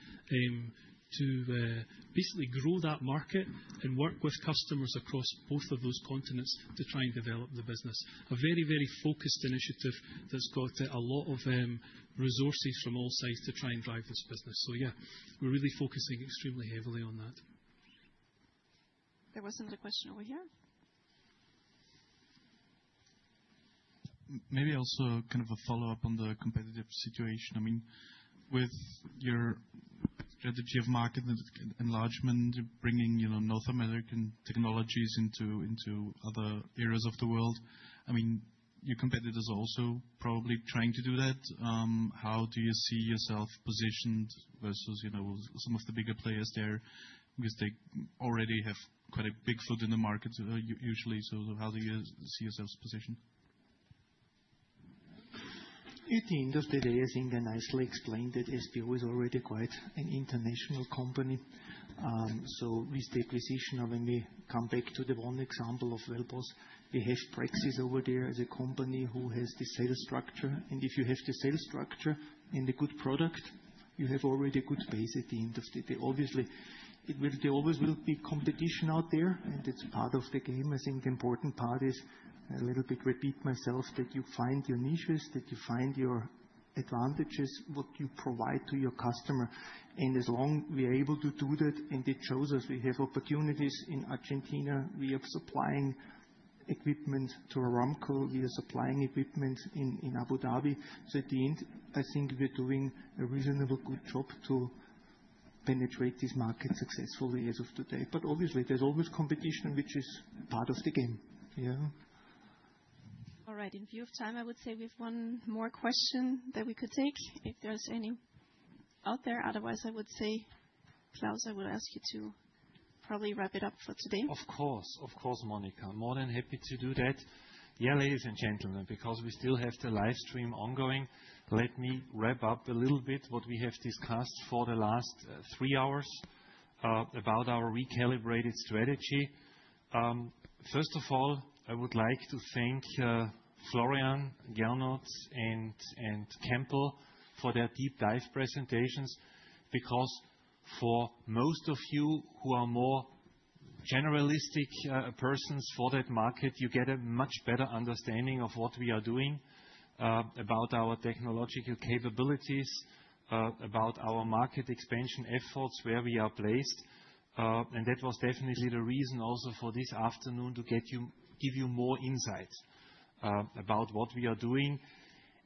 to basically grow that market and work with customers across both of those continents to try and develop the business. A very, very focused initiative that's got a lot of resources from all sides to try and drive this business. Yeah, we're really focusing extremely heavily on that. There was another question over here. Maybe also kind of a follow-up on the competitive situation. I mean, with your strategy of market enlargement, bringing North American technologies into other areas of the world, I mean, your competitors are also probably trying to do that. How do you see yourself positioned versus some of the bigger players there? Because they already have quite a big foot in the market usually. How do you see yourself positioned? At the end of the day, I think I nicely explained that SBO is already quite an international company. With the acquisition, when we come back to the one example of Wellboss, we have Brexis over there as a company who has the sales structure. If you have the sales structure and a good product, you have already a good base at the end of the day. Obviously, there always will be competition out there, and it's part of the game.I think the important part is, a little bit repeat myself, that you find your niches, that you find your advantages, what you provide to your customer. As long as we are able to do that, and it shows us we have opportunities in Argentina, we are supplying equipment to Aramco, we are supplying equipment in Abu Dhabi. At the end, I think we're doing a reasonably good job to penetrate this market successfully as of today. Obviously, there's always competition, which is part of the game. All right. In view of time, I would say we have one more question that we could take if there's any out there. Otherwise, I would say, Klaus, I would ask you to probably wrap it up for today. Of course. Of course, Monica. More than happy to do that. Yeah, ladies and gentlemen, because we still have the live stream ongoing, let me wrap up a little bit what we have discussed for the last three hours about our recalibrated strategy. First of all, I would like to thank Florian, Gernot, and Campbell for their deep dive presentations because for most of you who are more generalistic persons for that market, you get a much better understanding of what we are doing about our technological capabilities, about our market expansion efforts, where we are placed. That was definitely the reason also for this afternoon to give you more insight about what we are doing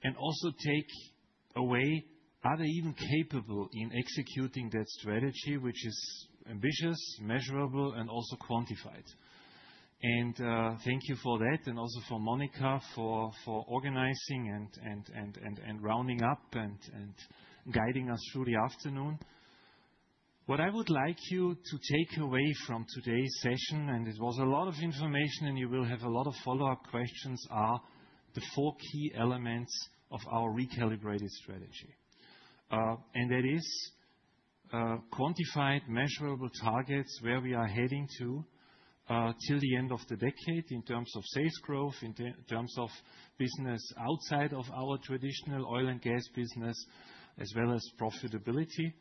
and also take away, are they even capable in executing that strategy, which is ambitious, measurable, and also quantified? Thank you for that and also for Monica for organizing and rounding up and guiding us through the afternoon. What I would like you to take away from today's session, and it was a lot of information and you will have a lot of follow-up questions, are the four key elements of our recalibrated strategy. That is quantified, measurable targets where we are heading to till the end of the decade in terms of sales growth, in terms of business outside of our traditional oil and gas business, as well as profitability,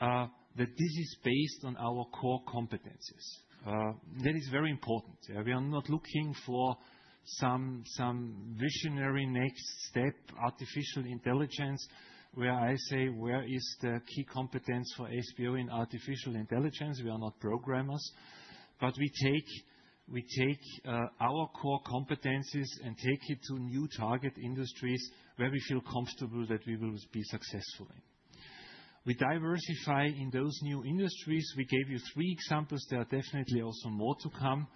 that this is based on our core competencies. That is very important. We are not looking for some visionary next step, artificial intelligence, where I say, where is the key competence for SBO in artificial intelligence? We are not programmers, but we take our core competencies and take it to new target industries where we feel comfortable that we will be successful in. We diversify in those new industries. We gave you three examples. There are definitely also more to come.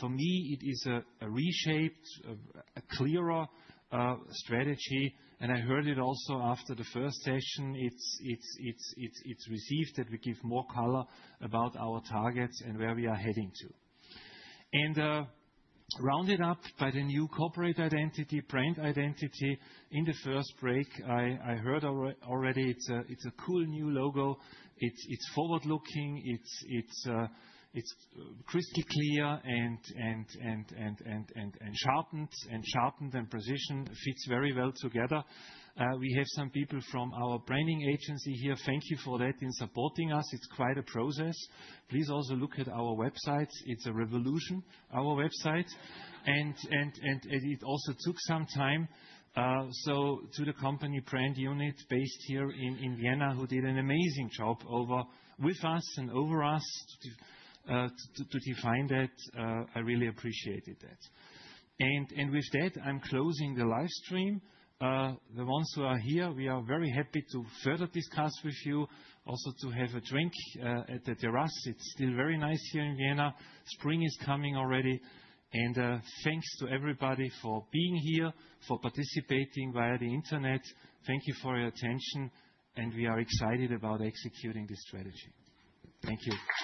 For me, it is a reshaped, a clearer strategy. I heard it also after the first session. It is received that we give more color about our targets and where we are heading to. Rounded up by the new corporate identity, brand identity in the first break, I heard already it is a cool new logo. It is forward-looking. It is crystal clear and sharpened and precision. Fits very well together. We have some people from our branding agency here. Thank you for that in supporting us. It is quite a process. Please also look at our website. It is a revolution, our website. It also took some time to the company brand unit based here in Vienna who did an amazing job with us and over us to define that. I really appreciated that. With that, I am closing the live stream. The ones who are here, we are very happy to further discuss with you, also to have a drink at the terrace. It is still very nice here in Vienna. Spring is coming already. Thank you to everybody for being here, for participating via the internet. Thank you for your attention, and we are excited about executing this strategy. Thank you.